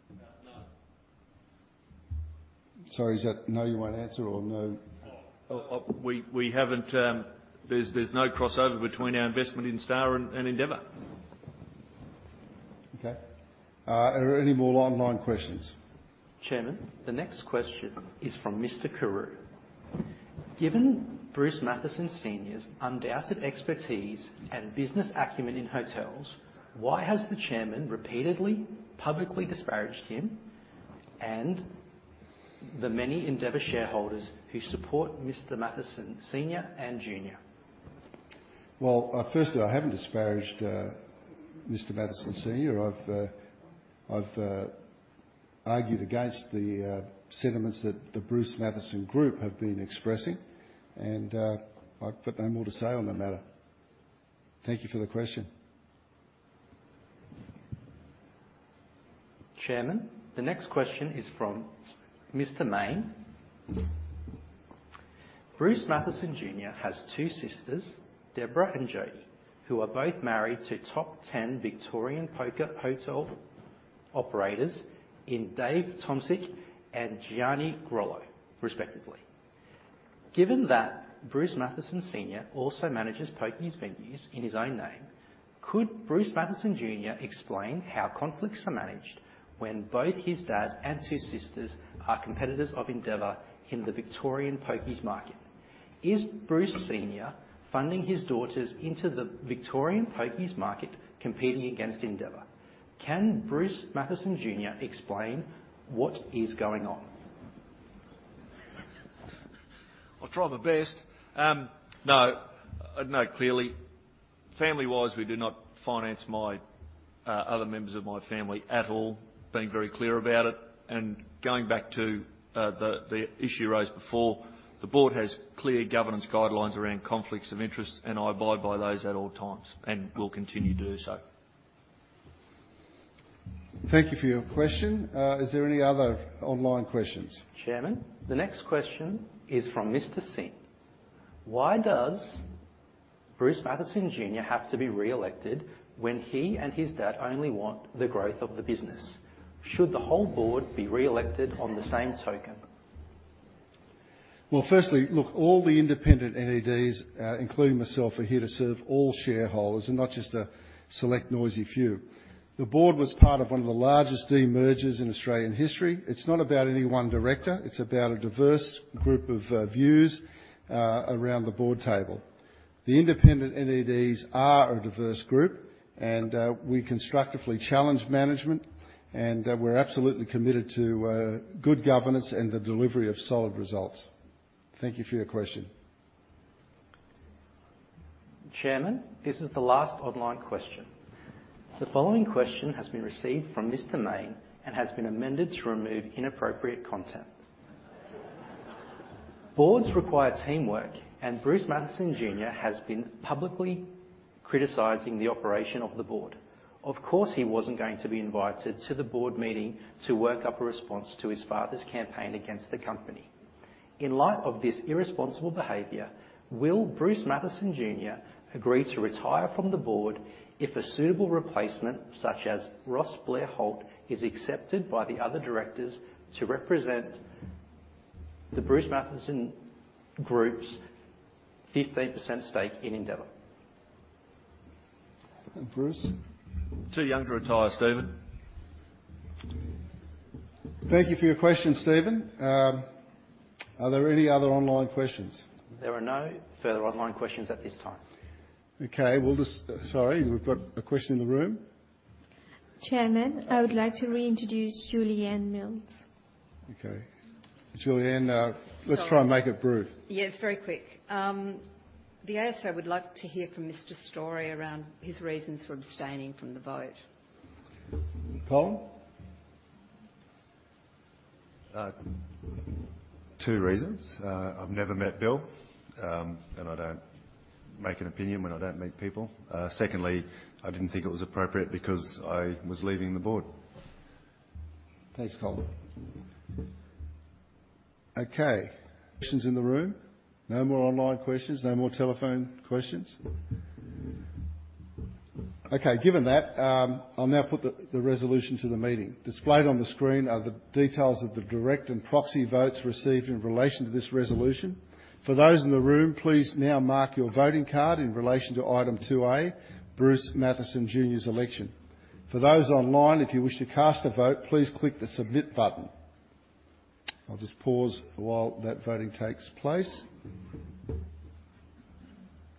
No. Sorry, is that no, you won't answer or no- Oh, we haven't. There's no crossover between our investment in Star and Endeavour. Okay. Are there any more online questions? Chairman, the next question is from Mr. Carew: Given Bruce Mathieson Senior's undoubted expertise and business acumen in hotels, why has the chairman repeatedly publicly disparaged him and the many Endeavour shareholders who support Mr. Mathieson Senior and Junior? Well, firstly, I haven't disparaged Mr. Mathieson Senior. I've argued against the sentiments that the Bruce Mathieson Group have been expressing, and I've got no more to say on the matter. Thank you for the question. Chairman, the next question is from Mr. S. Mayne: Bruce Mathieson Jr. has two sisters, Deborah and Jodie, who are both married to top 10 Victorian poker hotel operators in Dave Tomsic and Gianni Grollo, respectively. Given that Bruce Mathieson Sr. also manages pokies venues in his own name, could Bruce Mathieson Jr. explain how conflicts are managed when both his dad and two sisters are competitors of Endeavour in the Victorian pokies market? Is Bruce Senior funding his daughters into the Victorian pokies market competing against Endeavour? Can Bruce Mathieson Jr. explain what is going on? I'll try my best. No. No, clearly, family-wise, we do not finance my other members of my family at all. Been very clear about it. Going back to the issue raised before, the board has clear governance guidelines around conflicts of interest, and I abide by those at all times, and will continue to do so. Thank you for your question. Is there any other online questions? Chairman, the next question is from Mr. Singh: Why does Bruce Mathieson Jr. have to be reelected when he and his dad only want the growth of the business? Should the whole board be reelected on the same token? Well, firstly, look, all the independent NEDs, including myself, are here to serve all shareholders and not just a select, noisy few. The board was part of one of the largest demergers in Australian history. It's not about any one director, it's about a diverse group of views around the board table. The independent NEDs are a diverse group, and we constructively challenge management, and we're absolutely committed to good governance and the delivery of solid results. Thank you for your question. Chairman, this is the last online question. The following question has been received from Mr. Mayne and has been amended to remove inappropriate content. Boards require teamwork, and Bruce Mathieson Jr. has been publicly criticizing the operation of the board. Of course, he wasn't going to be invited to the board meeting to work up a response to his father's campaign against the company. In light of this irresponsible behavior, will Bruce Mathieson Jr. agree to retire from the board if a suitable replacement, such as Ross Blair-Holt, is accepted by the other directors to represent the Bruce Mathieson Group's 15% stake in Endeavour? Bruce? Too young to retire, Steven. Thank you for your question, Steve. Are there any other online questions? There are no further online questions at this time. Okay, we'll just... Sorry, we've got a question in the room. Chairman, I would like to reintroduce Julieanne Mills. Okay. Julieanne, Sorry. Let's try and make it brief. Yes, very quick. The ASA would like to hear from Mr. Storrie around his reasons for abstaining from the vote. Colin? Two reasons. I've never met Bill, and I don't make an opinion when I don't meet people. Secondly, I didn't think it was appropriate because I was leaving the board. Thanks, Colin. Okay. Questions in the room? No more online questions. No more telephone questions. Okay, given that, I'll now put the resolution to the meeting. Displayed on the screen are the details of the direct and proxy votes received in relation to this resolution. For those in the room, please now mark your voting card in relation to item two A, Bruce Mathieson Jr's election. For those online, if you wish to cast a vote, please click the Submit button. I'll just pause while that voting takes place.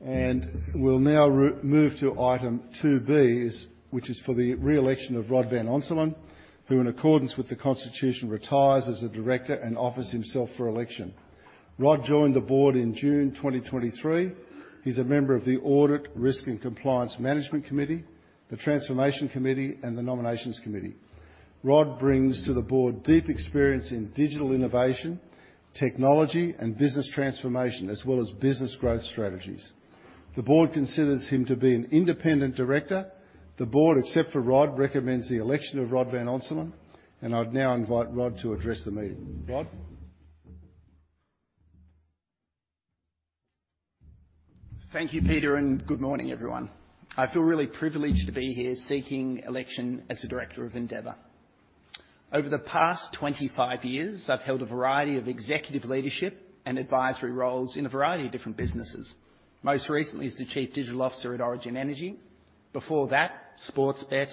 And we'll now move to item two B, which is for the re-election of Rod van Onselen, who, in accordance with the Constitution, retires as a director and offers himself for election. Rod joined the board in June 2023. He's a member of the Audit, Risk, and Compliance Management Committee.... the Transformation Committee and the Nominations Committee. Rod brings to the board deep experience in digital innovation, technology, and business transformation, as well as business growth strategies. The board considers him to be an independent director. The board, except for Rod, recommends the election of Rod van Onselen, and I'd now invite Rod to address the meeting. Rod? Thank you, Peter, and good morning, everyone. I feel really privileged to be here seeking election as a director of Endeavour. Over the past 25 years, I've held a variety of executive leadership and advisory roles in a variety of different businesses. Most recently, as the Chief Digital Officer at Origin Energy. Before that, Sportsbet,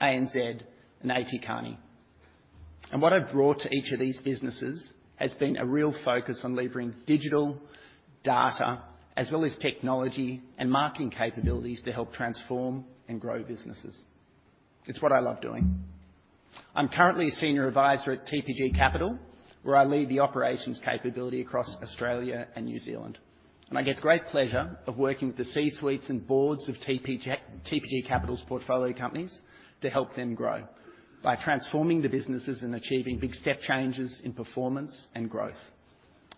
ANZ, and A.T. Kearney. And what I've brought to each of these businesses has been a real focus on delivering digital data, as well as technology and marketing capabilities to help transform and grow businesses. It's what I love doing. I'm currently a senior advisor at TPG Capital, where I lead the operations capability across Australia and New Zealand, and I get great pleasure of working with the C-suites and boards of TPG Capital's portfolio companies to help them grow by transforming the businesses and achieving big step changes in performance and growth.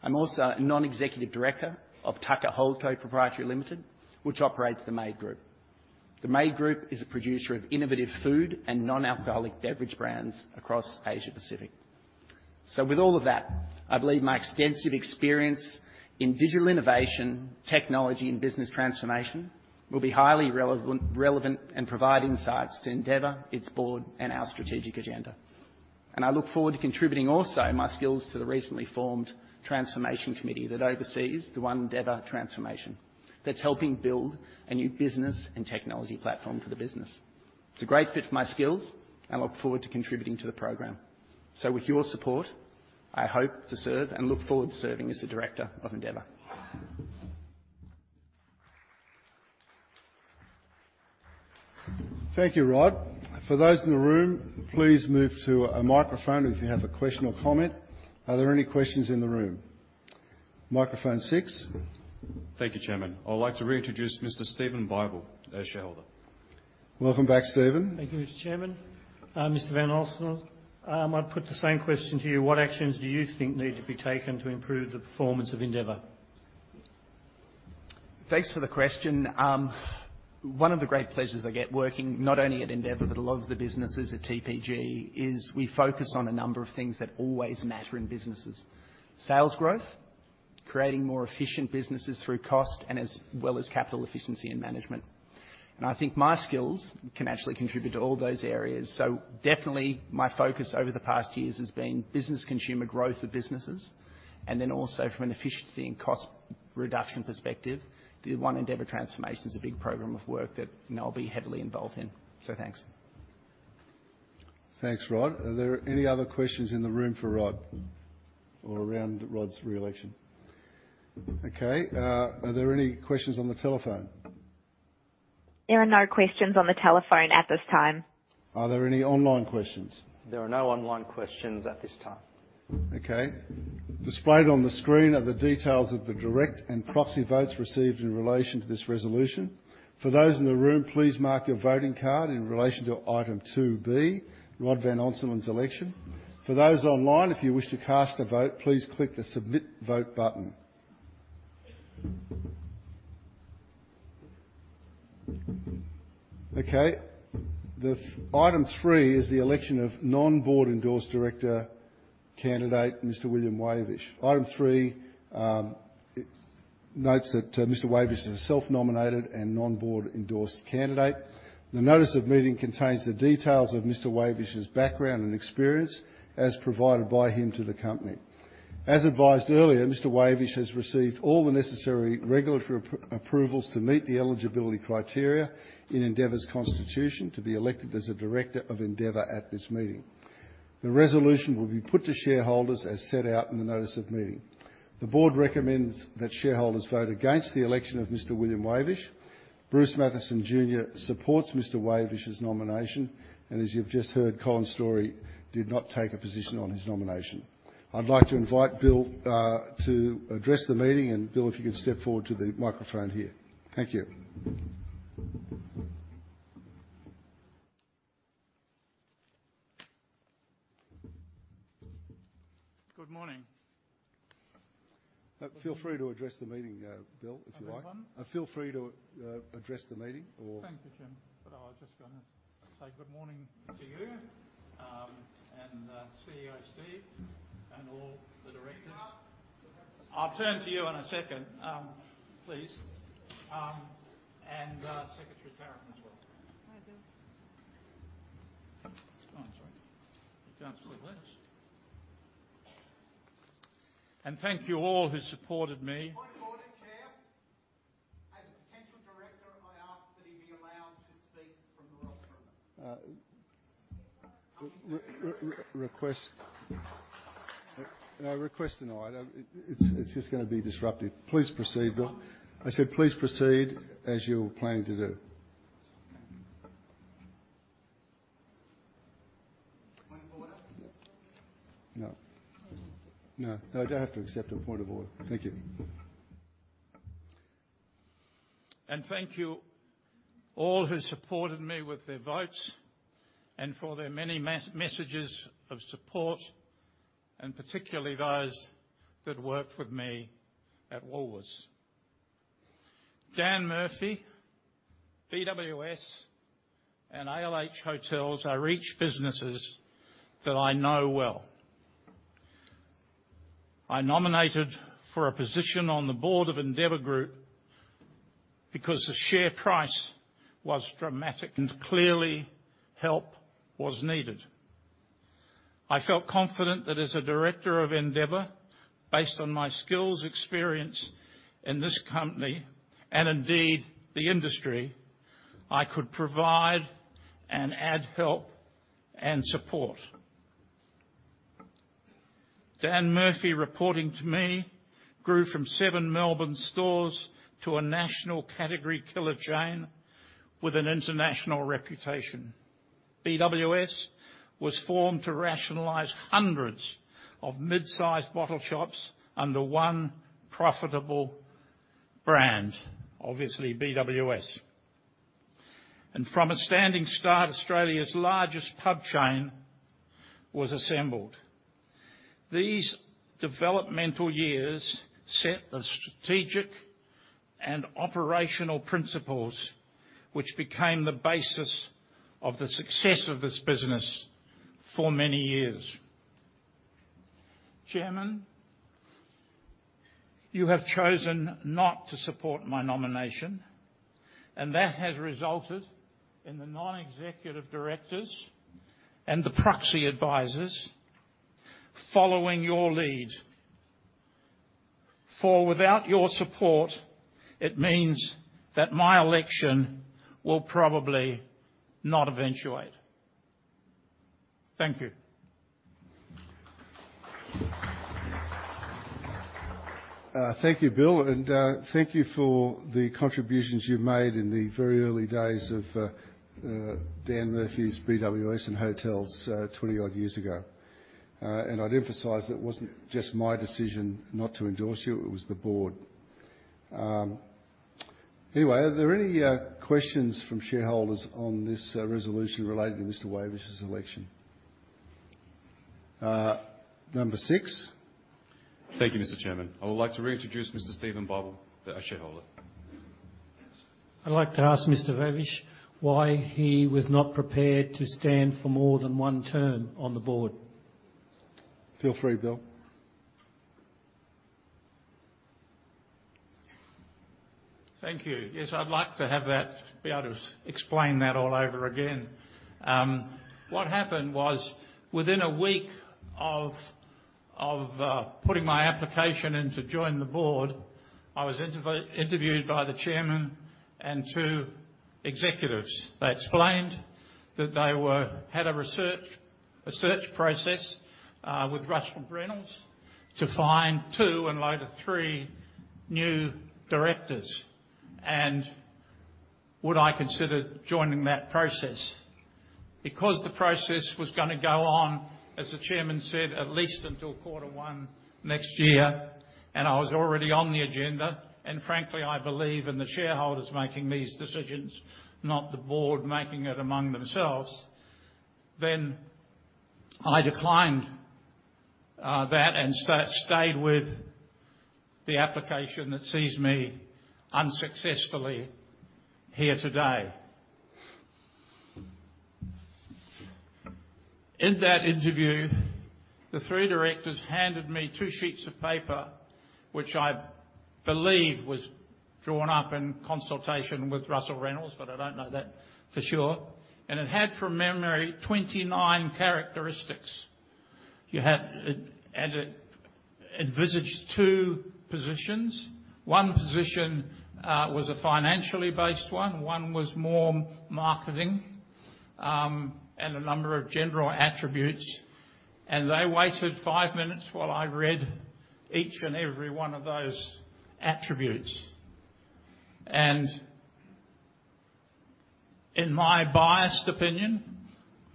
I'm also a non-executive director of Tucker Holdco Proprietary Limited, which operates the Made Group. The Made Group is a producer of innovative food and non-alcoholic beverage brands across Asia Pacific. So with all of that, I believe my extensive experience in digital innovation, technology, and business transformation will be highly relevant, relevant, and provide insights to Endeavour, its board, and our strategic agenda. And I look forward to contributing also my skills to the recently formed Transformation Committee that oversees the One Endeavour transformation, that's helping build a new business and technology platform for the business. It's a great fit for my skills, and I look forward to contributing to the program. So with your support, I hope to serve and look forward to serving as the director of Endeavour. Thank you, Rod. For those in the room, please move to a microphone if you have a question or comment. Are there any questions in the room? Microphone six. Thank you, Chairman. I would like to reintroduce Mr. Steven Riedel as shareholder. Welcome back, Steve. Thank you, Mr. Chairman. Mr. Van Onselen, I'd put the same question to you: What actions do you think need to be taken to improve the performance of Endeavour? Thanks for the question. One of the great pleasures I get working, not only at Endeavour, but a lot of the businesses at TPG, is we focus on a number of things that always matter in businesses. Sales growth, creating more efficient businesses through cost, and as well as capital efficiency and management. And I think my skills can actually contribute to all those areas. So definitely, my focus over the past years has been business consumer growth for businesses, and then also from an efficiency and cost reduction perspective, the One Endeavour transformation is a big program of work that, you know, I'll be heavily involved in. So, thanks. Thanks, Rod. Are there any other questions in the room for Rod or around Rod's re-election? Okay, are there any questions on the telephone? There are no questions on the telephone at this time. Are there any online questions? There are no online questions at this time. Okay. Displayed on the screen are the details of the direct and proxy votes received in relation to this resolution. For those in the room, please mark your voting card in relation to item two B, Rod van Onselen's election. For those online, if you wish to cast a vote, please click the Submit Vote button. Okay, the item three is the election of non-board endorsed director candidate, Mr. William Wavish. Item three, notes that, Mr. Wavish is a self-nominated and non-board endorsed candidate. The Notice of Meeting contains the details of Mr. Wavish's background and experience as provided by him to the company. As advised earlier, Mr. Wavish has received all the necessary regulatory approvals to meet the eligibility criteria in Endeavour's Constitution to be elected as a director of Endeavour at this meeting. The resolution will be put to shareholders as set out in the Notice of Meeting. The board recommends that shareholders vote against the election of Mr. William Wavish. Bruce Mathieson Jr. supports Mr. Wavish's nomination, and as you've just heard, Colin Storrie did not take a position on his nomination. I'd like to invite Bill to address the meeting, and, Bill, if you could step forward to the microphone here. Thank you. Good morning. Feel free to address the meeting, Bill, if you like. I beg your pardon? Feel free to address the meeting or- Thank you, Chairman. But I was just gonna say good morning to you, and CEO Steve, and all the directors. I'll turn to you in a second, please, and Secretary Taryn as well. Hi, Bill. Oh, I'm sorry. You can't see this. Thank you all who supported me- Point of order, Chair. As a potential director, I ask that he be allowed to speak from the well. Request denied. It's just gonna be disruptive. Please proceed, Bill. I said, please proceed as you're planning to do. No. No, I don't have to accept a point of order. Thank you. Thank you all who supported me with their votes and for their many messages of support, and particularly those that worked with me at Woolworths. Dan Murphy's, BWS, and ALH Hotels are each businesses that I know well. I nominated for a position on the board of Endeavour Group because the share price was dramatic, and clearly help was needed. I felt confident that as a director of Endeavour, based on my skills, experience in this company, and indeed, the industry, I could provide and add help and support. Dan Murphy's, reporting to me, grew from seven Melbourne stores to a national category killer chain with an international reputation. BWS was formed to rationalize hundreds of mid-sized bottle shops under one profitable brand, obviously BWS. From a standing start, Australia's largest pub chain was assembled. These developmental years set the strategic and operational principles, which became the basis of the success of this business for many years. Chairman, you have chosen not to support my nomination, and that has resulted in the non-executive directors and the proxy advisors following your lead. For without your support, it means that my election will probably not eventuate. Thank you. Thank you, Bill, and thank you for the contributions you made in the very early days of Dan Murphy's BWS and hotels, 20-odd years ago. And I'd emphasize it wasn't just my decision not to endorse you, it was the board. Anyway, are there any questions from shareholders on this resolution relating to Mr. Wavish's election? Number six. Thank you, Mr. Chairman. I would like to reintroduce Mr. Stephen Riedel, a shareholder. I'd like to ask Mr. Wavish why he was not prepared to stand for more than one term on the board? Feel free, Bill. Thank you. Yes, I'd like to have that be able to explain that all over again. What happened was, within a week of putting my application in to join the board, I was interviewed by the chairman and two executives. They explained that they had a search process with Russell Reynolds to find two and later, three new directors, and would I consider joining that process? Because the process was gonna go on, as the chairman said, at least until quarter one next year, and I was already on the agenda, and frankly, I believe in the shareholders making these decisions, not the board making it among themselves, then I declined that, and stayed with the application that sees me unsuccessfully here today. In that interview, the three directors handed me two sheets of paper, which I believe was drawn up in consultation with Russell Reynolds, but I don't know that for sure. It had, from memory, 29 characteristics. It, and it envisaged two positions. One position was a financially-based one, one was more marketing, and a number of general attributes. They waited five minutes while I read each and every one of those attributes. In my biased opinion,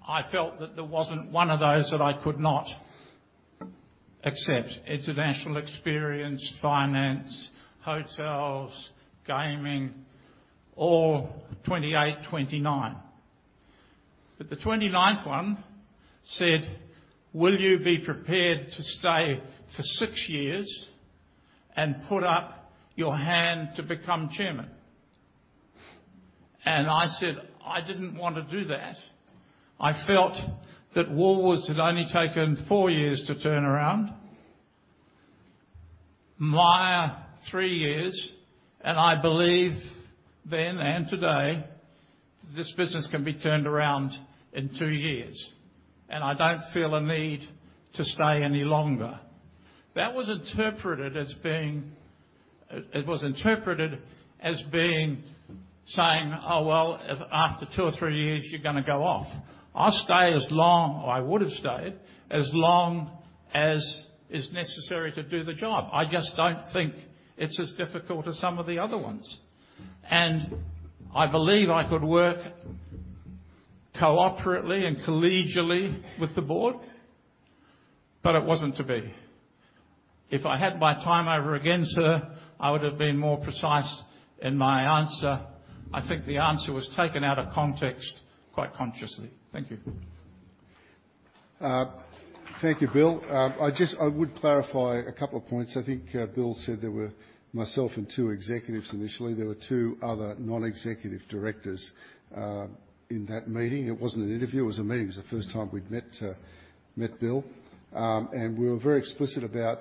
I felt that there wasn't one of those that I could not accept. International experience, finance, hotels, gaming, all 28, 29. The 29th one said: "Will you be prepared to stay for six years and put up your hand to become chairman?" I said I didn't want to do that. I felt that Woolworths had only taken four years to turn around, Myer, three years, and I believed then and today, this business can be turned around in two years, and I don't feel a need to stay any longer. That was interpreted as being... It was interpreted as being, saying: "Oh, well, if after two or three years, you're gonna go off." I'll stay as long, or I would have stayed, as long as is necessary to do the job. I just don't think it's as difficult as some of the other ones. And I believe I could cooperatively and collegially with the board, but it wasn't to be. If I had my time over again, sir, I would have been more precise in my answer. I think the answer was taken out of context quite consciously. Thank you. Thank you, Bill. I just, I would clarify a couple of points. I think, Bill said there were myself and two executives initially. There were two other non-executive directors, in that meeting. It wasn't an interview, it was a meeting. It was the first time we'd met, met Bill. And we were very explicit about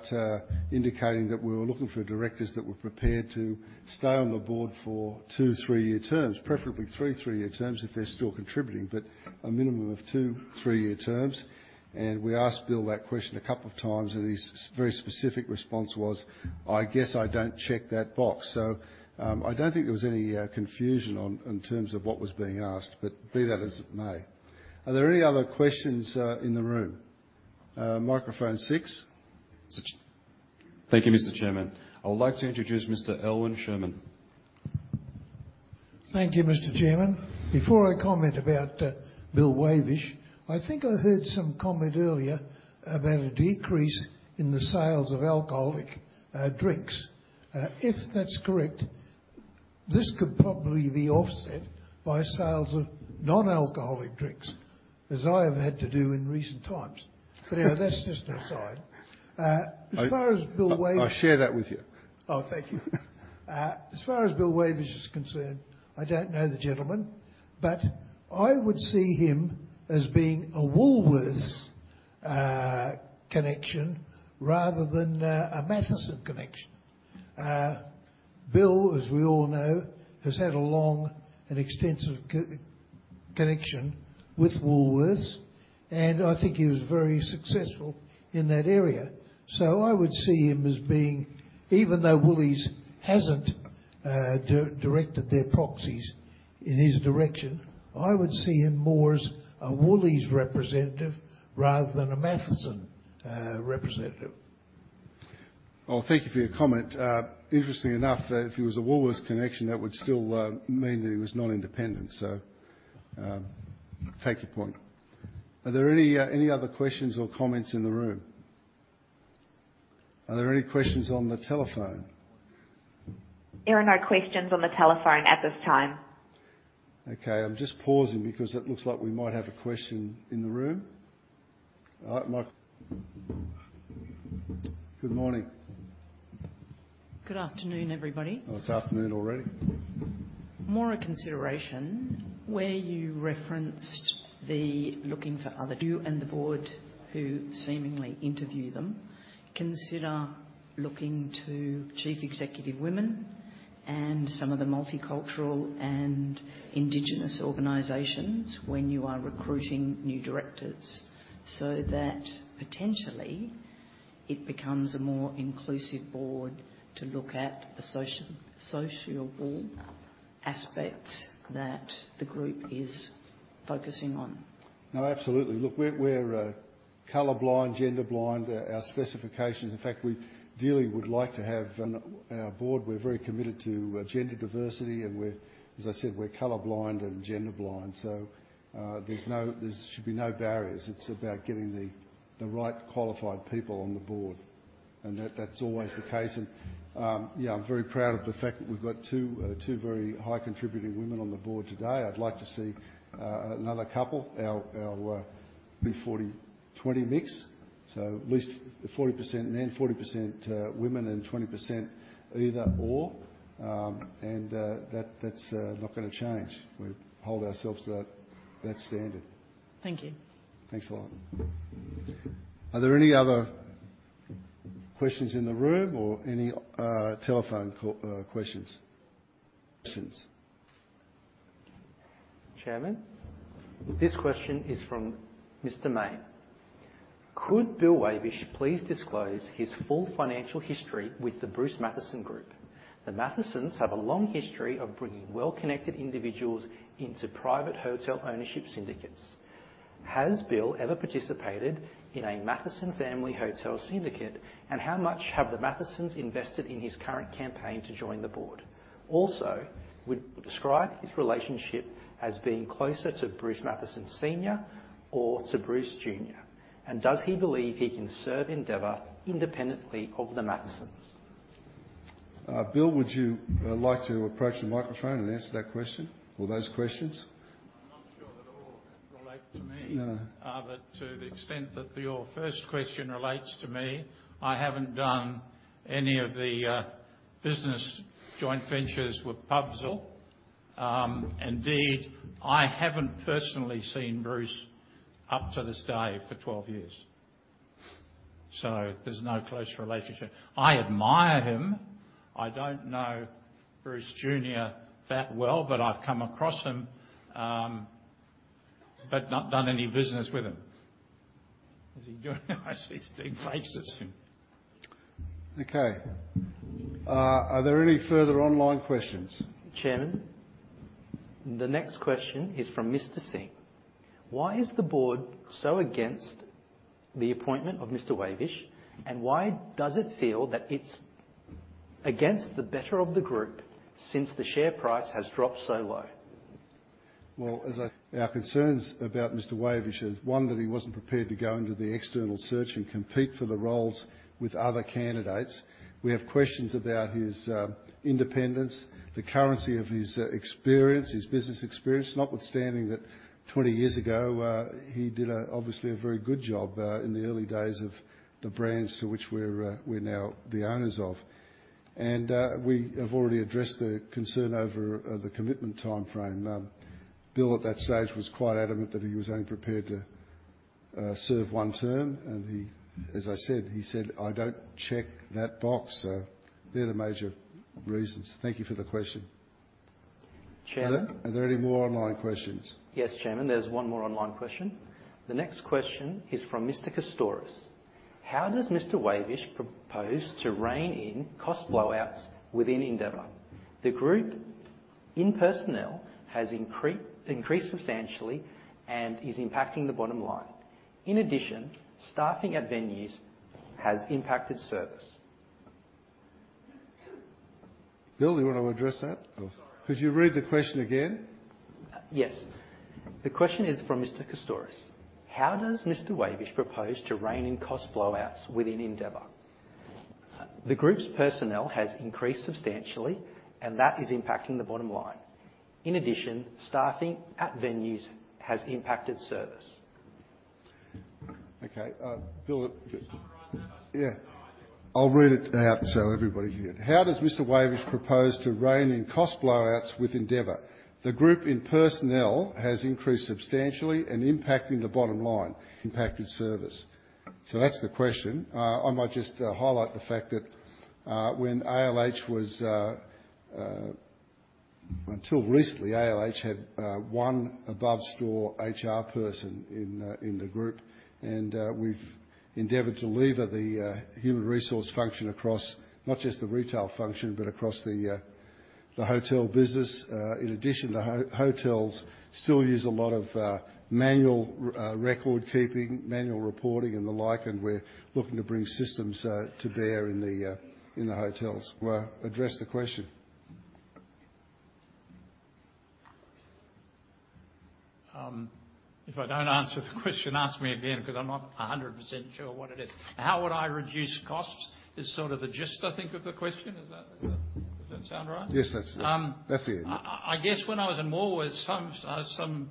indicating that we were looking for directors that were prepared to stay on the board for two, three-year terms, preferably three three-year terms, if they're still contributing, but a minimum of two, three-year terms, and we asked Bill that question a couple of times, and his very specific response was: "I guess I don't check that box." So, I don't think there was any confusion on in terms of what was being asked, but be that as it may. Are there any other questions in the room? Microphone six. Thank you, Mr. Chairman. I would like to introduce Mr. Elwin Sherman. Thank you, Mr. Chairman. Before I comment about Bill Wavish, I think I heard some comment earlier about a decrease in the sales of alcoholic drinks. If that's correct, this could probably be offset by sales of non-alcoholic drinks, as I have had to do in recent times. But anyway, that's just an aside. As far as Bill Wav- I share that with you. Oh, thank you. As far as Bill Wavish is concerned, I don't know the gentleman, but I would see him as being a Woolworths connection rather than a Mathieson connection. Bill, as we all know, has had a long and extensive connection with Woolworths, and I think he was very successful in that area. So I would see him as being... Even though Woolies hasn't directed their proxies in his direction, I would see him more as a Woolies representative rather than a Mathieson representative. Well, thank you for your comment. Interestingly enough, if he was a Woolworths connection, that would still mean that he was not independent, so, thank you, point. Are there any other questions or comments in the room? Are there any questions on the telephone? There are no questions on the telephone at this time. Okay, I'm just pausing because it looks like we might have a question in the room. All right, mic. Good morning. Good afternoon, everybody. Oh, it's afternoon already. More a consideration. Where you referenced the looking for other you and the board, who seemingly interview them, consider looking to Chief Executive Women and some of the multicultural and Indigenous organizations when you are recruiting new directors, so that potentially it becomes a more inclusive board to look at the social, sociable aspects that the group is focusing on. No, absolutely. Look, we're color blind, gender blind. Our specifications. In fact, we ideally would like to have on our board, we're very committed to gender diversity, and we're, as I said, we're color blind and gender blind, so there's no, there should be no barriers. It's about getting the right qualified people on the board, and that's always the case. Yeah, I'm very proud of the fact that we've got two very high contributing women on the board today. I'd like to see another couple. Our 40%/20% mix, so at least 40% men, 40% women, and 20% either or, and that's not gonna change. We hold ourselves to that standard. Thank you. Thanks a lot. Are there any other questions in the room or any, telephone call, questions? Questions. Chairman, this question is from Mr. May: Could Bill Wavish please disclose his full financial history with the Bruce Mathieson Group? The Mathiesons have a long history of bringing well-connected individuals into private hotel ownership syndicates. Has Bill ever participated in a Mathieson family hotel syndicate, and how much have the Mathiesons invested in his current campaign to join the board? Also, would you describe his relationship as being closer to Bruce Mathieson Senior or to Bruce Junior, and does he believe he can serve Endeavour independently of the Mathiesons? Bill, would you like to approach the microphone and answer that question or those questions? I'm not sure that all relate to me. No. To the extent that your first question relates to me, I haven't done any of the business joint ventures with PBL. Indeed, I haven't personally seen Bruce up to this day for 12 years, so there's no close relationship. I admire him. I don't know Bruce Junior that well, but I've come across him, but not done any business with him. How's he doing? I see his two faces. Okay. Are there any further online questions? Chairman, the next question is from Mr. Singh: Why is the board so against the appointment of Mr. Wavish, and why does it feel that its against the better of the group since the share price has dropped so low? Well, our concerns about Mr. Wavish is, one, that he wasn't prepared to go into the external search and compete for the roles with other candidates. We have questions about his independence, the currency of his experience, his business experience, notwithstanding that 20 years ago, he did obviously a very good job in the early days of the brands to which we're now the owners of. And we have already addressed the concern over the commitment timeframe. Bill, at that stage, was quite adamant that he was only prepared to serve one term, and he, as I said, he said, "I don't check that box." So they're the major reasons. Thank you for the question. Chairman? Are there any more online questions? Yes, Chairman, there's one more online question. The next question is from Mr. Costas: How does Mr. Wavish propose to rein in cost blowouts within Endeavour? The group in personnel has increased substantially and is impacting the bottom line. In addition, staffing at venues has impacted service. Bill, you want to address that? Or could you read the question again? Yes. The question is from Mr. Costas: How does Mr. Wavish propose to rein in cost blowouts within Endeavour? The group's personnel has increased substantially, and that is impacting the bottom line. In addition, staffing at venues has impacted service. Okay, Bill, Sorry about that. Yeah. I'll read it out so everybody can hear it. How does Mr. Wavish propose to rein in cost blowouts with Endeavour Group? The personnel has increased substantially and impacting the bottom line, impacted service. So that's the question. I might just highlight the fact that until recently, ALH had one above store HR person in the group, and we've endeavored to lever the human resource function across not just the retail function, but across the hotel business. In addition, the hotels still use a lot of manual record keeping, manual reporting, and the like, and we're looking to bring systems to bear in the hotels. Address the question. If I don't answer the question, ask me again, 'cause I'm not 100% sure what it is. How would I reduce costs is sort of the gist, I think, of the question. Does that, does that sound right? Yes, that's it. Um- That's the end. I guess when I was in Woolworths, some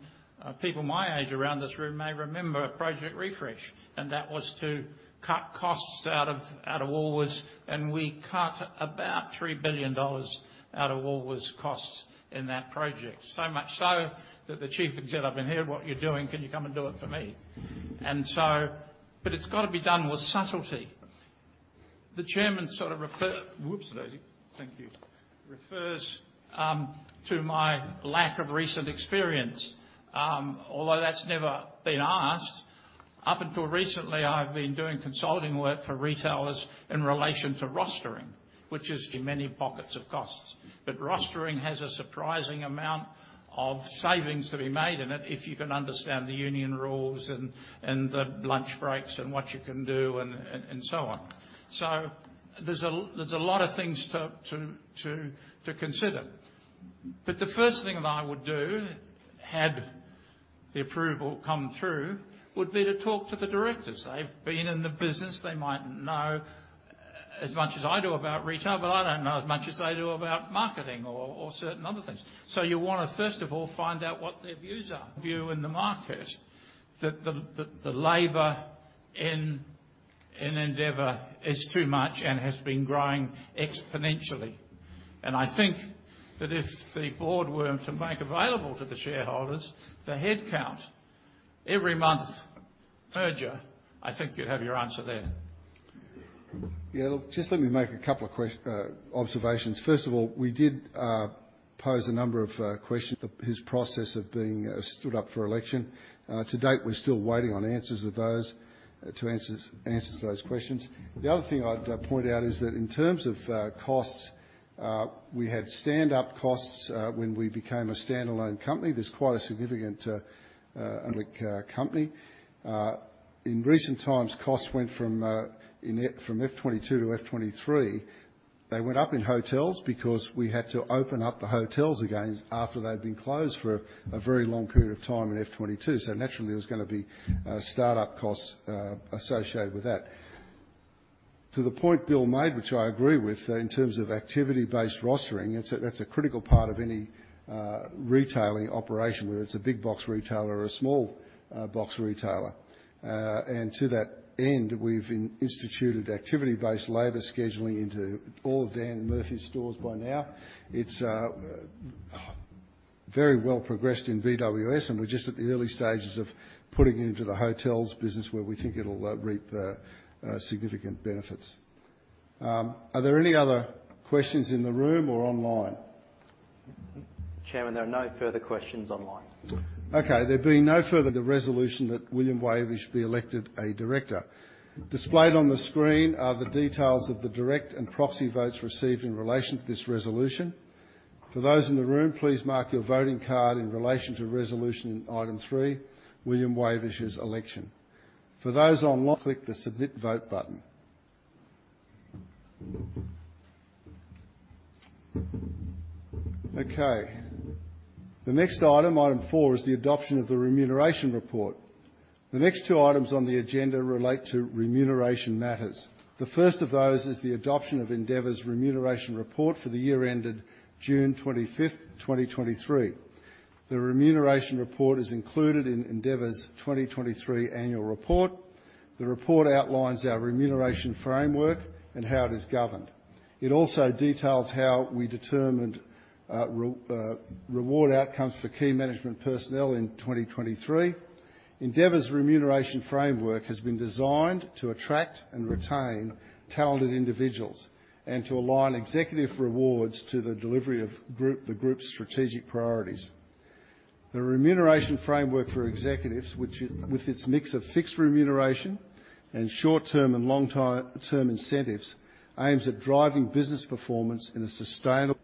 people my age around this room may remember Project Refresh, and that was to cut costs out of Woolworths, and we cut about 3 billion dollars out of Woolworths' costs in that project. So much so that the chief exec up in here: "What you're doing, can you come and do it for me?" And so... But it's gotta be done with subtlety. The chairman sort of refers... Whoops, lady. Thank you. Refers to my lack of recent experience, although that's never been asked. Up until recently, I've been doing consulting work for retailers in relation to rostering, which is in many pockets of costs. But rostering has a surprising amount of savings to be made in it, if you can understand the union rules and the lunch breaks, and what you can do, and so on. So there's a lot of things to consider. But the first thing that I would do, had the approval come through, would be to talk to the directors. They've been in the business. They mightn't know as much as I do about retail, but I don't know as much as they do about marketing or certain other things. So you want to, first of all, find out what their views are. The view in the market is that the labor in Endeavour is too much and has been growing exponentially.I think that if the board were to make available to the shareholders the headcount every month per year, I think you'd have your answer there. Yeah, look, just let me make a couple of observations. First of all, we did pose a number of questions of his process of being stood up for election. To date, we're still waiting on answers to those questions. The other thing I'd point out is that in terms of costs, we had stand-up costs when we became a standalone company. There's quite a significant like company. In recent times, costs went from FY2022 to FY2023. They went up in hotels because we had to open up the hotels again after they'd been closed for a very long period of time in FY2022. So naturally, there was gonna be startup costs associated with that. To the point Bill made, which I agree with, in terms of activity-based rostering, that's a critical part of any retailing operation, whether it's a big box retailer or a small box retailer. And to that end, we've instituted activity-based labor scheduling into all Dan Murphy's stores by now. It's very well progressed in BWS, and we're just at the early stages of putting it into the hotels business, where we think it'll reap significant benefits. Are there any other questions in the room or online? Chairman, there are no further questions online. Okay. There being no further, the resolution that William Wavish be elected a director. Displayed on the screen are the details of the direct and proxy votes received in relation to this resolution. For those in the room, please mark your voting card in relation to resolution in item three, William Wavish's election. For those online, click the Submit Vote button. Okay, the next item, item four, is the adoption of the remuneration report. The next two items on the agenda relate to remuneration matters. The first of those is the adoption of Endeavour's remuneration report for the year ended June 25th, 2023. The remuneration report is included in Endeavour's 2023 Annual Report. The report outlines our remuneration framework and how it is governed. It also details how we determined reward outcomes for key management personnel in 2023. Endeavour's remuneration framework has been designed to attract and retain talented individuals and to align executive rewards to the delivery of the group's strategic priorities. The remuneration framework for executives, which is with its mix of fixed remuneration and short-term and long-term incentives, aims at driving business performance in a sustainable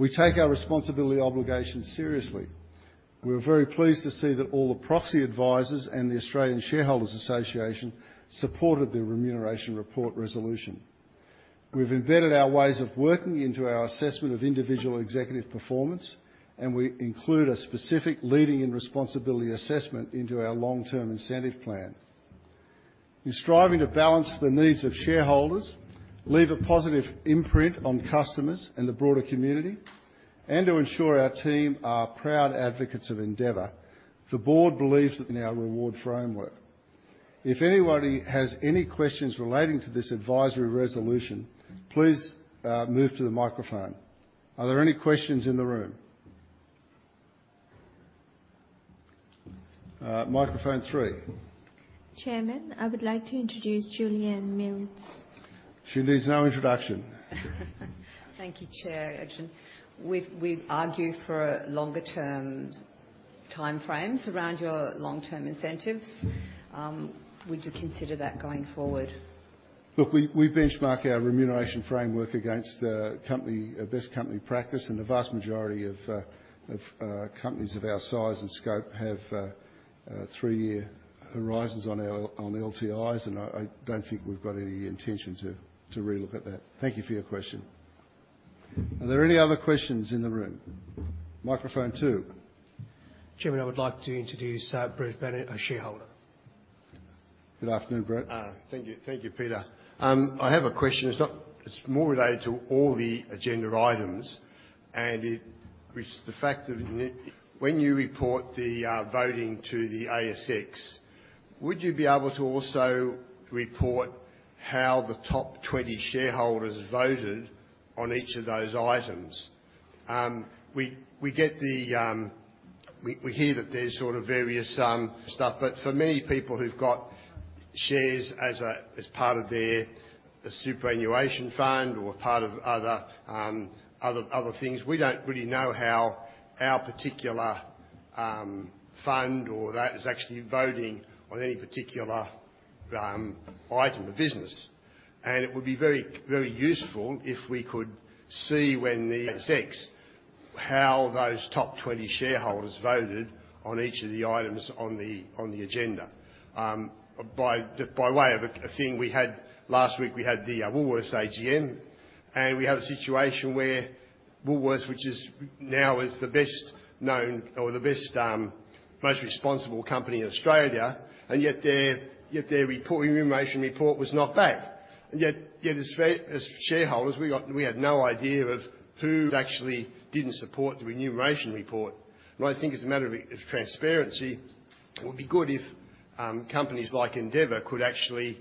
way. We take our responsibility obligations seriously. We are very pleased to see that all the proxy advisors and the Australian Shareholders Association supported the remuneration report resolution. We've embedded our ways of working into our assessment of individual executive performance, and we include a specific Leading in Responsibility assessment into our long-term incentive plan. In striving to balance the needs of shareholders, to leave a positive imprint on customers and the broader community, and to ensure our team are proud advocates of Endeavour, the board believes that in our reward framework. If anybody has any questions relating to this advisory resolution, please, move to the microphone. Are there any questions in the room? Microphone three. Chairman, I would like to introduce Julieanne Mills. She needs no introduction. Thank you, Chair Adrian. We've, we've argued for longer term timeframes around your long-term incentives. Would you consider that going forward? Look, we benchmark our remuneration framework against company best practice, and the vast majority of companies of our size and scope have three-year horizons on our LTIs, and I don't think we've got any intention to re-look at that. Thank you for your question. Are there any other questions in the room? Microphone two. Chairman, I would like to introduce, Brett Bennett, a shareholder. Good afternoon, Brett. Thank you. Thank you, Peter. I have a question. It's not, it's more related to all the agenda items, and it, which is the fact that when you report the voting to the ASX, would you be able to also report how the top 20 shareholders voted on each of those items? We get the, we hear that there's sort of various stuff, but for many people who've got shares as a, as part of their superannuation fund or part of other things, we don't really know how our particular fund or that is actually voting on any particular item of business. And it would be very, very useful if we could see when the ASX, how those top 20 shareholders voted on each of the items on the agenda. By way of a thing we had last week, we had the Woolworths AGM, and we had a situation where Woolworths, which is now the best-known or the best, most responsible company in Australia, and yet their remuneration report was not bad. And yet, as far as shareholders, we got, we had no idea of who actually didn't support the remuneration report. And I think as a matter of transparency, it would be good if companies like Endeavour could actually,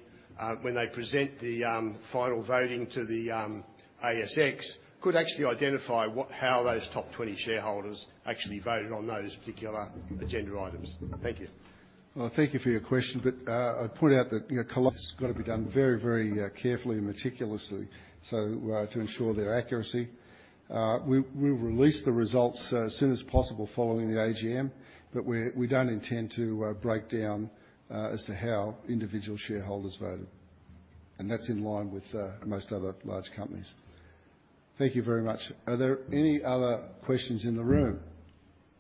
when they present the final voting to the ASX, could actually identify what, how those top 20 shareholders actually voted on those particular agenda items. Thank you. Well, thank you for your question, but I'd point out that, you know, counts got to be done very, very carefully and meticulously, so to ensure their accuracy. We'll release the results as soon as possible following the AGM, but we don't intend to break down as to how individual shareholders voted, and that's in line with most other large companies. Thank you very much. Are there any other questions in the room?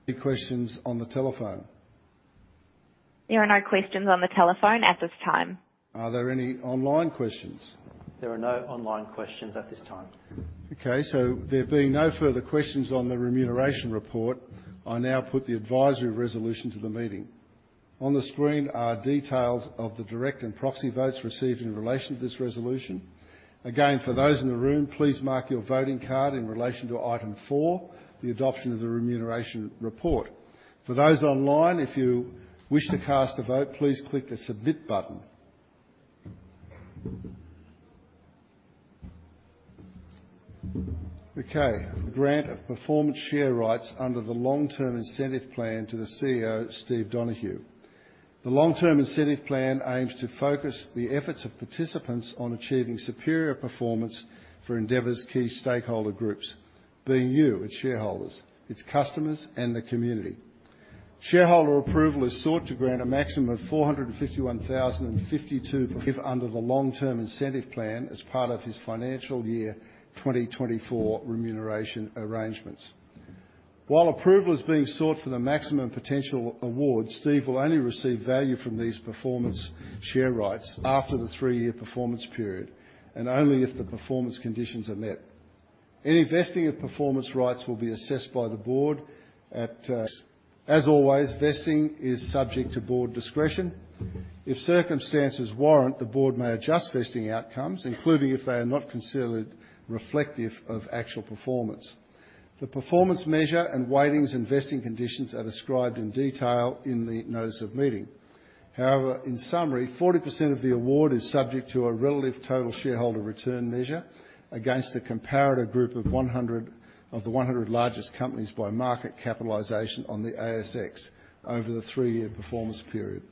Any questions on the telephone? There are no questions on the telephone at this time. Are there any online questions? There are no online questions at this time. Okay, so there being no further questions on the remuneration report, I now put the advisory resolution to the meeting. On the screen are details of the direct and proxy votes received in relation to this resolution. Again, for those in the room, please mark your voting card in relation to item four, the adoption of the remuneration report. For those online, if you wish to cast a vote, please click the Submit button. Okay, grant of performance share rights under the Long-Term Incentive Plan to the CEO, Steve Donohue. The Long-Term Incentive Plan aims to focus the efforts of participants on achieving superior performance for Endeavour's key stakeholder groups, being you, its shareholders, its customers, and the community. Shareholder approval is sought to grant a maximum of 451,052 under the Long Term Incentive Plan as part of his financial year 2024 remuneration arrangements. While approval is being sought for the maximum potential award, Steve will only receive value from these performance share rights after the three-year performance period, and only if the performance conditions are met. Any vesting of performance rights will be assessed by the board at. As always, vesting is subject to board discretion. If circumstances warrant, the board may adjust vesting outcomes, including if they are not considered reflective of actual performance. The performance measure and weightings and vesting conditions are described in detail in the Notice of Meeting.However, in summary, 40% of the award is subject to a relative Total Shareholder Return measure against a comparative group of 100-- of the 100 largest companies by market capitalization on the ASX over the three-year performance period.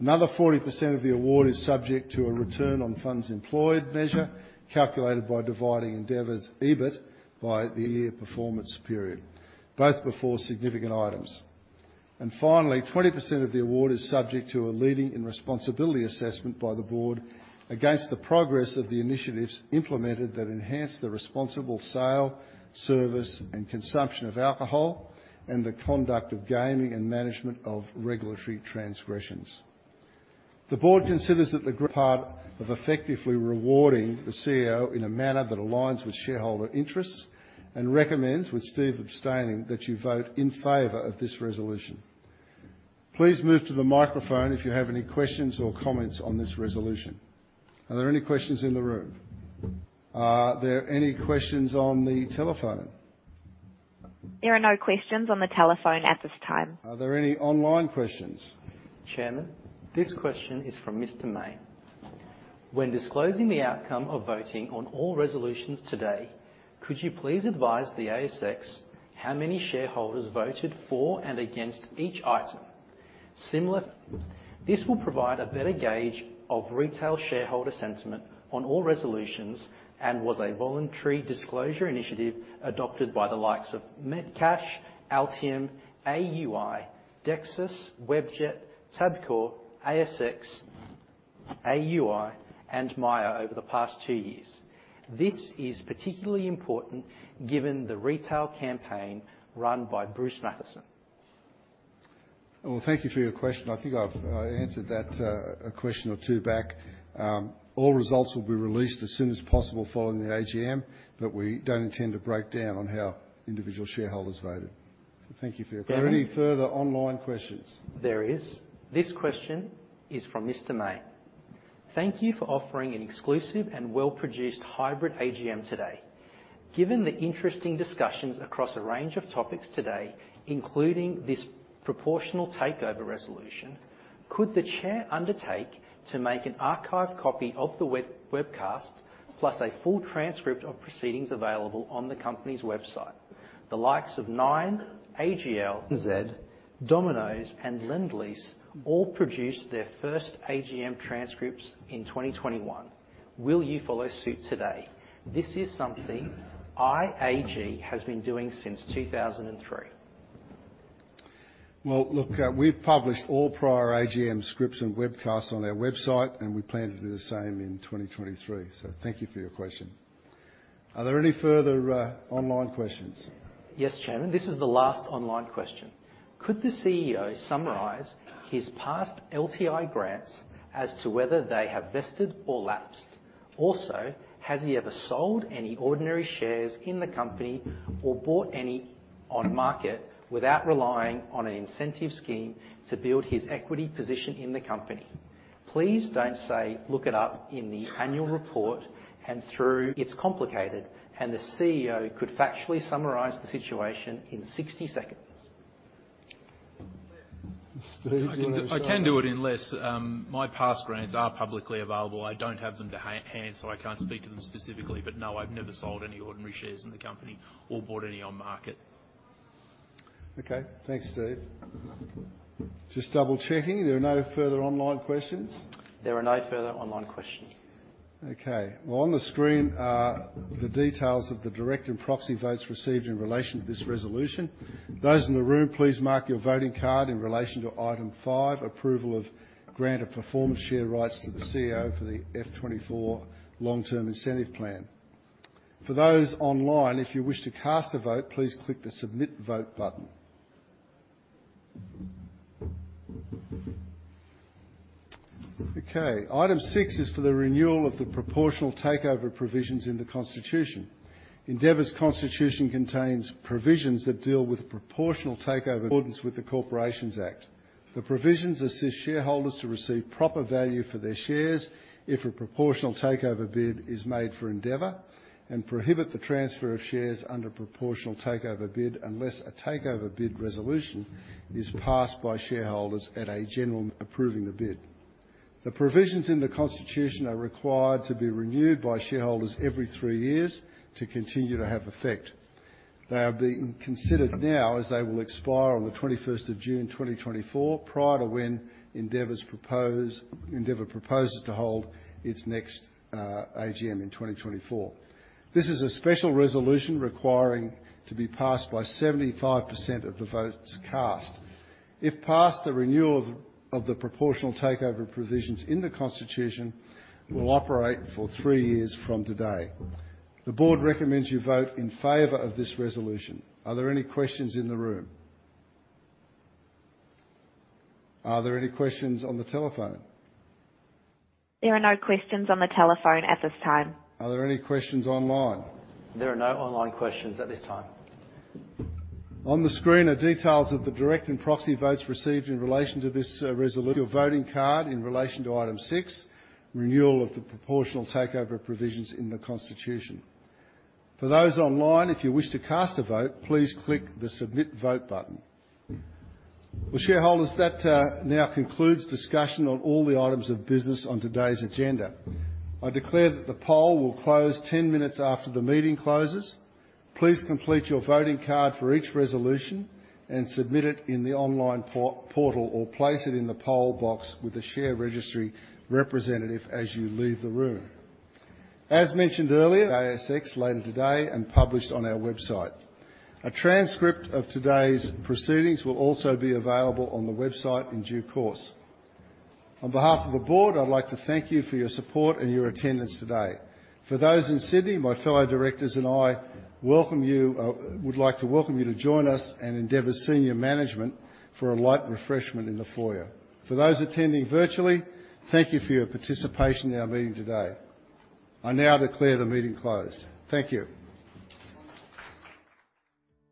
Another 40% of the award is subject to a Return on Funds Employed measure, calculated by dividing Endeavour's EBIT by the year performance period, both before significant items. And finally, 20% of the award is subject to a Leading in Responsibility assessment by the board against the progress of the initiatives implemented that enhance the responsible sale, service, and consumption of alcohol, and the conduct of gaming and management of regulatory transgressions. The board considers that the part of effectively rewarding the CEO in a manner that aligns with shareholder interests, and recommends, with Steve abstaining, that you vote in favor of this resolution. Please move to the microphone if you have any questions or comments on this resolution. Are there any questions in the room? Are there any questions on the telephone? There are no questions on the telephone at this time. Are there any online questions? Chairman, this question is from Mr. May: When disclosing the outcome of voting on all resolutions today, could you please advise the ASX how many shareholders voted for and against each item? Similarly, this will provide a better gauge of retail shareholder sentiment on all resolutions and was a voluntary disclosure initiative adopted by the likes of Metcash, Altium, DUI, Dexus, Webjet, Tabcorp, ASX, DUI, and Myer over the past two years. This is particularly important given the retail campaign run by Bruce Mathieson. Well, thank you for your question. I think I've answered that a question or two back. All results will be released as soon as possible following the AGM, but we don't intend to break down on how individual shareholders voted. Thank you for your query. Chairman- Are there any further online questions? There is. This question is from Mr. May: Thank you for offering an exclusive and well-produced hybrid AGM today. Given the interesting discussions across a range of topics today, including this proportional takeover resolution, could the Chair undertake to make an archived copy of the web, webcast, plus a full transcript of proceedings available on the company's website? The likes of Nine, AGL, Z, Domino's, and Lendlease all produced their first AGM transcripts in 2021. Will you follow suit today? This is something IAG has been doing since 2003. Well, look, we've published all prior AGM scripts and webcasts on our website, and we plan to do the same in 2023. So thank you for your question. Are there any further online questions? Yes, Chairman, this is the last online question: Could the CEO summarize his past LTI grants as to whether they have vested or lapsed? Also, has he ever sold any ordinary shares in the company or bought any on market without relying on an incentive scheme to build his equity position in the company? Please don't say, "Look it up in the annual report," It's complicated, and the CEO could factually summarize the situation in 60 seconds. Yes. Steve, you want to go ahead? I can do it in less. My past grants are publicly available. I don't have them to hand, so I can't speak to them specifically, but no, I've never sold any ordinary shares in the company or bought any on market. Okay, thanks, Steve. Just double-checking, there are no further online questions? There are no further online questions. Okay. Well, on the screen are the details of the direct and proxy votes received in relation to this resolution. Those in the room, please mark your voting card in relation to Item five, approval of grant of performance share rights to the CEO for the FY2024 long-term incentive plan. For those online, if you wish to cast a vote, please click the Submit Vote button. Okay, Item six is for the renewal of the proportional takeover provisions in the constitution. Endeavour's constitution contains provisions that deal with proportional takeover in accordance with the Corporations Act. The provisions assist shareholders to receive proper value for their shares if a proportional takeover bid is made for Endeavour, and prohibit the transfer of shares under proportional takeover bid, unless a takeover bid resolution is passed by shareholders at a general approving the bid. The provisions in the constitution are required to be renewed by shareholders every three years to continue to have effect. They are being considered now as they will expire on the 21st of June, 2024, prior to when Endeavour proposes to hold its next AGM in 2024. This is a special resolution requiring to be passed by 75% of the votes cast. If passed, the renewal of the proportional takeover provisions in the constitution will operate for three years from today. The board recommends you vote in favor of this resolution. Are there any questions in the room? Are there any questions on the telephone? There are no questions on the telephone at this time. Are there any questions online? There are no online questions at this time. On the screen are details of the direct and proxy votes received in relation to this, your voting card in relation to Item six, renewal of the proportional takeover provisions in the constitution. For those online, if you wish to cast a vote, please click the Submit Vote button. Well, shareholders, that now concludes discussion on all the items of business on today's agenda. I declare that the poll will close 10 minutes after the meeting closes. Please complete your voting card for each resolution and submit it in the online portal, or place it in the poll box with the share registry representative as you leave the room. As mentioned earlier, ASX later today and published on our website. A transcript of today's proceedings will also be available on the website in due course. On behalf of the board, I'd like to thank you for your support and your attendance today. For those in Sydney, my fellow directors and I welcome you, would like to welcome you to join us and Endeavour's senior management for a light refreshment in the foyer. For those attending virtually, thank you for your participation in our meeting today. I now declare the meeting closed. Thank you!